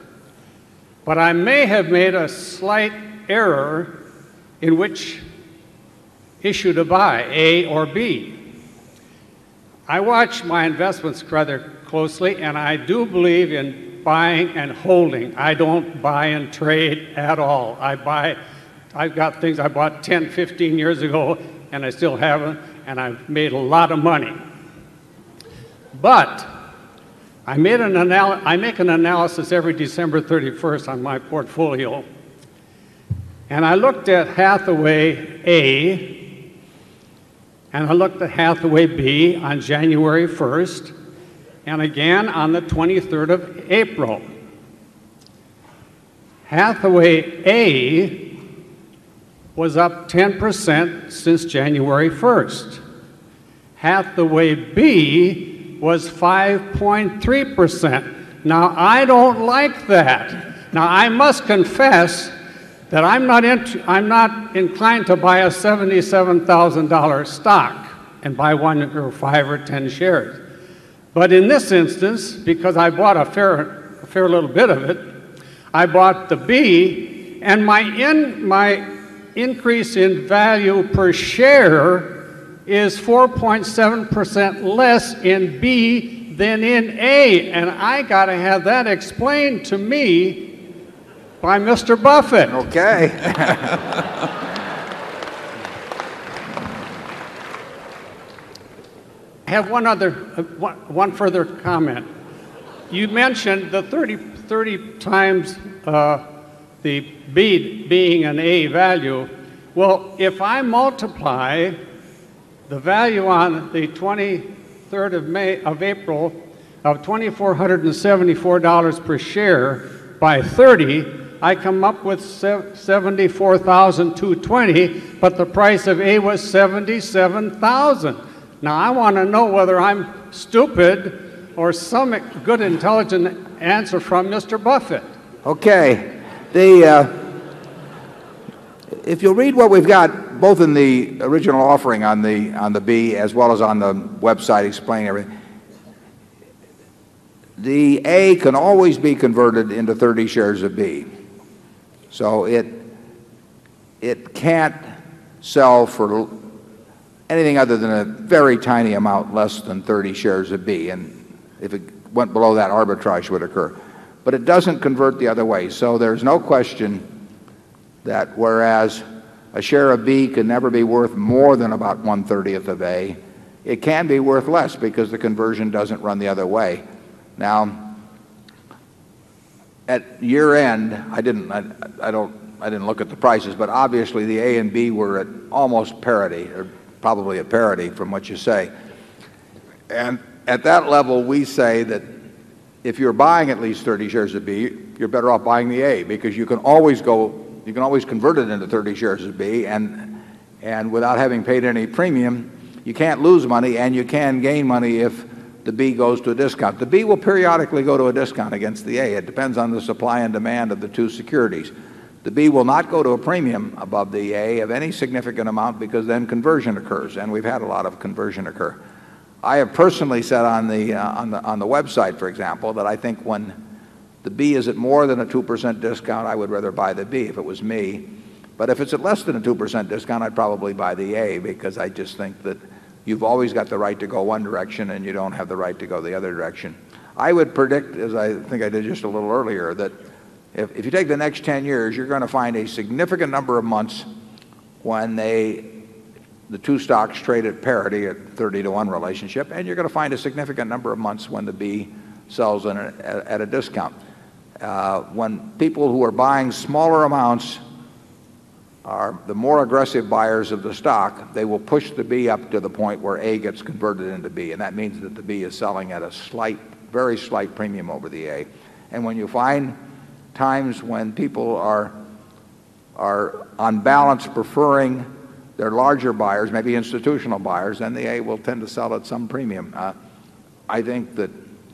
But I may have made a slight error in which issued a buy, a or b. I watch my investments rather closely and I do believe in buying and holding. I don't buy and trade at all. I buy. I've got things I bought 10, 15 years ago, and I still haven't. And I've made a lot of money. But I made an analysis, I make an analysis every December 31st on my portfolio. And I looked at Hathaway A, and I looked at Hathaway B on January 1st, and again on the 23rd April. Hathaway a was up 10% since January 1st. Half the way B was 5.3%. Now I don't like that. Now I must confess that I'm not I'm not inclined to buy a $77,000 stock and buy 1 or 5 or 10 shares. But in this instance, because I bought a fair a fair little bit of it, I bought the B. And my in my increase in value per share is 4.7 percent less in B than in A. And I got to have that explained to me by Mr. Have one other one further comment. You mentioned the 30:30 times the beat being an a value. Well, if I multiply the value on the 20 3rd May of April of $2,474 per share by 30, I come up with $74,220 but the price of A was $77,000 Now I want to know whether I'm stupid or some good, intelligent answer from Mr. Buffett. Okay. The, if you'll read what we've got, both in the original offering on the B as well as on the website explaining everything, The A can always be converted into 30 shares of B. So it can't sell for anything other than a very tiny amount less than 30 shares of B. And if it went below that, arbitrage would occur. But it doesn't convert the other way. So there's no question that whereas a share of B can never be worth more than about 1 30th of A, It can be worth less because the conversion doesn't run the other way. Now, at year end I didn't look at the prices, but obviously the A and B were at almost parity. Probably a parity from what you say. And at that level, we say that if you're buying at least 30 shares of B, you're better off buying the A. Because you can always go can always convert it into 30 shares of B. And without having paid any premium, you can't lose money and you can gain money if the B goes to a discount. The B will periodically go to a discount against the A. It depends on the supply and demand of the 2 securities. The B will not go to a premium above the A of any significant amount because then conversion occurs. And we've had a lot of conversion occur. I have personally said on the website, for example, that I think when the B is at more than a 2% discount, I would rather buy the B if it was me. But if it's at less than a 2% discount, I'd probably buy the A because I just think that you've always got the right to go one direction and you don't have the right to go the other direction. I would predict, as I think I did just a little earlier, that if you take the next 10 years, you're going to find a significant number of months when they the 2 stocks trade at parity, at 30 to 1 relationship. And you're going to find a number of months when the B sells at a discount. When people who are buying smaller amounts are the more aggressive buyers of the stock, they will push the B up to the point where A gets converted into B. And that means that the B is selling at a slight, very slight premium over the A. And when you find times when people are, on balance, preferring their larger buyers, maybe institutional buyers, and they will tend to sell at some premium. I think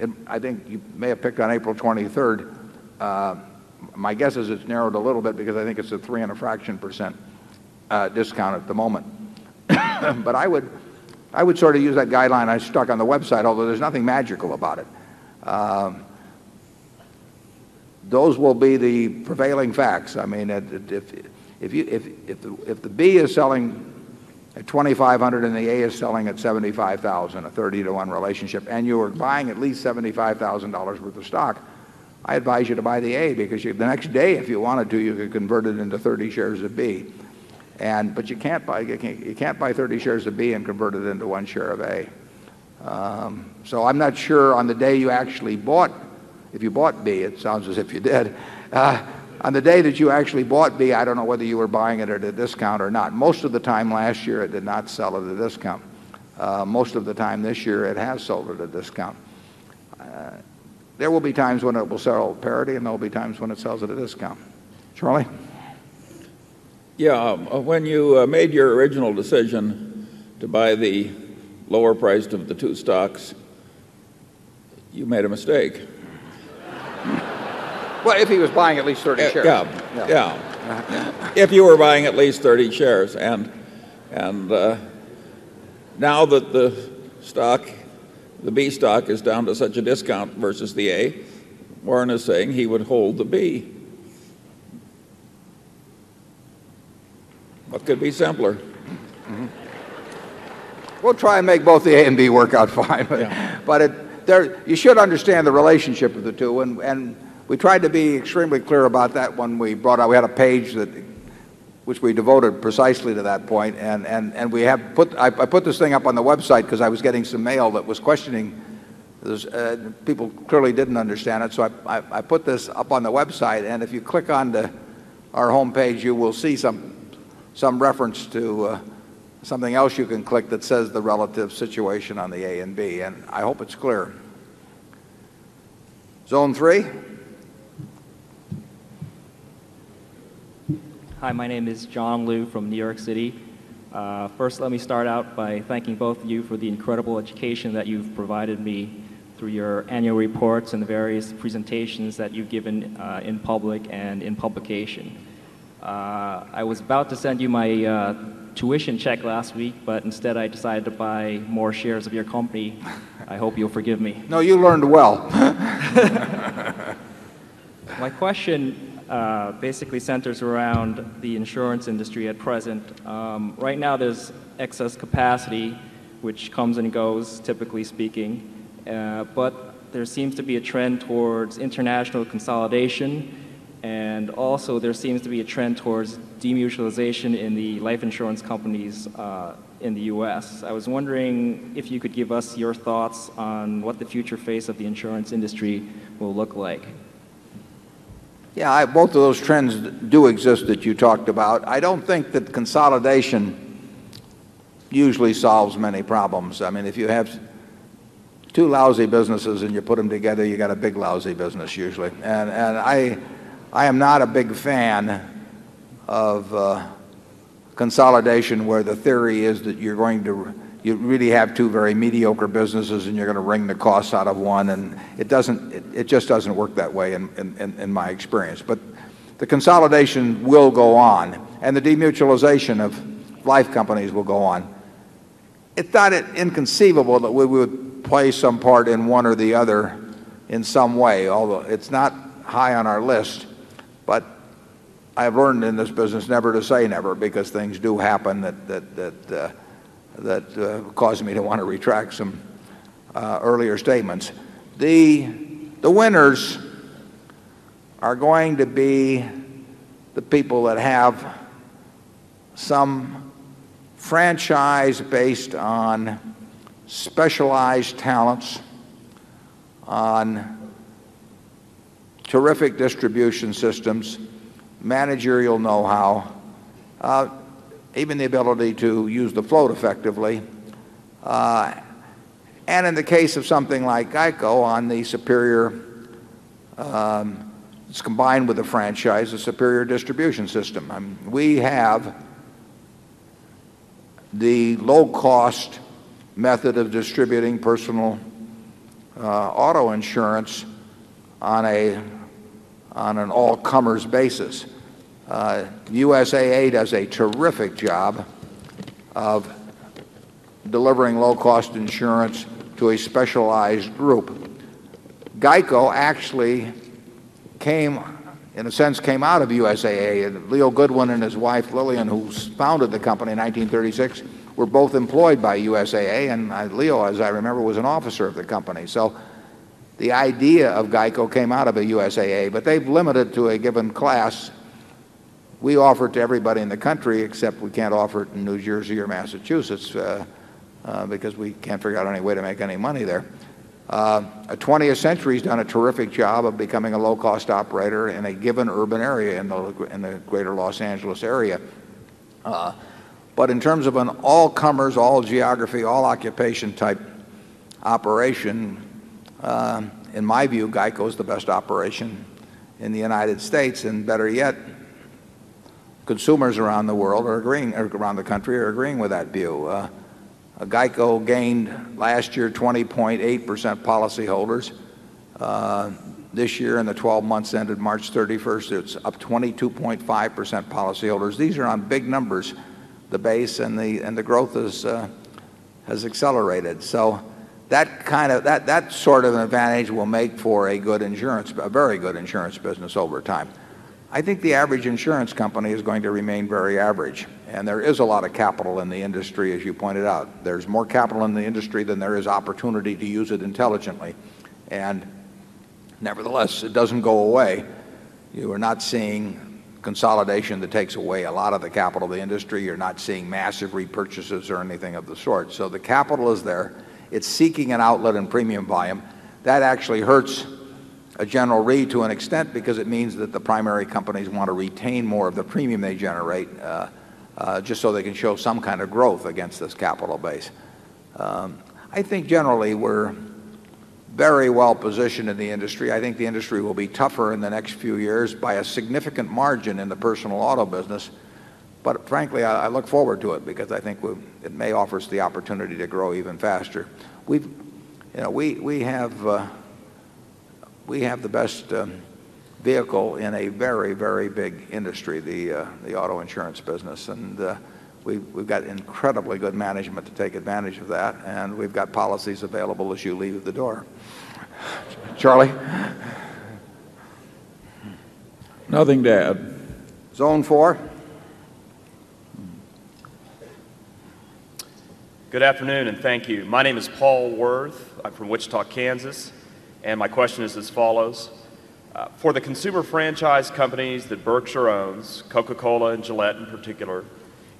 you may have picked on April 23rd. My guess is it's narrowed a little bit because I think it's a 3 and a fraction percent discount at the moment. But I would I would sort of use that guideline I stuck on the website. Although there's nothing magical about it. Those will be the prevailing facts. I mean, if the B is selling at 2,500 and the A is selling at 75,000, a 30 to 1 relationship, and you were buying at least $75,000 worth of stock, I advise you to buy the A because the next day, if you wanted to, you could convert it into 30 shares of B. And but you can't buy you can't can't buy 30 shares of B and convert it into 1 share of A. So I'm not sure if you bought B. It sounds as if you did. On the day that you actually bought B, I don't know whether you were buying it at a discount or not. Most of the time last year it did not sell at a discount. Most of the time this year, it has sold at a discount. There will be times when it will sell at parity and there will be times when it sells at a discount. Charlie? Yes. When you made your original decision to buy the lower priced of the 2 stocks, you made a mistake. Well, if he was buying at least 30 shares. Yeah. Yeah. If you were buying at least 30 shares. And now that the stock the B stock is down to such a discount versus the A, Warren is saying he would hold the B. What could be simpler? We'll try and make both the A and B work out fine. But you should understand the relationship of the 2. And we tried to be extremely clear about that when we brought out we had a page that which we devoted precisely to that point. And we have put I put this thing up on the website because I was getting some mail that was questioning those people clearly didn't understand it. So I put this up on the website. And if you click on our homepage, you will see some reference to something else you can click that says the relative situation on the A and B. And I hope it's clear. Zone 3. Hi. My name is John Liu from New York City. First, let me start out by thanking both of you for the incredible education that you've provided me through your annual reports and the various presentations that you've given in public and in publication. I was about to send you my tuition check last week, but instead I decided to buy more shares of your company. I hope you'll forgive me. No, you learned well. My question basically centers around the insurance industry at present. Right now there's excess capacity, which comes and goes, typically speaking. But there seems to be a trend towards international consolidation. And also there seems to be a trend towards demutualization in the life insurance companies in the U. S. I was wondering if you could give us your thoughts on what the future face of the insurance industry will look like. Yeah, both of those trends do exist that you talked about. I don't think that consolidation usually solves many problems. I mean, if you have 2 lousy businesses and you put them together, you've got a big lousy business, usually. And I am not a big fan of consolidation where the theory is that you're going to you really have 2 very mediocre businesses and you're going to wring the costs out of 1. And it doesn't it just doesn't work that way, in my experience. But the consolidation will go on. And the demutualization of life companies will go on. It's not inconceivable that we would play some part in one or the other in some way, although it's not high on our list. But I've learned in this business never to say never because things do happen that that that that cause me to want to retract some earlier statements. The winners are going to be the people that have some franchise based on specialized talents, on terrific distribution systems, managerial know how, even the ability to use the float effectively. And in the case of something like GEICO, on the superior it's combined with the franchise, the superior distribution system. We have the low cost method of distributing personal auto insurance on an all comers basis. USAA does a terrific job of delivering low cost insurance to a specialized group. GEICO actually came, in a sense, came out of USAA. And Leo Goodwin and his wife Lillian, who founded the company in 1936, were both employed by USAA. And Leo, as I remember, was an officer of the company. So the idea of GEICO came out of a USAA. But they've limited to a given class We offer it to everybody in the country, except we can't offer it in New Jersey or Massachusetts, because we can't figure out any way to make any money there. 20th century has done a terrific job of becoming a low cost operator in a given urban area in the greater Los Angeles area. But in terms of an all comers, all geography, all occupation type operation, In my view, GEICO is the best operation in the United States. And better yet, consumers around the world are agreeing around the country are agreeing with that view. GEICO gained, last year, 20.8 percent policyholders. This year, in 12 months ended March 31st, it's up 22.5 percent policyholders. These are on big numbers, the base and the growth has accelerated. So that kind of that sort of advantage will make for a good insurance a very good insurance business over time. I think the average insurance company is going to remain very average. And there is a lot of capital in the industry, as you pointed out. There's more capital in the industry than there is opportunity to use it intelligently. And nevertheless, it doesn't go away. You are not seeing consolidation that takes away a lot of the capital of the industry. You're not seeing massive repurchases or anything of the sort. So the capital is there. It's seeking an outlet in premium volume. That actually hurts a general REIT to an extent because it means that the primary companies want to retain more of the premium they generate, just so they can want to retain more of the premium they generate just so they can show some kind of growth against this capital base. I think, generally, we're very well positioned in the industry. I think the industry will be tougher in the next few years by a significant margin in the personal auto business. But frankly, I look forward to it because I think it may offer us the opportunity to grow even faster. We've, you know, we have, we have the best vehicle in a very, very big industry. The auto insurance business. And we've got incredibly good management to take advantage of that. And we've got policies available as you leave at the door. Charlie? Nothing to add. Zone 4? Good afternoon and thank you. My name is Paul Worth. I'm from Wichita, Kansas. And my question is as follows. For the consumer franchise companies that Berkshire owns, Coca Cola and Gillette in particular,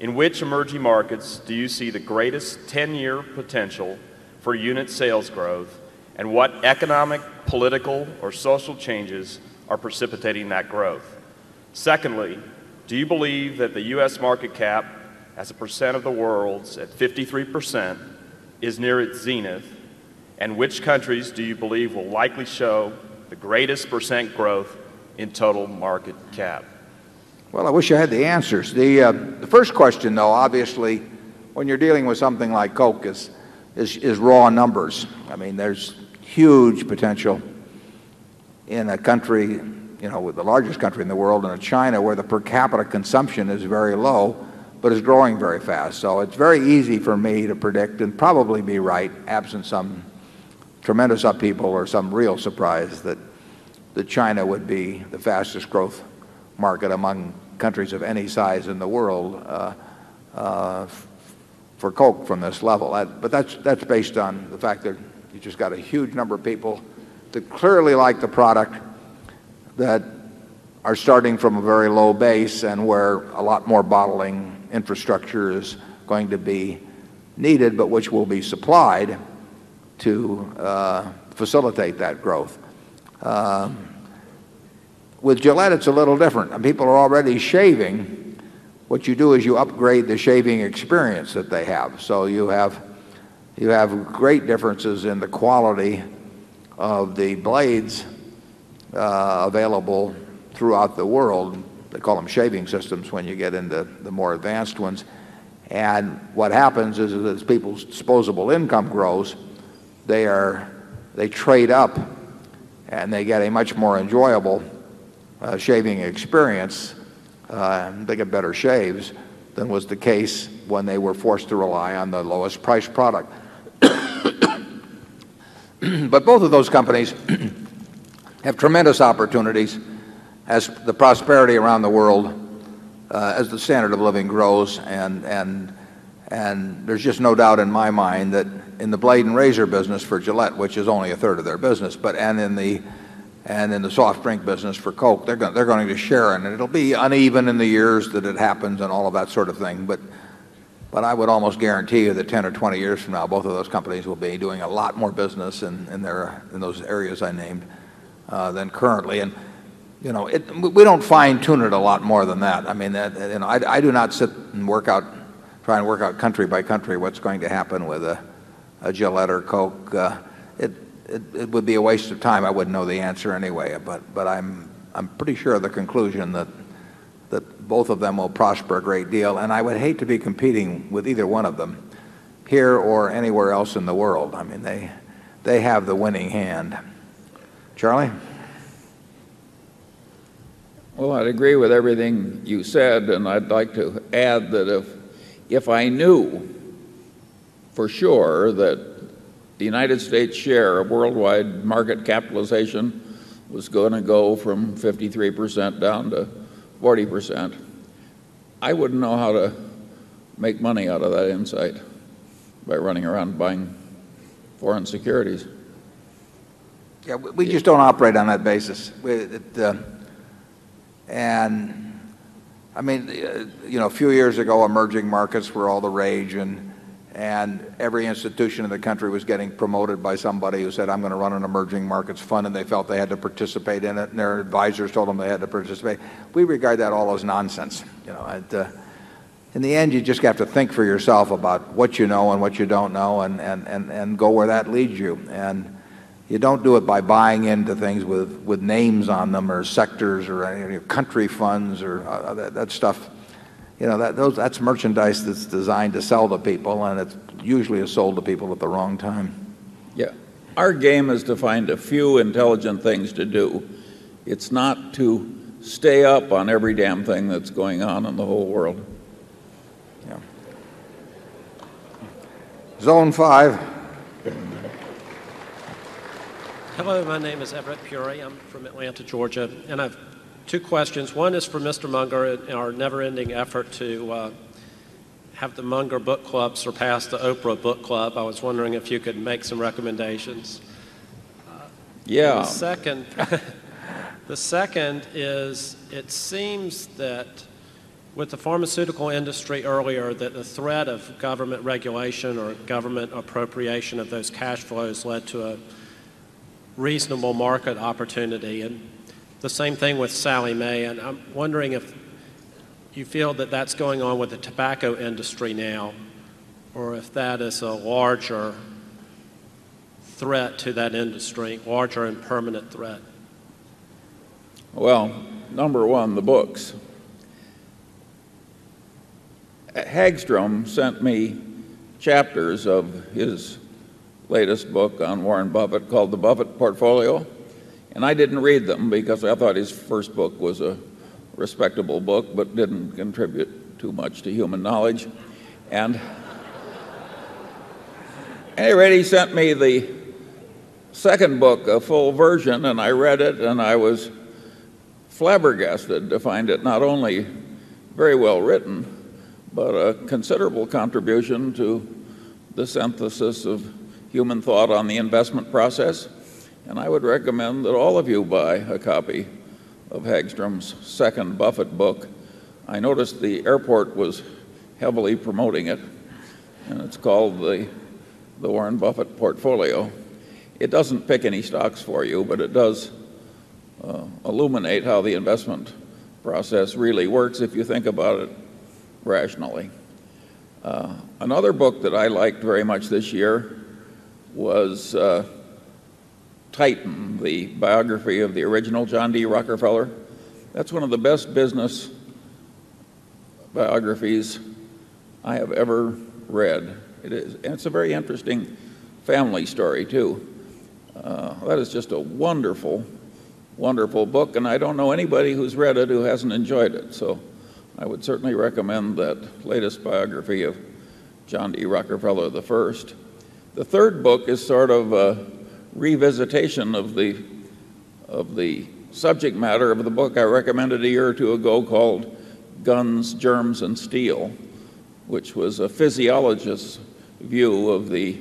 in which emerging markets do you see the greatest 10 year potential for unit sales growth? And what economic, political, or social changes are precipitating that growth? Secondly, do you believe that the US market cap, as a percent of the world's at 53% is near its zenith? And which countries do you believe will likely show the greatest percent growth in total market cap? Well, I wish I had the answers. The first question, though, obviously, when you're dealing with something like Coke is raw numbers. I mean, there's huge potential in a country, you know, with the largest country in the world and in China, where the per capita consumption is very low, but is growing very fast. So it's very easy for me to predict and probably be right, absent some tremendous upheaval or some real surprise, China would be the fastest growth market among countries of any size in the world for Coke from this level. But that's based on the fact that you've just got a huge number of people that clearly like the product that are starting from a very low base and where a lot more bottling infrastructure is going to be needed, but which will be supplied to facilitate that growth. With Gillette, it's a little different. People are already shaving. What you do is you upgrade the shaving experience that they have. So you have you have great differences in the quality of the blades, available throughout the world. They call them shaving systems when you get into the more advanced ones. And what happens is, as people's disposable income grows, they are they trade up and they get a much more enjoyable shaving experience. And they get better shaves than was the case when they were forced to rely on the lowest priced product. But both of those companies have tremendous opportunities as the prosperity around the world, as the standard of living grows. And and and there's just no doubt in my mind that in the blade and razor business for Gillette, which is only a third of their business, but and in the soft drink business for Coke, they're going to be sharing. And it'll be uneven in the years that it happens and all of that sort of thing. But I would almost guarantee you that 10 or 20 years from now, both of those companies will be doing a lot more business in those areas I named than currently. And you know, we don't fine tune it a lot more than that. I mean, I do not sit and work out try and work out country by country what's going to happen with a Gillette or Coke. It would be a waste of time. I wouldn't know the answer anyway. But I'm pretty sure of the conclusion that both of them will prosper a great deal. And I would hate to be competing with either one of them here or anywhere else in the world. I mean, they have the winning hand. Charlie? Well, I'd agree with everything you said. And I'd like to add that if I knew for sure that the United States' share of worldwide market capitalization was going to go from 53% down to 40%. I wouldn't know how to make money out of that insight by running around buying foreign securities? Yeah, we just don't operate on that basis. And I mean, you know, a few years ago, emerging markets were all the rage. And every institution in the country was getting promoted by somebody who said, I'm going to run an emerging market fund and they felt they had to participate in it. And their advisors told them they had to participate. We regard that all as nonsense. You know, In the end, you just have to think for yourself about what you know and what you don't know and go where that leads you. And you don't do it by buying into things with names on them or sectors or country funds or that stuff. You know, that's merchandise that's designed to sell to people. And it's usually sold to people at the wrong time. Yeah. Our game is to find a few intelligent things to do. It's not to stay up on every damn thing that's going on in the whole world. Yeah. Zone 5. Hello. My name is Everett Peoria. I'm from Atlanta, Georgia. And I have two questions. One is for mister Munger and our never ending effort to have the Munger book club surpass the Oprah book club. I was wondering if you could make some recommendations. Yeah. The second is it seems that with the pharmaceutical industry earlier that the threat of government regulation or government appropriation of those cash flows led to a reasonable market opportunity. And the same thing with Sallie Mae. And I'm wondering if you feel that that's going on with the tobacco industry now Or if that is a larger threat to that industry? Larger and permanent threat? Well, number 1, the books. Hagstrom sent me chapters of his latest book on Warren Buffett called The Buffett Portfolio. And I didn't read them because I thought his first book was a respectable book but didn't contribute too much to human knowledge. And anyway, he sent me the second book, a full version, and I read it. And I was flabbergasted to find it not only very well written, but a considerable contribution to this emphasis of human thought on the investment process. And I would recommend that all of you buy a copy of Hagstrom's second Buffett book. I noticed the airport was heavily promoting it, And it's called the Warren Buffett portfolio. It doesn't pick any stocks for you, but it does illuminate how the investment process really works if you think about it rationally. Another book that I liked very much this year was Titan, the biography of the original John D. Rockefeller. That's one of the best business biographies I have ever read. And it's a very interesting family story, too. That is just a wonderful, wonderful book. And I don't know anybody who's read it who hasn't enjoyed it. So I would certainly recommend that latest biography of John E. Rockefeller I. The 3rd book is sort of a revisitation of the subject matter of the book I recommended a year or 2 ago called Guns, Germs and Steel, which was a physiologist's view of the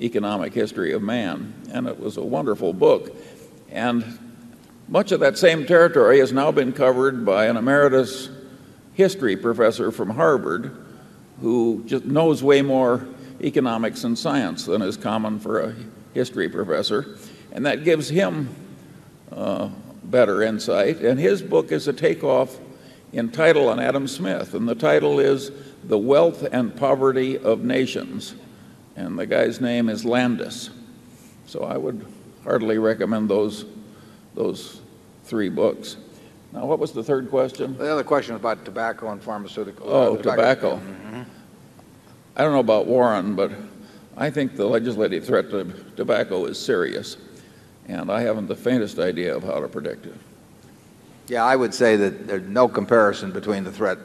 economic history of man. And it was a wonderful book. And much of that same territory has now been covered by an emeritus history professor from Harvard, who just knows way more economics and science than is common for a history professor, and that gives him better insight. And his book is a takeoff entitled on Adam Smith, and the title is The Wealth and Poverty of Nations. And the guy's name is Landis. So I would hardly recommend those three books. What was the third question? The other question was about tobacco and pharmaceuticals. Oh, tobacco. I don't know about Warren, but I think the legislative threat to tobacco is serious. And I haven't the faintest idea of how to predict it. Yeah. I would say that there's no comparison between the threat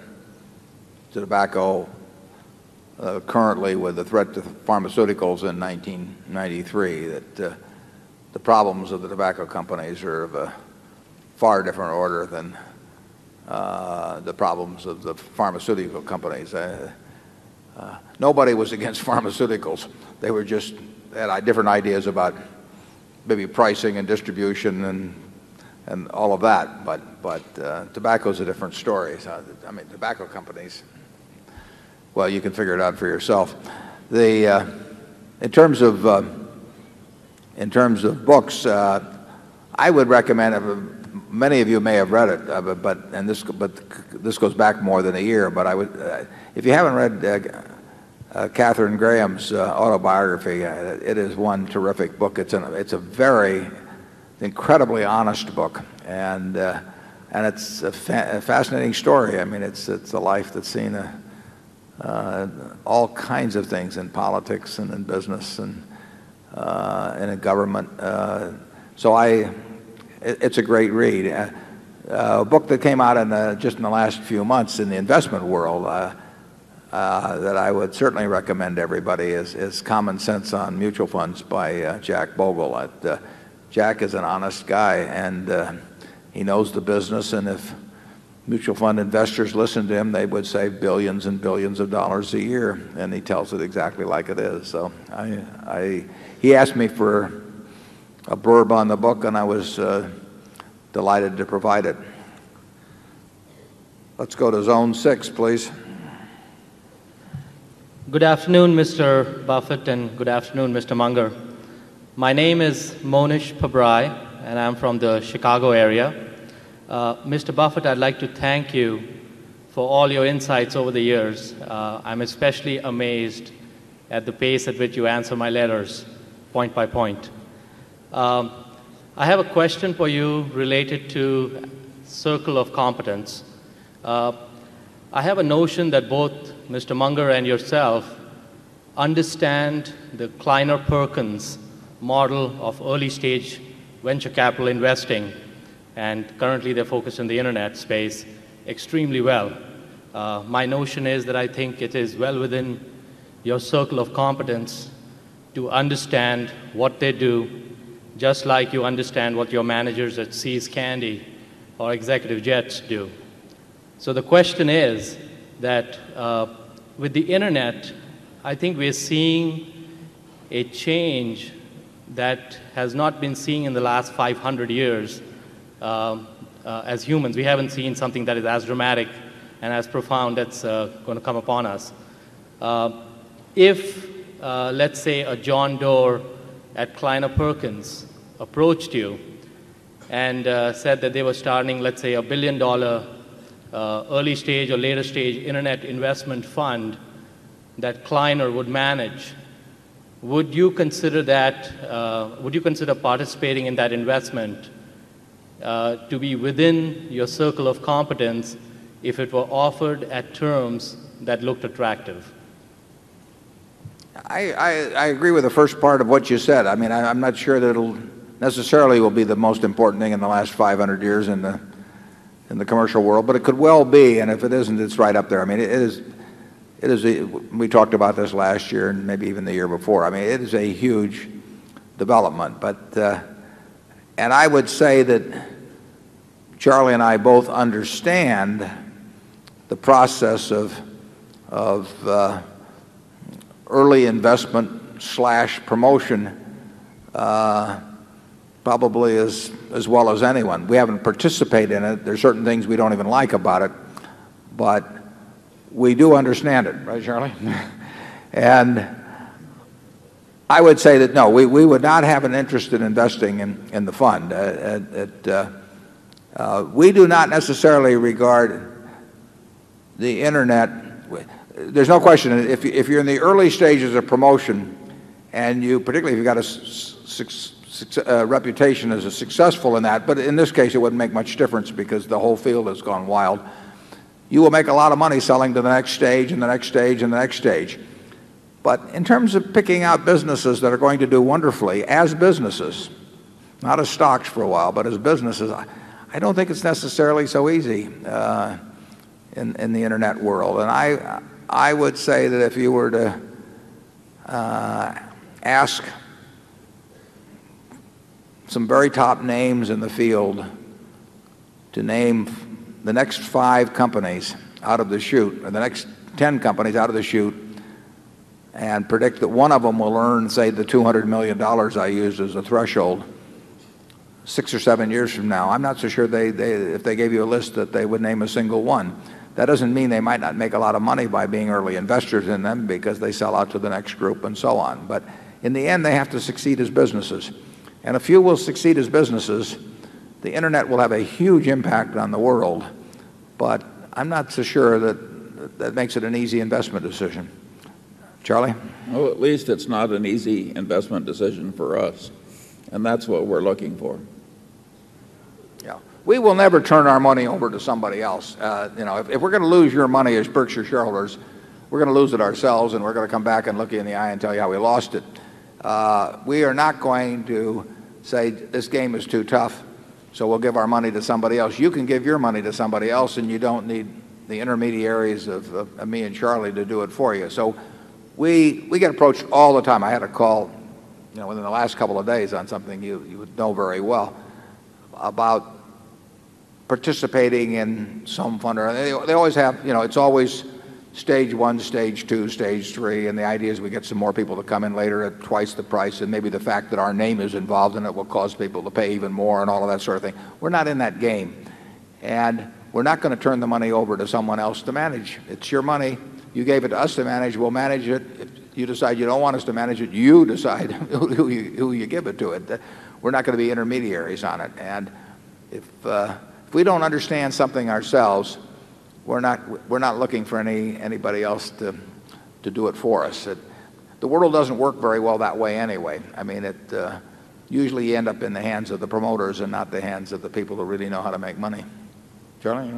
to tobacco currently with the threat to pharmaceuticals in 1993. That the problems of the tobacco companies are of a far different order than the problems of the pharmaceutical companies. Nobody was against pharmaceuticals. They were just had different ideas about maybe pricing and distribution and all of that. But tobacco is a different story. I mean, tobacco companies. Well, you can figure it out for yourself. The in terms of books, I would recommend many of you may have read it, but this goes back more than a year. But if you haven't read Katharine Graham's autobiography, it is one terrific book. It's a very incredibly honest book. And it's a fascinating story. I mean, it's a life that's seen all kinds of things in politics and in business and in government. So it's a great read. A book that came out just in the last few months in the investment world that I would certainly recommend to everybody is Common Sense on Mutual Funds by Jack Bogle. Jack is an honest guy and he knows the business. And if mutual fund investors listen to him, they would say 1,000,000,000 and 1,000,000,000 of dollars a year. And he tells it exactly like it is. So I he asked me for a blurb on the book and I was delighted to provide it. Let's go to zone 6, please. Good afternoon, Mr. Buffett. And good afternoon, Mr. Munger. My name is Mohnish Pabrai, and I'm from the Chicago area. Mr. Buffett, I'd like to thank you for all your insights over the years. I'm especially amazed at the pace at which you answer my letters point by point. I have a question for you related to circle of competence. I have a notion that both Mr. Munger and yourself understand the Kleiner Perkins model of early stage venture capital investing and currently they're focused on the Internet space extremely well. My notion is that I think it is well within your circle of competence to understand what they do, just like you understand what your managers at See's Candy or executive jets do. So the question is that, with the Internet, I think we're seeing a change that has not been seen in the last 500 years. As humans, we haven't seen something that is as dramatic and as profound that's going to come upon us. If, let's say a John Doerr at Kleiner Perkins approached you and said that they were starting, let's say, dollars 1,000,000,000 early stage or later stage Internet investment fund that Kleiner would manage, would you consider participating in that investment to be within your circle of competence if it were offered at terms that looked attractive? I agree with the first part of what you said. I mean, I'm not sure that it'll necessarily will be the most important thing in the last 500 years in the commercial world. But it could well be. And if it isn't, it's right up there. I mean, it is we talked about this last year and maybe even the year before. I mean, it is a huge development. But, and I would say that Charlie and I both understand the process of early investmentpromotion probably as well as anyone. We haven't participated in it. There are certain things we don't even like about it. But we do understand it. Right, Charlie? And I would say that, no, we would not have an interest in investing in the fund. We do not necessarily regard the Internet there's no question. If you're in the early stages of promotion and you particularly if you've got a reputation as successful in that, but in this case it wouldn't make much difference because the whole field has gone wild. You will make a lot of money selling to the next stage, and the next stage, and the next stage. But in terms of picking out businesses that are going to do wonderfully as businesses, not as stocks for a while, but as businesses, I don't think it's necessarily so easy in the internet world. And I would say that if you were to ask some very top names in the field to name the next 5 companies out of the chute. The next 10 companies out of the chute. And predict that one of them will earn, say, the $200,000,000 I use as a threshold 6 or 7 years from now. I'm not so sure if they gave you a list they would name a single one. That doesn't mean they might not make a lot of money by being early investors in them because they sell out to the next group and so on. But in the end, they have to succeed as businesses. And a few will succeed as businesses. The internet will have a huge impact on the world. But I'm not so sure that that makes it an easy investment decision. Charlie? Well, at least it's not an easy investment decision for us. And that's what we're looking for. Yeah. We will never turn our money over to somebody else. You know, if we're going to lose your money as Berkshire shareholders, we're going to lose it ourselves and we're going to come back and look you in the eye and tell you how we lost it. We are not going to say this game is too tough, so we'll give our money to somebody else. You can give your money to somebody else and you don't need the intermediaries of me and Charlie to do it for you. So we get approached all the time. I had a call, you know, within the last couple of days on something you would know very well, about participating in some fun. They always have, you know, it's always stage 1, stage 2, stage 3. And the idea is we get some more people to come in later at twice the price. And maybe the fact that our name is involved in it will cause people to pay even more and all of that sort of thing. We're not in that game. And we're not going to turn the money over to someone else to manage. It's your money. You gave it to us to manage. We'll manage it. If you decide you don't want us to manage it, you decide who you give to it. We're not going to be intermediaries on it. And if, if we don't understand something ourselves, we're not we're not looking for any anybody else to do it for us. The world doesn't work very well that way anyway. I mean, it usually end up in the hands of the promoters and not the hands of the people that really know how to make money. Charlie?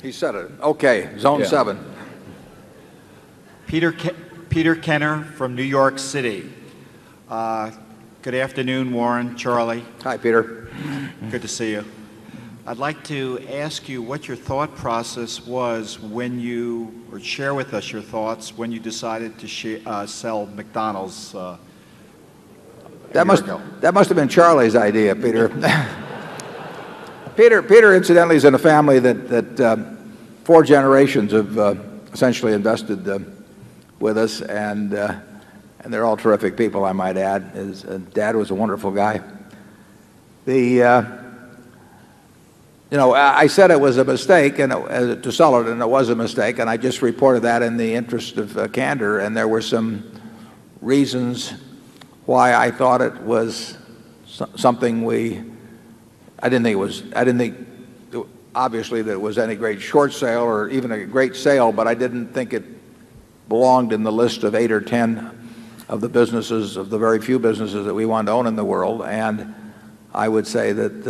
He said it. Okay. Zone 7. Peter Kenner from New York City. Good afternoon, Warren, Charlie. Hi, Peter. Good to see you. I'd like to ask you what your thought process was when you or share with us your thoughts when you decided to sell McDonald's, McDonald's. That must have been Charlie's idea, Peter. Peter, incidentally, is in a family that 4 generations have essentially invested with us. And they're all terrific people, I might add. Dad was a wonderful guy. You know, I said it was a mistake to Sullerton, it was a mistake. And I just reported that in the interest of candor. And there were some reasons why I thought it was something we I didn't think it was I didn't think, obviously, there was any great short sale or even a great sale. But I didn't think it belonged in the list of 8 or 10 of the very few businesses that we want to own in the world. And I would say that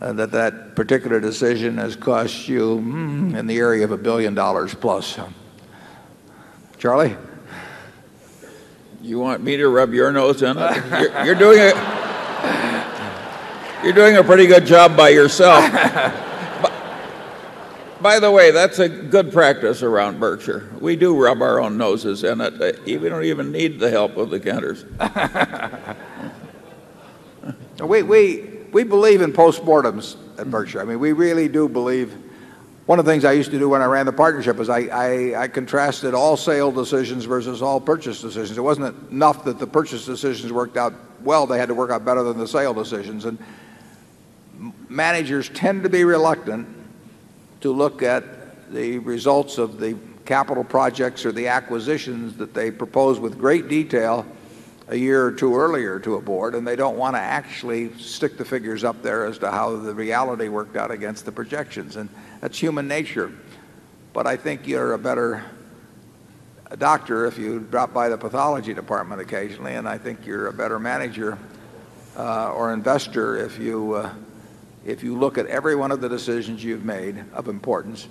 that particular decision has cost you in the area of $1,000,000,000 plus. Charlie? You want me to rub your nose in? You're doing a pretty good job by yourself. By the way, that's a good practice around Berkshire. We do rub our own noses in it. We don't even need the help of the Kenners. The President: We believe in postmortems at Berkshire. I mean, we really do believe. 1 of the things I used to do when I ran the partnership was I contrasted all sale decisions versus all purchase decisions. It wasn't enough that the purchase decisions worked out well. They had to work out better than the sale decisions. And managers tend to be reluctant to look at the results of the capital projects or the acquisitions that they propose with great detail a year or 2 earlier to a board. And they don't want to actually stick the figures up there as to how the reality worked out against the projections. And that's human nature. But I think you're a better doctor if you drop by the pathology department occasionally. And I think you're a better manager or investor if you look at every one of the decisions you've made of importance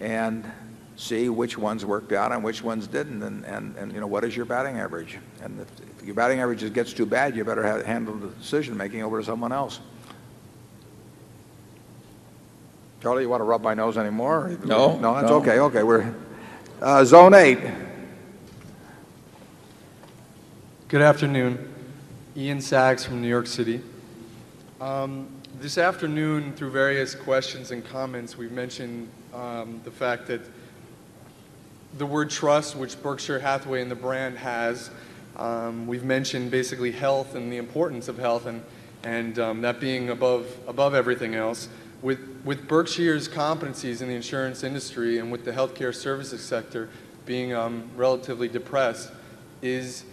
and see which ones worked out and which ones didn't. And and and, you know, what is your batting average? And if your batting average just gets too bad, you better handle the decision making over to someone else. Charlie, you want to rub my nose anymore? No. No, it's okay. Okay. We're, zone 8. Good afternoon. Ian Sachs from New York City. This afternoon, through various questions and comments, we've mentioned the fact that the word trust, which Berkshire Hathaway and the brand has, we've mentioned basically health and the importance of health and, that being above, above everything else with, with Berkshire's competencies in the insurance industry and with the healthcare services sector being, relatively depressed is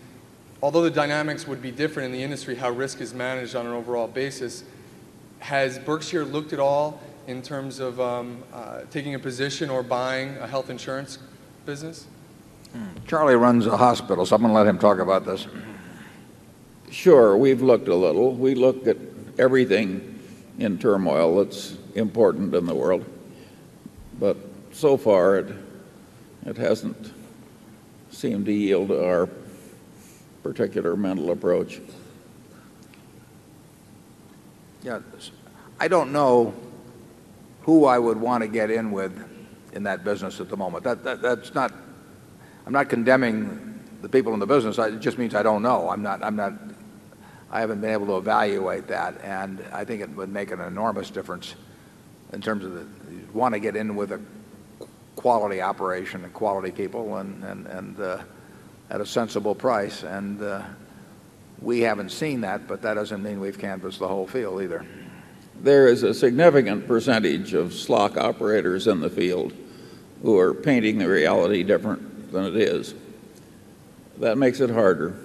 although the dynamics would be different in the industry, how risk is managed on an overall basis, Has Berkshire looked at all in terms of, taking a position or buying a health insurance business? Charlie runs a hospital, so I'm going to let him talk about this. Sure. We've looked a little. We looked at everything in turmoil that's important in the world. But so far, it hasn't seemed to yield our particular mental approach. Yes. I don't know who I would want to get in with in that business at the moment. That's not I'm not condemning the people in the business. It just means I don't know. I'm not I haven't been able to evaluate that. And I think it would make an enormous difference in terms of the want to get in with a quality operation and quality people and and at a sensible price. And we haven't seen that but that doesn't mean we've canvassed the whole field either. There is a significant percentage of SLOC operators in the field who are painting the reality different than it is. That makes it harder.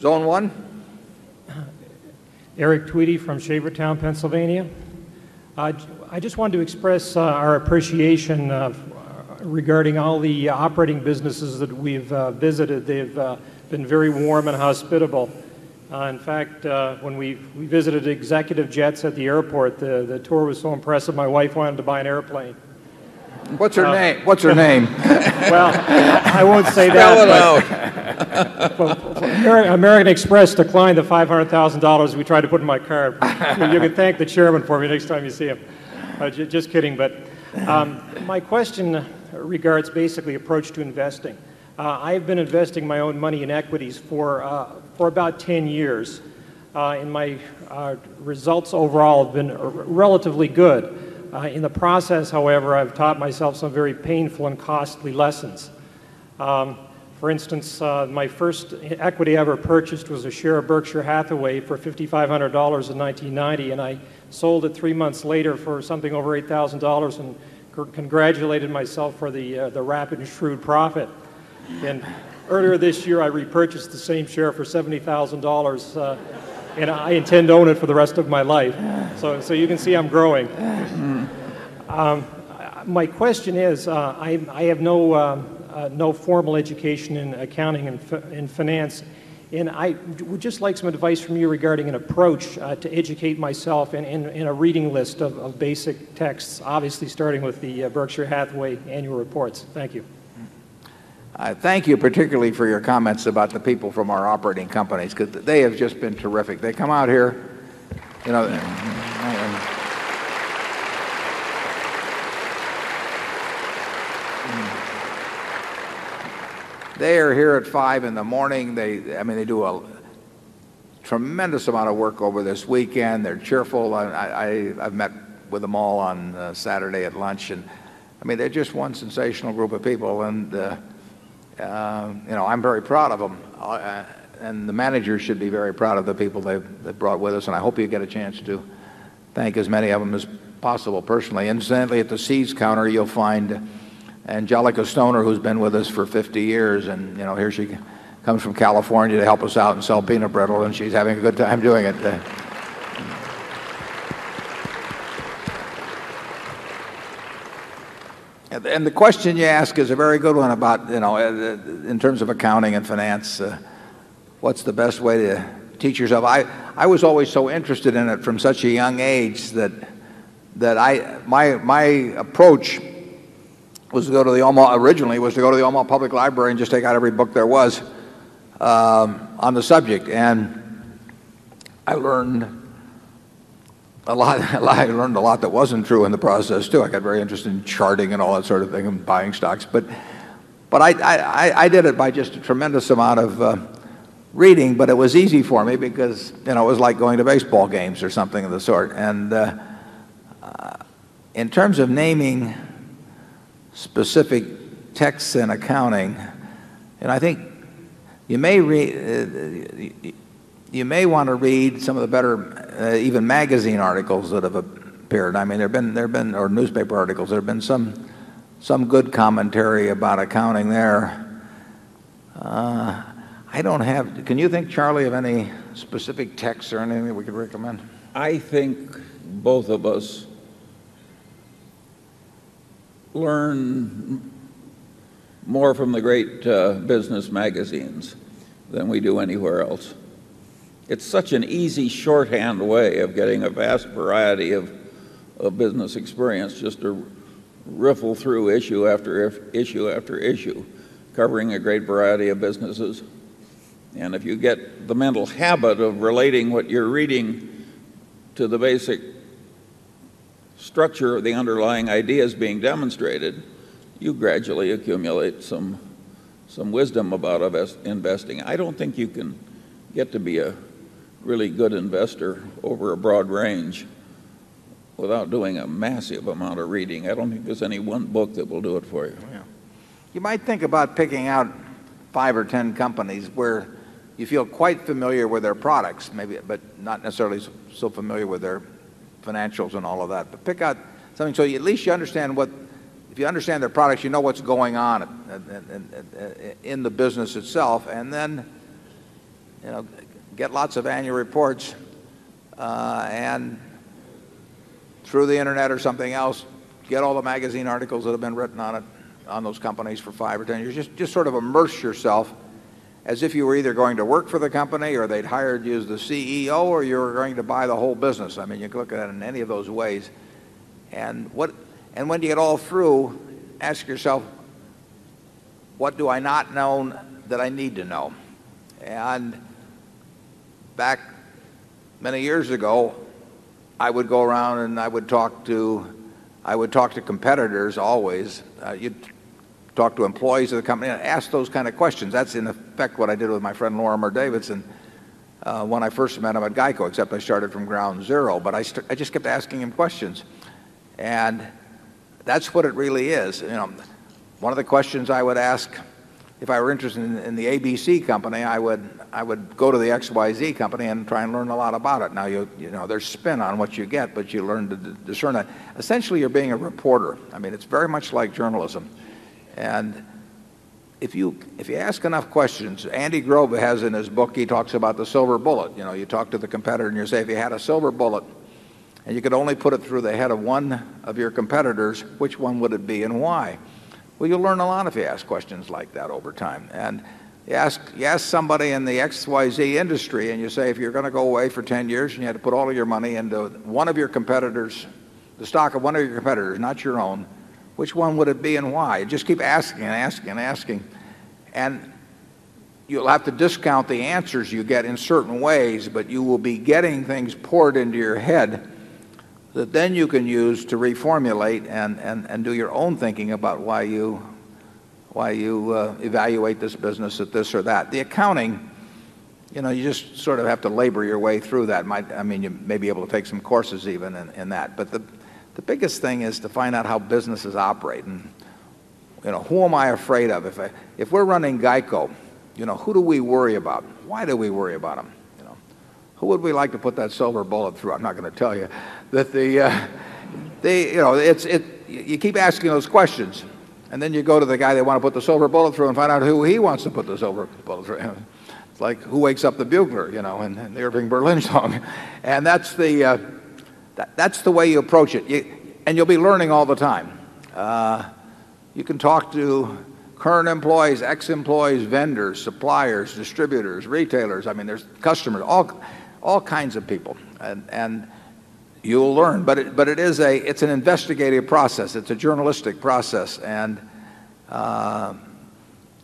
Zone 1. Eric Tweedy from Shavertown, Pennsylvania. I just want to express our appreciation regarding all the operating businesses that we've visited. They've been very warm and hospitable. In fact, when visited executive jets at the airport, the tour was so impressive, my wife wanted to buy an airplane. What's her name? What's her name? Well, I won't say so. Well, I won't say that. Well, American Express declined the $500,000 we tried to put in my car. You can thank the chairman for me next time you see him. Just kidding. But my question regards basically approach to investing. I've been investing my own money in equities for about 10 years. And my results overall have been relatively good. In the process, however, I've taught myself some very painful and costly lessons. For instance, my first equity ever purchased was a share of Berkshire Hathaway for $5,500 in 19.90. And I sold it 3 months later for something over $8,000 and congratulated myself for the rapid and shrewd profit. And earlier this year, I repurchased the same share for $70,000 and I intend to own it for the rest of my life. So you can see I'm growing. My question is, I have no formal education in accounting and finance. And I would just like some advice from you regarding an approach to educate myself in a reading list of basic texts, obviously starting with the Berkshire Hathaway annual reports. Thank you. Thank you particularly for your comments about the people from our operating companies. They have just been terrific. They come out here They are here at 5 in the morning. They I mean, they do a tremendous amount of work over this weekend. They're cheerful. I've met with them all on Saturday at lunch. And I mean, they're just one sensational group of people. And, you know, I'm very proud of them. And the managers should be very proud of the people they brought with us. And I hope you get a chance to thank as many of them as possible, personally. Incidentally, at the C's counter, you'll find Angelica Stoner, who's been with us for 50 years. And, you know, here she comes from California to help us out and sell peanut brittle. And she's having a good time doing it. And the question you ask is a very good one about, you know, in terms of accounting and finance. What's the best way to teach yourself? I was always so interested in it from such a young age that I my approach was to go to the Omaha originally, was to go to the Omaha Public Library and just take out every book there was on the subject. And I learned a lot that wasn't true in the process too. I got very interested in charting and all that sort of thing and buying stocks. But I did it by just a tremendous amount of reading. But it was easy for me because, you know, it was like going to baseball games or something of the sort. And in terms of naming specific texts and accounting, and I think you may want to read some of the better, even magazine articles that have appeared. I mean, there have been or newspaper articles, there have been some good commentary about accounting there. I don't have can you think, Charlie, of any specific texts or anything we could recommend? I think both of us learn more from the great business magazines than we do anywhere else. It's such an easy shorthand way of getting a vast variety of business experience just to riffle through issue after issue after issue covering a great variety of businesses. And if you get the mental habit of relating what you're reading to the basic structure of the underlying ideas being demonstrated, you gradually accumulate some wisdom about investing. I don't think you can get to be a really good investor over a broad range without doing a massive amount of reading. I don't think there's any one book that will do it for you. You might think about picking out 5 or 10 companies where you feel quite familiar with their products, maybe but not necessarily so familiar with their financials and all of that. But pick out something so you at least you understand what if you understand their products, you know what's going on in the business itself. And then, you know, get lots of annual reports. And through the Internet or something else, get all the magazine articles that have been written on it on those companies for 5 or 10 years. Just sort of immerse yourself as if you were either going to work for the company or they'd hired you as the CEO or you were going to buy the whole business. I mean, you could look at it in any of those ways. And when you get all through, ask yourself, what do I not know that I need to know? And back many years ago, I would go around and I would talk to competitors always. You'd talk to employees of the company and ask those kind of questions. That's, in effect, what I did with my friend, Lorimer Davidson, when I first met him at GEICO, except I started from ground 0. But I just kept asking him questions. And that's what it really is. You know, one of the questions I would ask if I were interested in the ABC company, I would go to the XYZ company and try and learn a lot about it. Now, you know, there's spin on what you get but you learn to discern that. Essentially you're being a reporter. I mean it's very much like journalism. And if you if you ask enough questions Andy Grove has in his book, he talks about the silver bullet. You know, you talk to the competitor and you say, if you had a silver bullet and you could only put it through the head of 1 of your competitors, which one would it be and why? Well, you'll learn a lot if you ask questions like that over time. And you ask you ask somebody in the x, y, z industry and you say, if you're going to go away for 10 years and you had to put all of your money into one of your competitors the stock of 1 of your competitors, not your own. Which one would it be and why? Just keep asking and asking and asking. And you'll have to discount the answers you get in certain ways. But you will be getting things poured into your head that then you can use to reformulate and do your own thinking about why you evaluate this business at this or that. The accounting, you know, you just sort of have to labor your way through that. I mean, you may be able to take some courses even in that. But the biggest thing is to find out how businesses operate. And who am I afraid of? If we're running GEICO, who do we worry about? Why do we worry about them? Who would we like to put that silver bullet through? I'm not going to tell you. That the, they you know, it's it you keep asking those questions. And then you go to the guy they want to put the silver bullet through and find out who he wants to put the silver bullet through. It's like who wakes up the bugler, you know, and Irving Berlin song. And that's the, that's the way you approach it. And you'll be learning all the time. You can talk to current employees, ex employees, vendors, suppliers, distributors, retailers. I mean, there's customers. All kinds of people. And you'll learn. But it's an investigative process. It's a journalistic process. And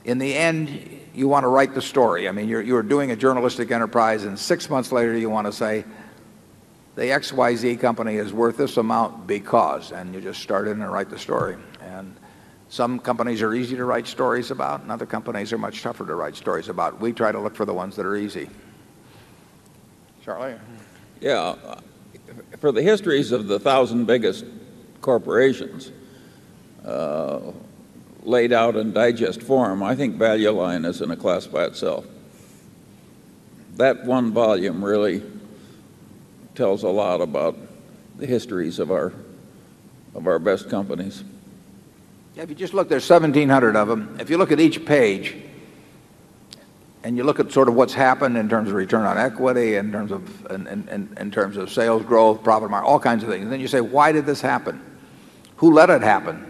in the end, you want to write the story. I mean, you're doing a journalistic enterprise and 6 months later, you want to say, the XYZ company is worth this amount because and you just start in and write the story. And some companies are easy to write stories about and other companies are much tougher to write stories about. We try to look for the ones that are easy. Charlie? Yeah. For the histories of the 1,000 biggest corporations laid out in digest form, I think Val U Line is going to class by itself. That one volume really tells a lot about the histories of our best companies. Yes, if you just look, there's 1700 of them. If you look at each page you look at sort of what's happened in terms of return on equity, in terms of sales growth, profit margin, all kinds of things. And then you say, Why did this happen? Who let it happen?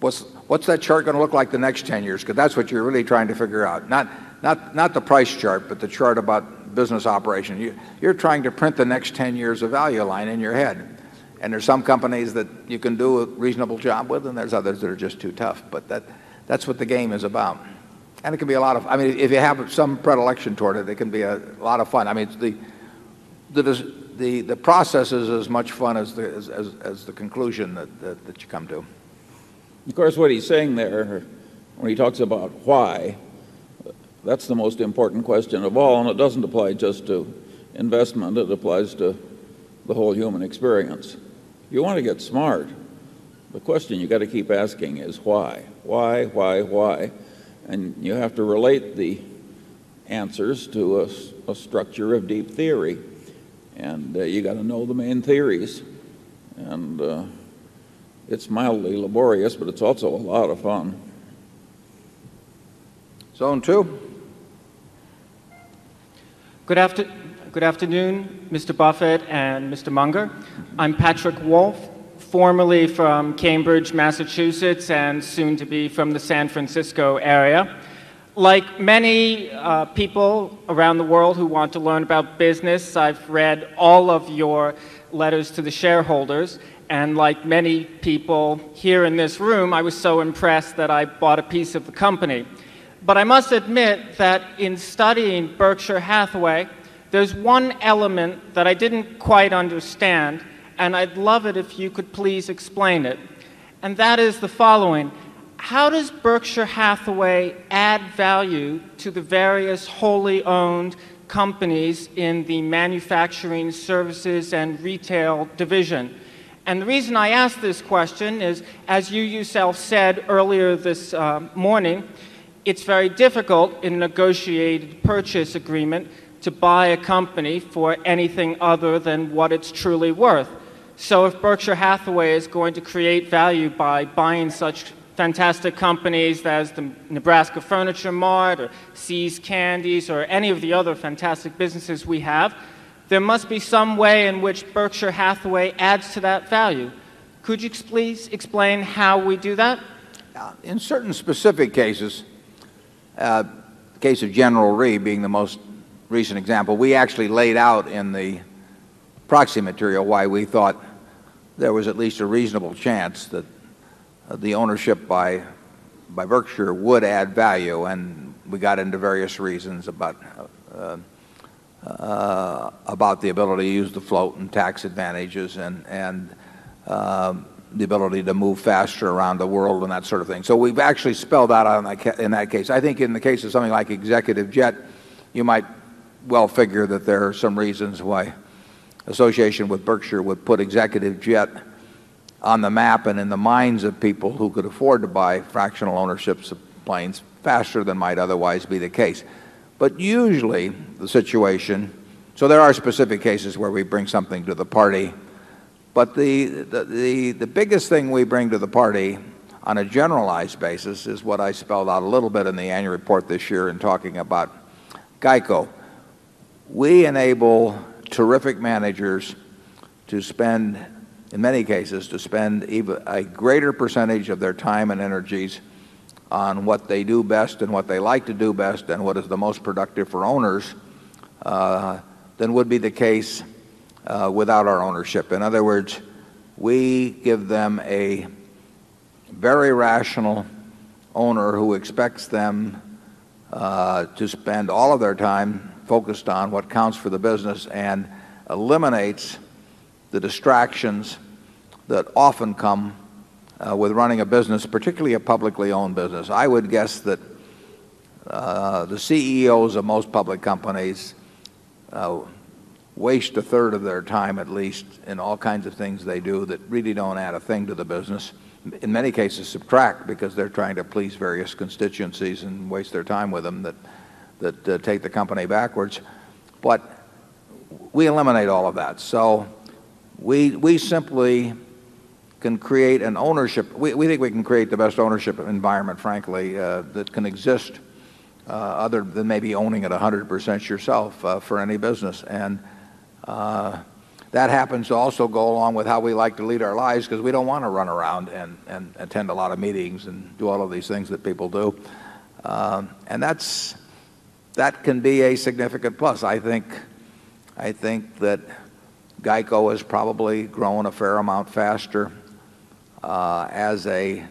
What's that chart going to look like the next 10 years? Because that's what you're really trying to figure out. Not the price chart, but the chart about business operation. You're trying to print the next 10 years of value line in your head. There are some companies that you can do a reasonable job with and there are others that are just too tough. But that's what the game is about. And it can be a lot of I mean, if you have some predilection toward it, it can be a lot of fun. I mean, the process is as much fun as the conclusion that you come to. Of course, what he's saying there when he talks about why, that's the most important question of all. And it doesn't apply just to investment. It applies to the whole human experience. You want to get smart. The question you got to keep asking is why? Why? Why? Why? And you have to relate the answers to a structure of deep theory and you got to know the main theories. And it's mildly laborious, but it's also a lot of fun. Zone 2. Good afternoon, Mr. Buffet and Mr. Munger. I'm Patrick Wolfe, formerly from Cambridge, learn about business, I've read all of your letters to the shareholders. And like many people here in this room, I was so impressed that I bought a piece of the company. But I must admit that in studying Berkshire Hathaway, there's one element that I didn't quite understand, and I'd love it if you could please explain it. And that is the following, how does Berkshire Hathaway add value to the various wholly owned companies in the manufacturing services and retail division? And the reason I ask this question is, as you yourself said earlier this morning, it's very difficult in negotiated purchase agreement to buy a company for anything other than what it's truly worth. So if Berkshire Hathaway is going to create value by buying such fantastic companies as the Nebraska Furniture Mart or See's Candies or any of the other fantastic businesses we have, There must be some way in which Berkshire Hathaway adds to that value. Could you please explain how we do that? In certain specific cases, the case of General Re being the most recent example, we actually laid out in the proxy material why we thought there was at least a reasonable chance that the ownership by Berkshire would add value. And we got into various reasons about the ability to use the float and tax advantages and the ability to move faster around the world and that sort of thing. So we've actually spelled out in that case. I think in the case of something like Executive Jet, you might well figure that there are some reasons why association with Berkshire would put Executive Jet on the map and in the minds of people who could afford to buy fractional ownership of planes faster than might otherwise be the case. But usually the situation so there are specific cases where we bring something to the party. But the biggest thing we bring to the party on a generalized basis is what I spelled out a little bit in the annual report this year in talking about GEICO. We enable terrific managers to spend, in many cases, to spend a greater percentage of their time and energies on what they do best and what they like to do best and what is the most productive for owners, than would be the case without our ownership. In other words, we give them a very rational owner who expects them to spend all of their time focused on what counts for the business and eliminates the distractions that often come with running a business, particularly a publicly owned business. I would guess that the CEOs of most public companies waste a third of their time, at least, in all kinds of things they do that really don't add a thing to the business. In many cases subtract because they're trying to please various constituencies and waste their time with them that take the company backwards. But we eliminate all of that. So we simply can create an ownership. We think we can create the best ownership frankly, that can exist, other than maybe owning it a 100% yourself, for any business. And that happens to also go along with how we like to lead our lives because we don't want to run around and attend a lot of meetings and do all of these things that people do. And that can be a significant plus. I think that GEICO has probably grown a fair amount faster as a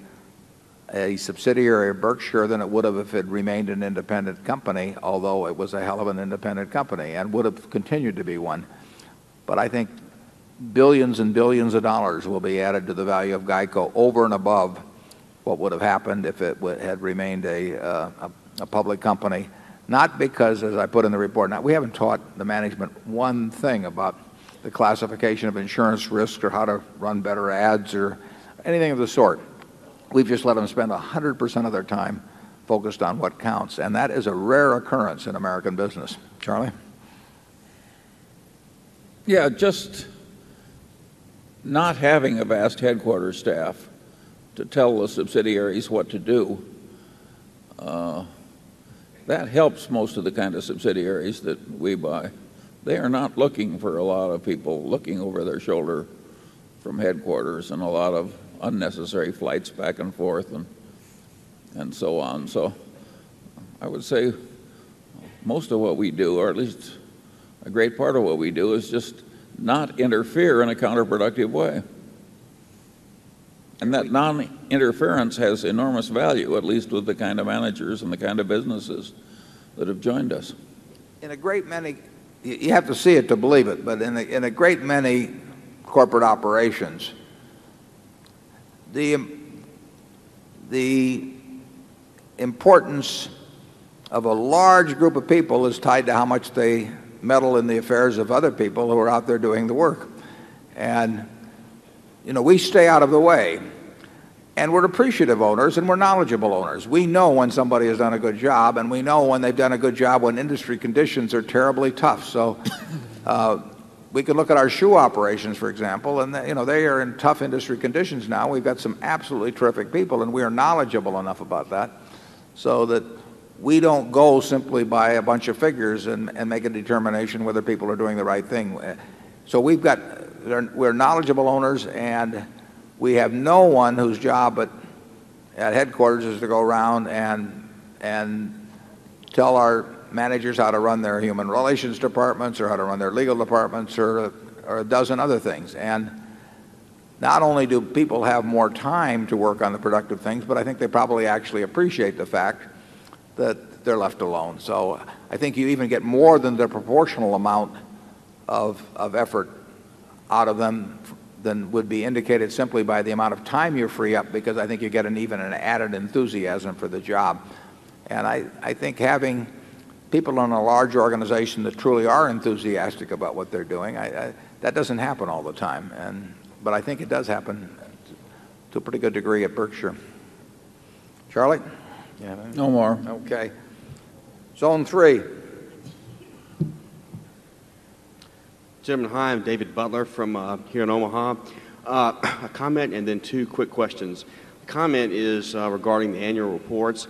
subsidiary of Berkshire than it would have if it remained an independent company, although it was a hell of an independent company and would have continued to be 1. But I think 1,000,000,000 and 1,000,000,000 of dollars will be added to the value of GEICO over and above what would have happened if it had remained a public company. Not because, as I put in the report now, we haven't taught the management one thing about the classification of insurance risk or how to run better ads or anything of the sort. We've just let them spend 100% of their time focused on what counts. And that is a rare occurrence in American business. Charlie? Yeah. Just not having a vast headquarters staff to tell the subsidiaries what to do, That helps most of the kind of subsidiaries that we buy. They are not looking for a lot of people looking over their shoulder from headquarters and a lot of unnecessary flights back and forth and so on. So I would say most of what we do, or at least a great part of what we do, is just not interfere in a counterproductive way. And that non interference has enormous value, at least with the kind of managers and the kind of businesses that have joined us. In a great many you have to see it to believe it, but in a great many corporate operations, the importance of a large group of people is tied to how much they meddle in the affairs of other people who are out there doing the work. And, you know, we stay out of the way. And we're appreciative owners and we're knowledgeable owners. We know when somebody has done a good job. And we know when they've done a good job when conditions are terribly tough. So, we could look at our shoe operations, for example. And, you know, they are in tough industry conditions now. We've got some terrific people and we are knowledgeable enough about that so that we don't go simply by a bunch of figures and make a determination whether people are doing the right thing. So we've got we're knowledgeable owners and we have no one whose job at headquarters is to go around and tell our managers how to run their human relations departments, or how to run their legal departments, or a dozen other things. And not only do people have more time to work on the productive things, but I think they probably actually appreciate the fact that they're left alone. So I think you even get more than the proportional amount of effort out of them than would be indicated simply by the amount of time you're free up because I think you get an even an added enthusiasm for the job. And I think having people in a large organization that truly are enthusiastic about what they're doing, that doesn't happen all the time. And but I think it does happen to a pretty good degree at Berkshire. Charlie? No more. Okay. Zone 3. Jim, hi. I'm David Butler from, here in Omaha. A comment and then two quick questions. The comment is, regarding the annual reports.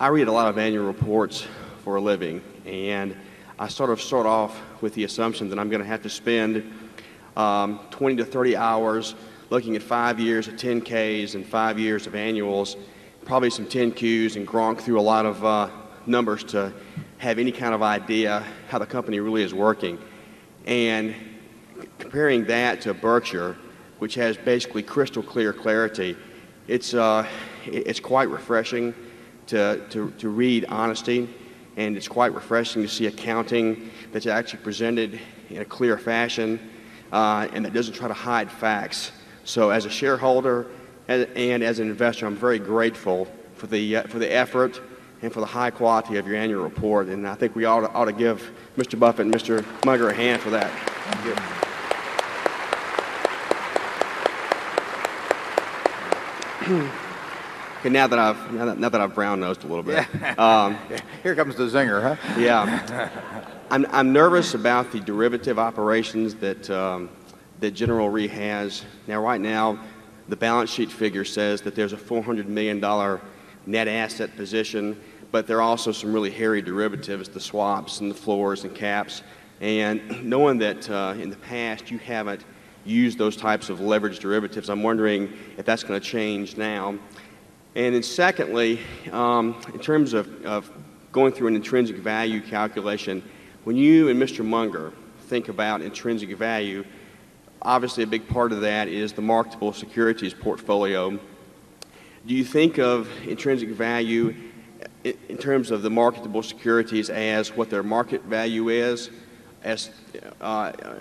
I read a lot of annual reports for a living. And I sort of start off with the assumption that I'm going to have to spend 20 to 30 hours looking at 5 years of 10 ks's and 5 years of annuals, probably some 10 Qs and gone through a lot of numbers to have any kind of idea how the company really is working. And comparing that to Berkshire, which has basically crystal clear clarity, it's, it's quite refreshing to to to read honesty. And it's quite refreshing to see accounting that's actually presented in a clear fashion, and it doesn't try to hide facts. So as a shareholder and as an investor, I'm very grateful for the, for the effort and for the high quality of your annual report. And I think we ought to ought to give Mr. Buffet and Mr. Mucker a hand for that. Now that I've brownnosed a little bit. Here comes the zinger, Yeah. I'm nervous about the derivative operations that General Re has. Now, right now, the balance sheet figure says that there's a $400,000,000 net asset position, but there are also some really hairy derivatives, the swaps and the floors and caps. And knowing that, in the past, you haven't used those types of leverage derivatives, I'm wondering if that's going to change now? And then secondly, in terms of going through an intrinsic value calculation, when you and Mr. Munger think about intrinsic value, obviously a big part of that is the marketable securities portfolio. Do you think of intrinsic value as what their market value is as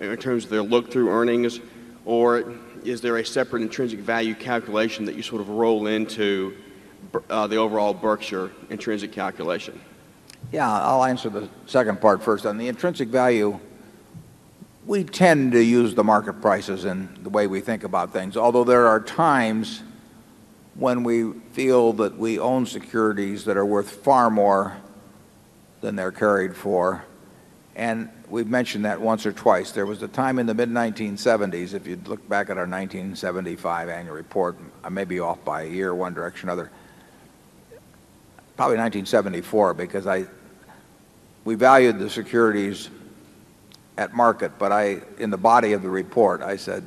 in terms of their look through earnings? Or is there a separate intrinsic value calculation that you sort of roll into the overall Berkshire intrinsic calculation? Yeah. I'll answer the second part first. On the intrinsic value, we tend to use the market prices in the way we think about things. Although there are times when we feel that we own securities that are worth far more than they're carried for. And we've mentioned that once or twice. There was a time in the mid-1970s, if you'd look back at our 1975 annual report. I may be off by a year, one direction or another. Probably 1974 because I we valued the securities at market. But I in the body of the report, I said,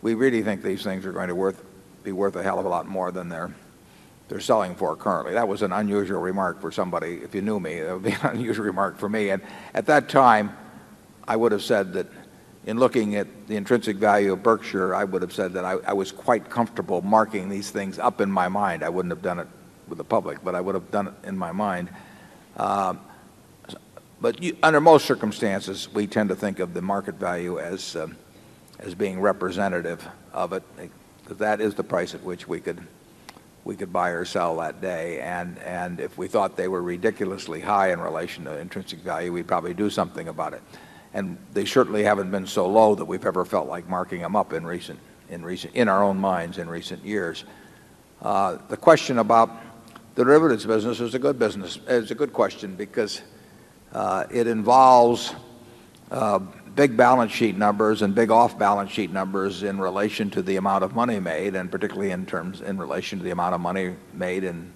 we really think these things are going to be worth a hell of a lot more than they're selling for currently. That was an unusual remark for somebody. If you knew me, it would be an unusual remark for me. And at that time, I would have said that in looking at the intrinsic value of Berkshire, I would have said that I was quite comfortable marking these things up in my mind. I wouldn't have done it with the public, but I would have done it in my mind. But under most circumstances, we tend to think of the market value as being representative of it. That is the price at which we could buy or sell that day. And and if we thought they were ridiculously high in relation to intrinsic value, we'd probably do something about it. And they certainly haven't been so low that we've ever felt like marking them up in recent in our own minds in recent years. The question about the derivatives business is a good business. It's a good question because it involves big balance sheet numbers and big off balance sheet numbers in relation to the amount of money made and particularly in terms in relation to the amount of money made in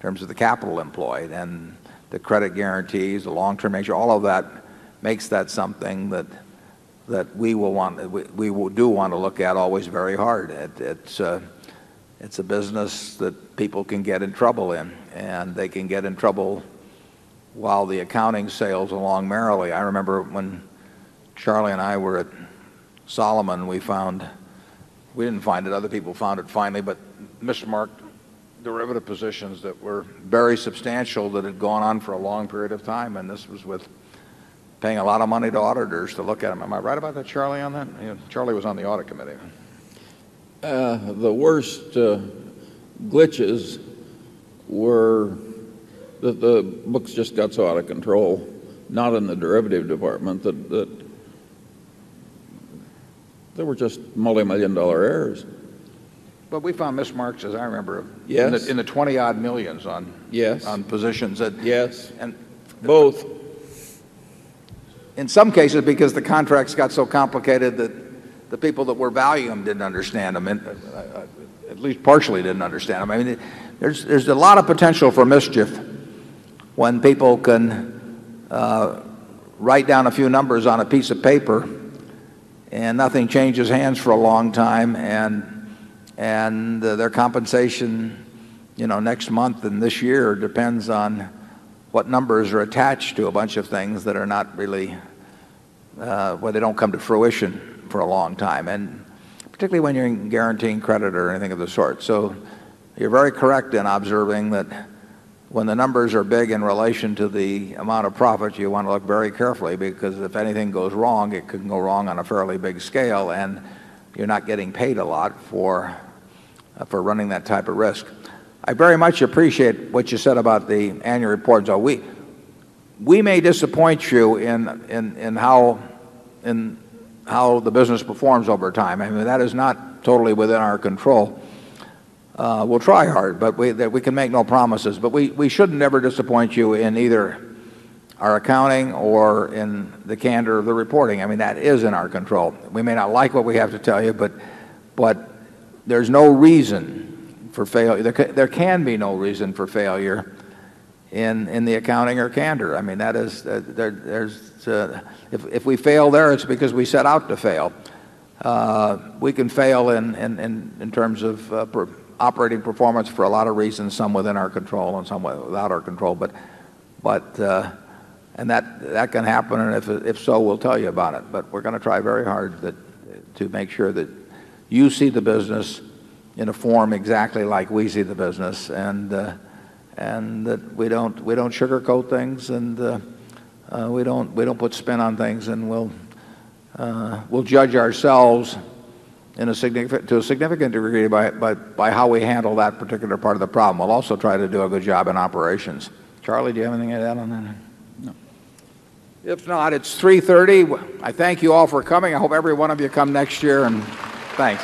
terms of the capital employed and the credit guarantees, the long term nature, all of that makes that something that we will want we do want to look at always very hard. It's a business that people can get in trouble in. And they can get in trouble while the accounting sails along merrily. I remember when Charlie and I were at Solomon, we found we didn't find it. Other people found it finally. But mis marked derivative positions that were very substantial that had gone on for a long period of time. And this was with paying a lot of money to auditors to look at them. Am I right about that, Charlie, on that? Charlie was on the audit committee. The worst glitches were that the books just got so out of control, not in the derivative department, that there were just multimillion dollar errors. But we found mismarks, as I remember, in the 20 odd millions on positions that and both. In some cases, because the contracts got so complicated that the people that were valuing didn't understand them. And least partially didn't understand them. I mean, there's a lot of potential for mischief when people can write down a few numbers on a piece of paper and nothing changes hands for a long time. And their compensation, you know, next month and this year depends on what numbers are attached to a bunch of things that are not really, where they don't come to fruition for a long time. And particularly when you're guaranteeing credit or anything of the sort. So you're very correct in observing that when the numbers are big in relation to the amount of profit, you want to look very carefully. Because if anything goes wrong, it could go wrong on a fairly big scale. And you're not getting paid a lot for running that type of risk. I very much appreciate what you said about the annual reports all week. We may disappoint you in how the business performs over time. I mean, that is not totally within our control. We'll try hard, but we can make no promises. But we should never disappoint you in either our accounting or in the candor of the reporting. I mean, that is in our control. We may not like what we have to tell you, but there's no reason for failure. There can be no reason for failure in the accounting or candor. I mean, that is there's if we fail there, it's because we set out to fail. We can fail in terms of operating performance for a of reasons, some within our control and some without our control. But and that can happen. And if so, we'll tell you about it. But we're going to try very hard to make sure that you see the business in a form exactly like we see the business. And that we don't sugarcoat things. And we don't put spin on things. And we'll judge ourselves to a significant degree by how we handle that particular part of the problem. We'll also try to do a good job in operations. Charlie, do you have anything to add on that? No. If not, it's 3:30. I thank you all for coming. I hope every one of you come next year. And thanks.